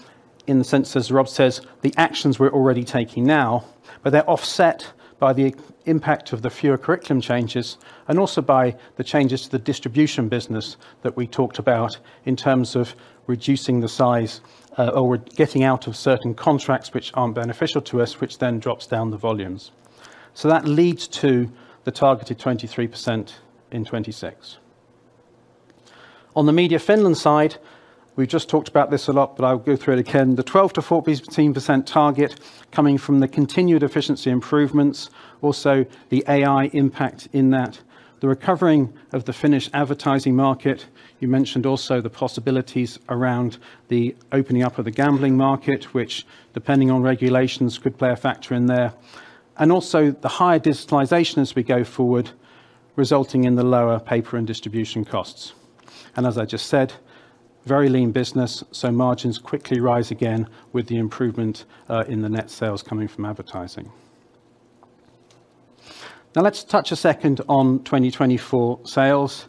in the sense, as Rob says, the actions we're already taking now, but they're offset by the impact of the fewer curriculum changes, and also by the changes to the distribution business that we talked about in terms of reducing the size, or getting out of certain contracts which aren't beneficial to us, which then drops down the volumes. So that leads to the targeted 23% in 2026. On the Media Finland side, we just talked about this a lot, but I'll go through it again. The 12%-14% target coming from the continued efficiency improvements, also the AI impact in that. The recovering of the Finnish advertising market. You mentioned also the possibilities around the opening up of the gambling market, which, depending on regulations, could play a factor in there. And also the higher digitalization as we go forward, resulting in the lower paper and distribution costs. And as I just said, very lean business, so margins quickly rise again with the improvement in the net sales coming from advertising. Now, let's touch a second on 2024 sales.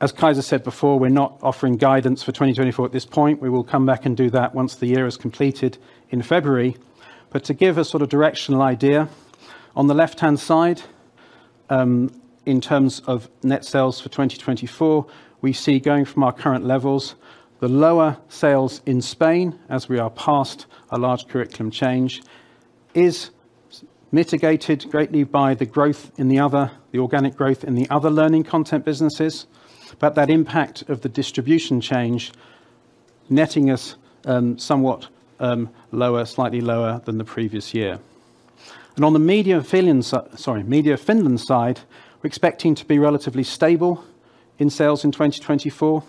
As Kaisa said before, we're not offering guidance for 2024 at this point. We will come back and do that once the year is completed in February. But to give a sort of directional idea, on the left-hand side, in terms of net sales for 2024, we see going from our current levels, the lower sales in Spain, as we are past a large curriculum change, is mitigated greatly by the growth in the other, the organic growth in the other Learning content businesses, but that impact of the distribution change, netting us, somewhat, lower, slightly lower than the previous year. And on the Media Finland, so, sorry, Media Finland side, we're expecting to be relatively stable in sales in 2024.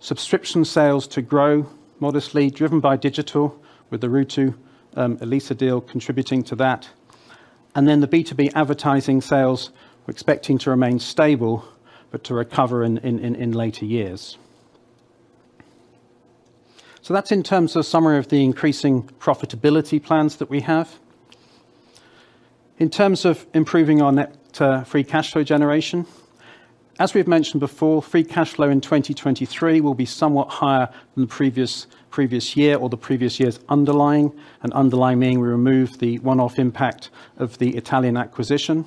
Subscription sales to grow modestly, driven by digital, with the Ruutu, Elisa deal contributing to that. And then the B2B advertising sales, we're expecting to remain stable, but to recover in later years. So that's in terms of summary of the increasing profitability plans that we have. In terms of improving our net free cash flow generation, as we've mentioned before, free cash flow in 2023 will be somewhat higher than the previous, previous year or the previous year's underlying. And underlying, meaning we remove the one-off impact of the Italian acquisition.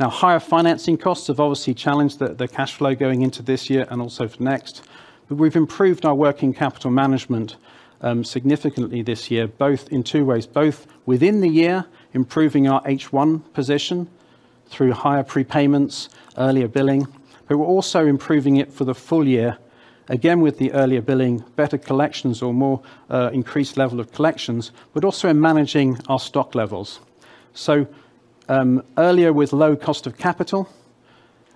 Now, higher financing costs have obviously challenged the cash flow going into this year and also for next, but we've improved our working capital management significantly this year, both in two ways, both within the year, improving our H1 position through higher prepayments, earlier billing, but we're also improving it for the full year. Again, with the earlier billing, better collections or more increased level of collections, but also in managing our stock levels. So, earlier with low cost of capital,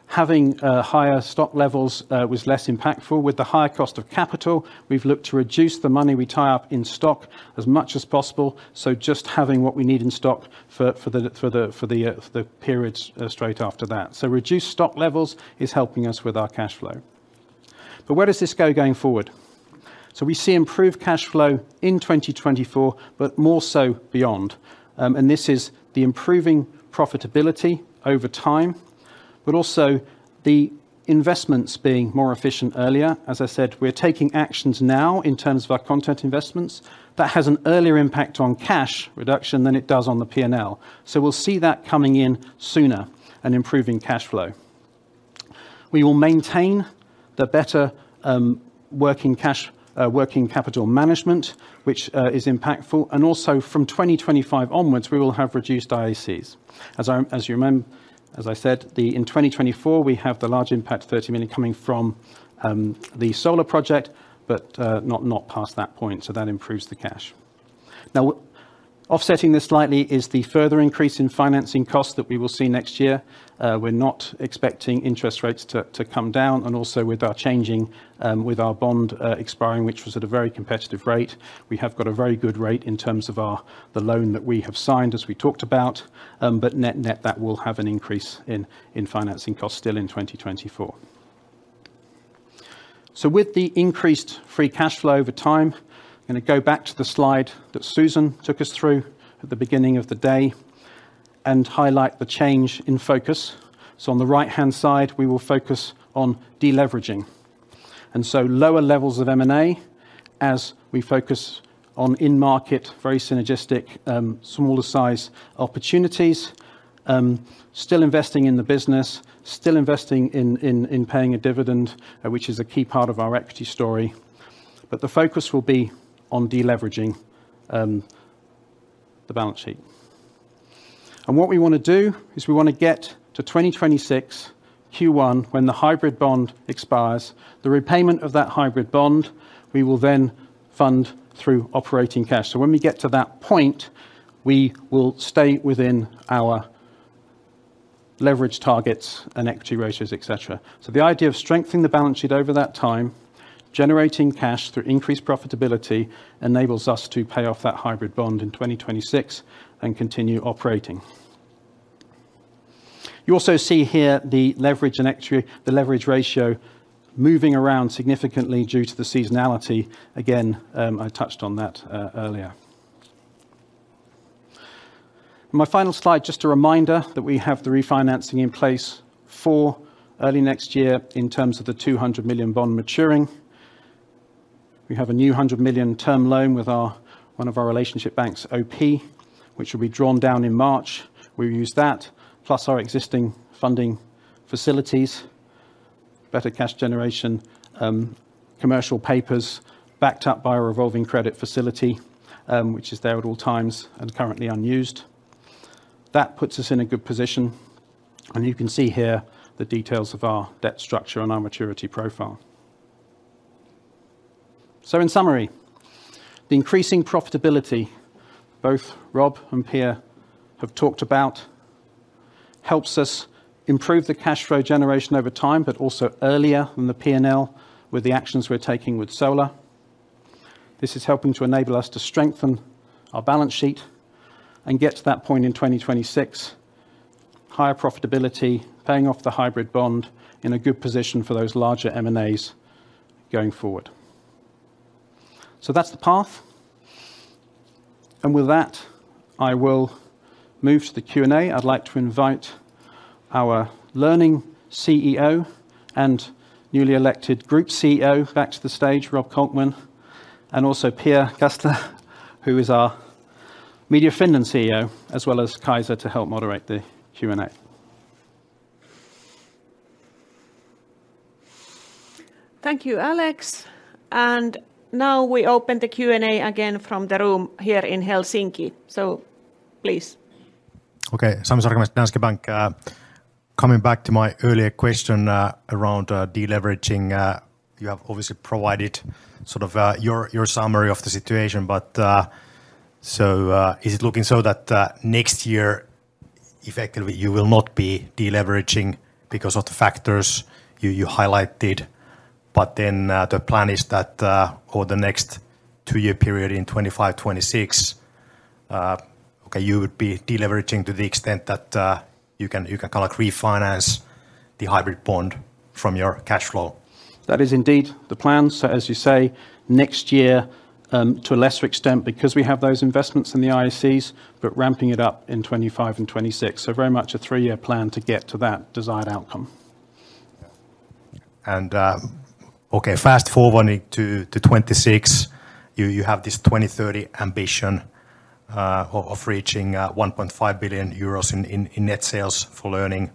having higher stock levels was less impactful. With the higher cost of capital, we've looked to reduce the money we tie up in stock as much as possible, so just having what we need in stock for the periods straight after that. So reduced stock levels is helping us with our cash flow. But where does this go going forward? So we see improved cash flow in 2024, but more so beyond. And this is the improving profitability over time, but also the investments being more efficient earlier. As I said, we're taking actions now in terms of our content investments. That has an earlier impact on cash reduction than it does on the P&L. So we'll see that coming in sooner and improving cash flow. We will maintain the better working capital management, which is impactful. And also from 2025 onwards, we will have reduced IACs. As I said, in 2024, we have the large impact, 30 million, coming from Solar project, but not past that point, so that improves the cash. Now, offsetting this slightly is the further increase in financing costs that we will see next year. We're not expecting interest rates to come down, and also with our changing, with our bond expiring, which was at a very competitive rate. We have got a very good rate in terms of our the loan that we have signed, as we talked about, but net, that will have an increase in financing costs still in 2024. So with the increased free cash flow over time, I'm gonna go back to the slide that Susan took us through at the beginning of the day, and highlight the change in focus. So on the right-hand side, we will focus on de-leveraging. And so lower levels of M&A as we focus on in-market, very synergistic, smaller size opportunities. Still investing in the business, still investing in paying a dividend, which is a key part of our equity story. But the focus will be on de-leveraging the balance sheet. And what we want to do is we want to get to 2026, Q1, when the hybrid bond expires. The repayment of that hybrid bond, we will then fund through operating cash. So when we get to that point, we will stay within our leverage targets and equity ratios, et cetera. So the idea of strengthening the balance sheet over that time, generating cash through increased profitability, enables us to pay off that hybrid bond in 2026 and continue operating. You also see here the leverage and equity, the leverage ratio moving around significantly due to the seasonality. Again, I touched on that, earlier. My final slide, just a reminder that we have the refinancing in place for early next year in terms of the 200 million bond maturing. We have a new 100 million term loan with our, one of our relationship banks, OP, which will be drawn down in March. We'll use that, plus our existing funding facilities, better cash generation, commercial papers, backed up by a revolving credit facility, which is there at all times and currently unused. That puts us in a good position, and you can see here the details of our debt structure and our maturity profile. So in summary, the increasing profitability, both Rob and Pia have talked about, helps us improve the cash flow generation over time, but also earlier in the P&L with the actions we're taking with Solar. This is helping to enable us to strengthen our balance sheet and get to that point in 2026. Higher profitability, paying off the hybrid bond in a good position for those larger M&As going forward. So that's the path. And with that, I will move to the Q&A. I'd like to invite our Learning CEO and newly elected Group CEO back to the stage, Rob Kolkman, and also Pia Kalsta, who is our Media Finland CEO, as well as Kaisa, to help moderate the Q&A. Thank you, Alex. Now we open the Q&A again from the room here in Helsinki. Please. Okay, Sami Sarkamies, Danske Bank. Coming back to my earlier question around deleveraging, you have obviously provided sort of your summary of the situation, but so is it looking so that next year, effectively, you will not be deleveraging because of the factors you highlighted? But then, the plan is that over the next two-year period in 2025, 2026, you would be deleveraging to the extent that you can kind of refinance the hybrid bond from your cash flow. That is indeed the plan. So as you say, next year, to a lesser extent, because we have those investments in the IECs, but ramping it up in 25 and 26. So very much a three-year plan to get to that desired outcome. And, okay, fast-forwarding to 2026, you have this 2030 ambition of reaching 1.5 billion euros in net sales for Learning.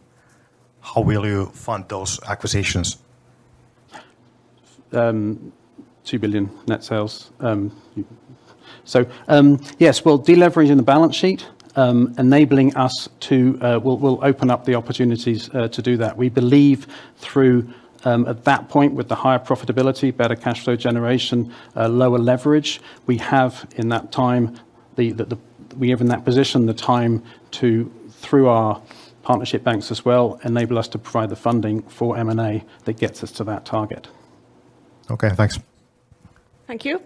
How will you fund those acquisitions? EUR 2 billion net sales. So, yes, well, de-leveraging the balance sheet, enabling us to, will open up the opportunities to do that. We believe through, at that point, with the higher profitability, better cash flow generation, lower leverage, we have in that time, the we have in that position, the time to, through our partnership banks as well, enable us to provide the funding for M&A that gets us to that target. Okay, thanks. Thank you.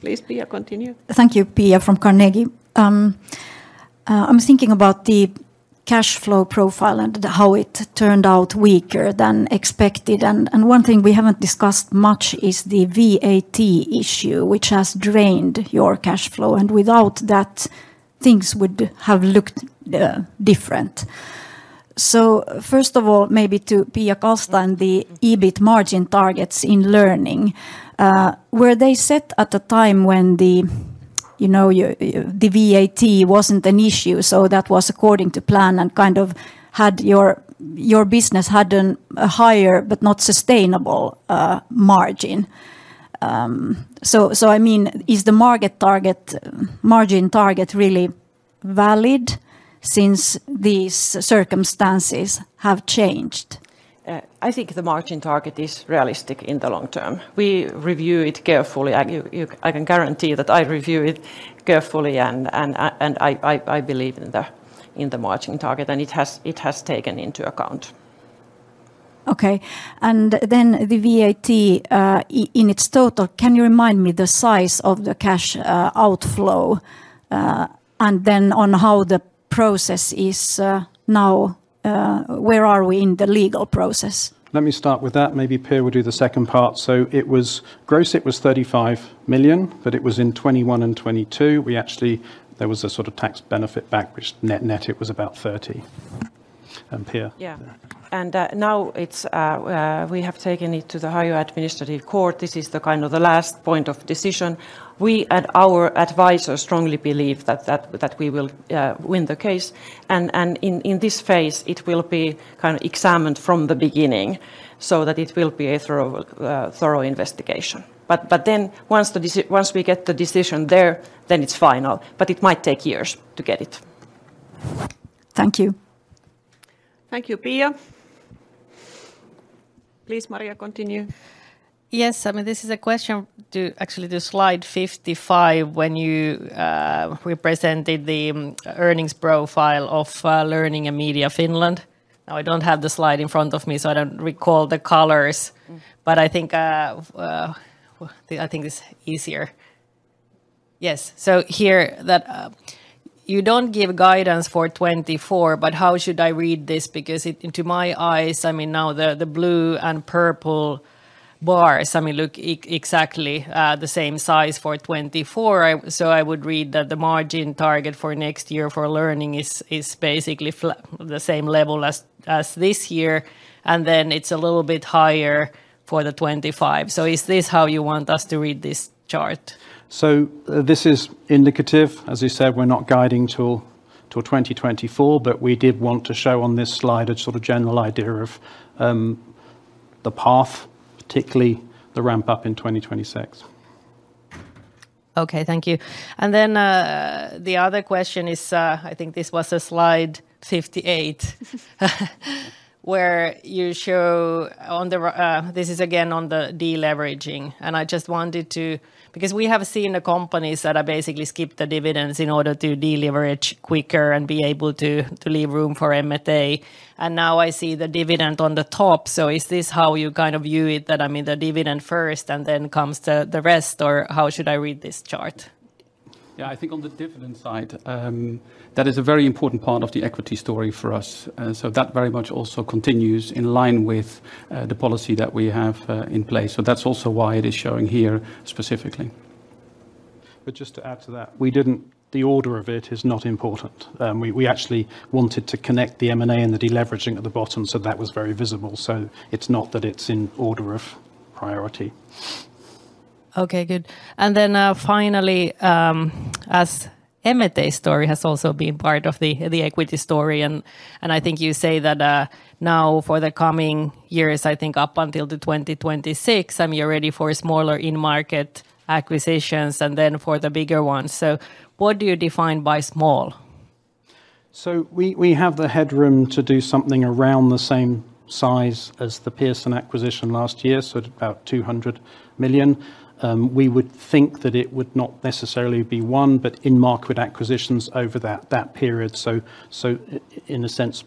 Please, Pia, continue. Thank you. Pia from Carnegie. I was thinking about the cash flow profile and how it turned out weaker than expected. One thing we haven't discussed much is the VAT issue, which has drained your cash flow, and without that, things would have looked different. So first of all, maybe to Pia Kalsta and the EBIT margin targets in Learning, were they set at the time when, you know, the VAT wasn't an issue, so that was according to plan and kind of your business had a higher but not sustainable margin? So I mean, is the margin target really valid since these circumstances have changed? I think the margin target is realistic in the long term. We review it carefully. I can guarantee that I review it carefully, and I believe in the margin target, and it has taken into account.... Okay, and then the VAT, in its total, can you remind me the size of the cash outflow? And then on how the process is now, where are we in the legal process? Let me start with that, maybe Pia will do the second part. So it was gross, it was 35 million, but it was in 2021 and 2022. We actually... There was a sort of tax benefit back, which net, net, it was about 30 million. Pia? Yeah. And now it's, we have taken it to the higher administrative court. This is kind of the last point of decision. We and our advisors strongly believe that we will win the case, and in this phase, it will be kind of examined from the beginning, so that it will be a thorough investigation. But then once we get the decision there, then it's final, but it might take years to get it. Thank you. Thank you, Pia. Please, Maria, continue. Yes, I mean, this is a question to actually the slide 55, when you represented the earnings profile of Learning and Media Finland. Now, I don't have the slide in front of me, so I don't recall the colors, but I think, well, I think it's easier. Yes. So here, that you don't give guidance for 2024, but how should I read this? Because it, to my eyes, I mean, now, the blue and purple bars, I mean, look exactly the same size for 2024. So I would read that the margin target for next year for Learning is basically the same level as this year, and then it's a little bit higher for 2025. So is this how you want us to read this chart? This is indicative. As you said, we're not guiding till 2024, but we did want to show on this slide a sort of general idea of the path, particularly the ramp up in 2026. Okay, thank you. And then, the other question is, I think this was a slide 58, where you show on the this is again on the deleveraging. And I just wanted to... Because we have seen the companies that are basically skip the dividends in order to deleverage quicker and be able to, to leave room for M&A, and now I see the dividend on the top. So is this how you kind of view it, that, I mean, the dividend first, and then comes the rest, or how should I read this chart? Yeah, I think on the dividend side, that is a very important part of the equity story for us. So that very much also continues in line with the policy that we have in place. So that's also why it is showing here specifically. Just to add to that, the order of it is not important. We actually wanted to connect the M&A and the deleveraging at the bottom, so that was very visible. It's not that it's in order of priority. Okay, good. And then, finally, as M&A story has also been part of the equity story, and I think you say that now, for the coming years, I think up until the 2026, you're ready for smaller in-market acquisitions and then for the bigger ones. So what do you define by small? So we, we have the headroom to do something around the same size as the Pearson acquisition last year, so about 200 million. We would think that it would not necessarily be one, but in-market acquisitions over that period. So in a sense,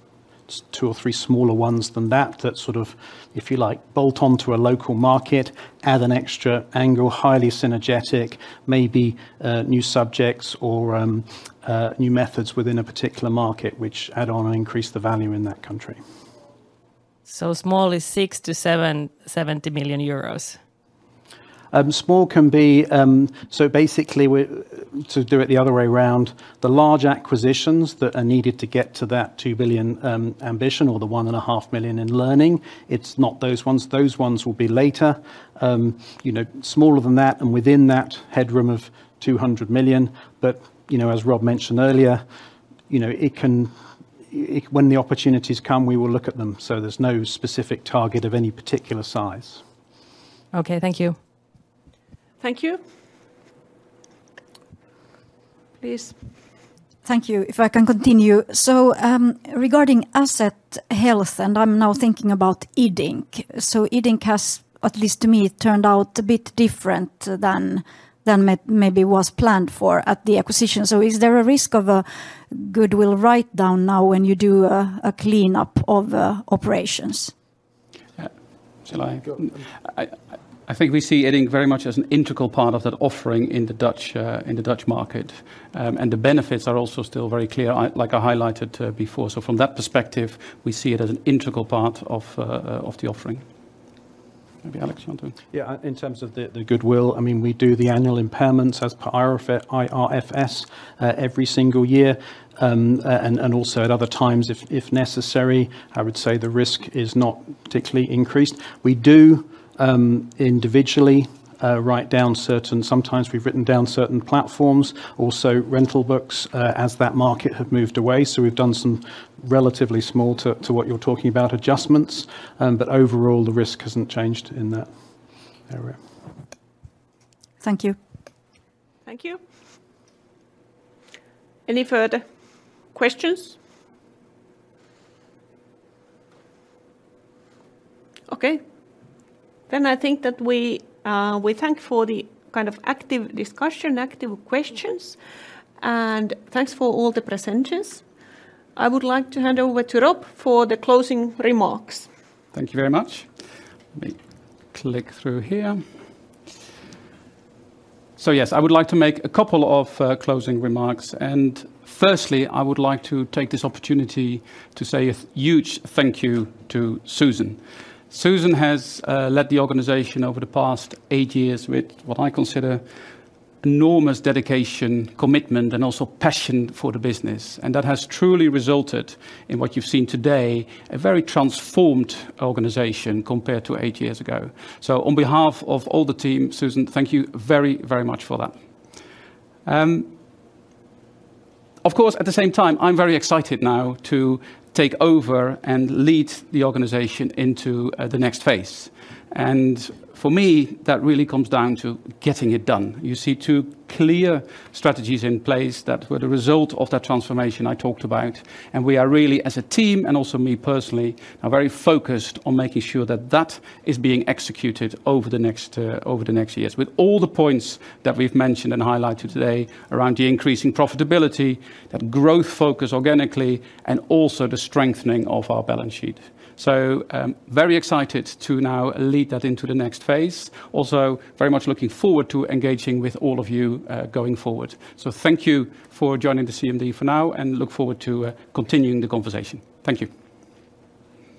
two or three smaller ones than that, that sort of, if you like, bolt on to a local market, add an extra angle, highly synergetic, maybe new subjects or new methods within a particular market, which add on and increase the value in that country. So small is 60 million-70 million euros? Small can be. So basically, to do it the other way around, the large acquisitions that are needed to get to that 2 billion ambition, or the 1.5 million in Learning, it's not those ones. Those ones will be later. You know, smaller than that, and within that headroom of 200 million. But, you know, as Rob mentioned earlier, you know, it can when the opportunities come, we will look at them, so there's no specific target of any particular size. Okay, thank you. Thank you. Please. Thank you, if I can continue. Regarding asset health, and I'm now thinking about Iddink. Iddink has, at least to me, turned out a bit different than maybe was planned for at the acquisition. Is there a risk of a goodwill write-down now when you do a cleanup of operations? Yeah. Shall I? Go on. I think we see Iddink very much as an integral part of that offering in the Dutch market. And the benefits are also still very clear, like I highlighted before. So from that perspective, we see it as an integral part of the offering. Maybe Alex, you want to- Yeah, in terms of the goodwill, I mean, we do the annual impairments as per IFRS, every single year, and also at other times, if necessary. I would say the risk is not particularly increased. We do individually write down certain... Sometimes we've written down certain platforms, also rental books, as that market have moved away. So we've done some relatively small, to what you're talking about, adjustments, but overall, the risk hasn't changed in that area. Thank you. Thank you. Any further questions? Okay, then I think that we, we thank for the kind of active discussion, active questions, and thanks for all the presenters. I would like to hand over to Rob for the closing remarks. Thank you very much. Let me click through here. So yes, I would like to make a couple of closing remarks, and firstly, I would like to take this opportunity to say a huge thank you to Susan. Susan has led the organization over the past eight years with what I consider enormous dedication, commitment, and also passion for the business, and that has truly resulted in what you've seen today, a very transformed organization compared to eight years ago. So on behalf of all the team, Susan, thank you very, very much for that. Of course, at the same time, I'm very excited now to take over and lead the organization into the next phase. And for me, that really comes down to getting it done. You see two clear strategies in place that were the result of that transformation I talked about, and we are really, as a team, and also me personally, are very focused on making sure that that is being executed over the next, over the next years. With all the points that we've mentioned and highlighted today around the increasing profitability, that growth focus organically, and also the strengthening of our balance sheet. So, I'm very excited to now lead that into the next phase. Also, very much looking forward to engaging with all of you, going forward. So thank you for joining the CMD for now, and look forward to, continuing the conversation. Thank you.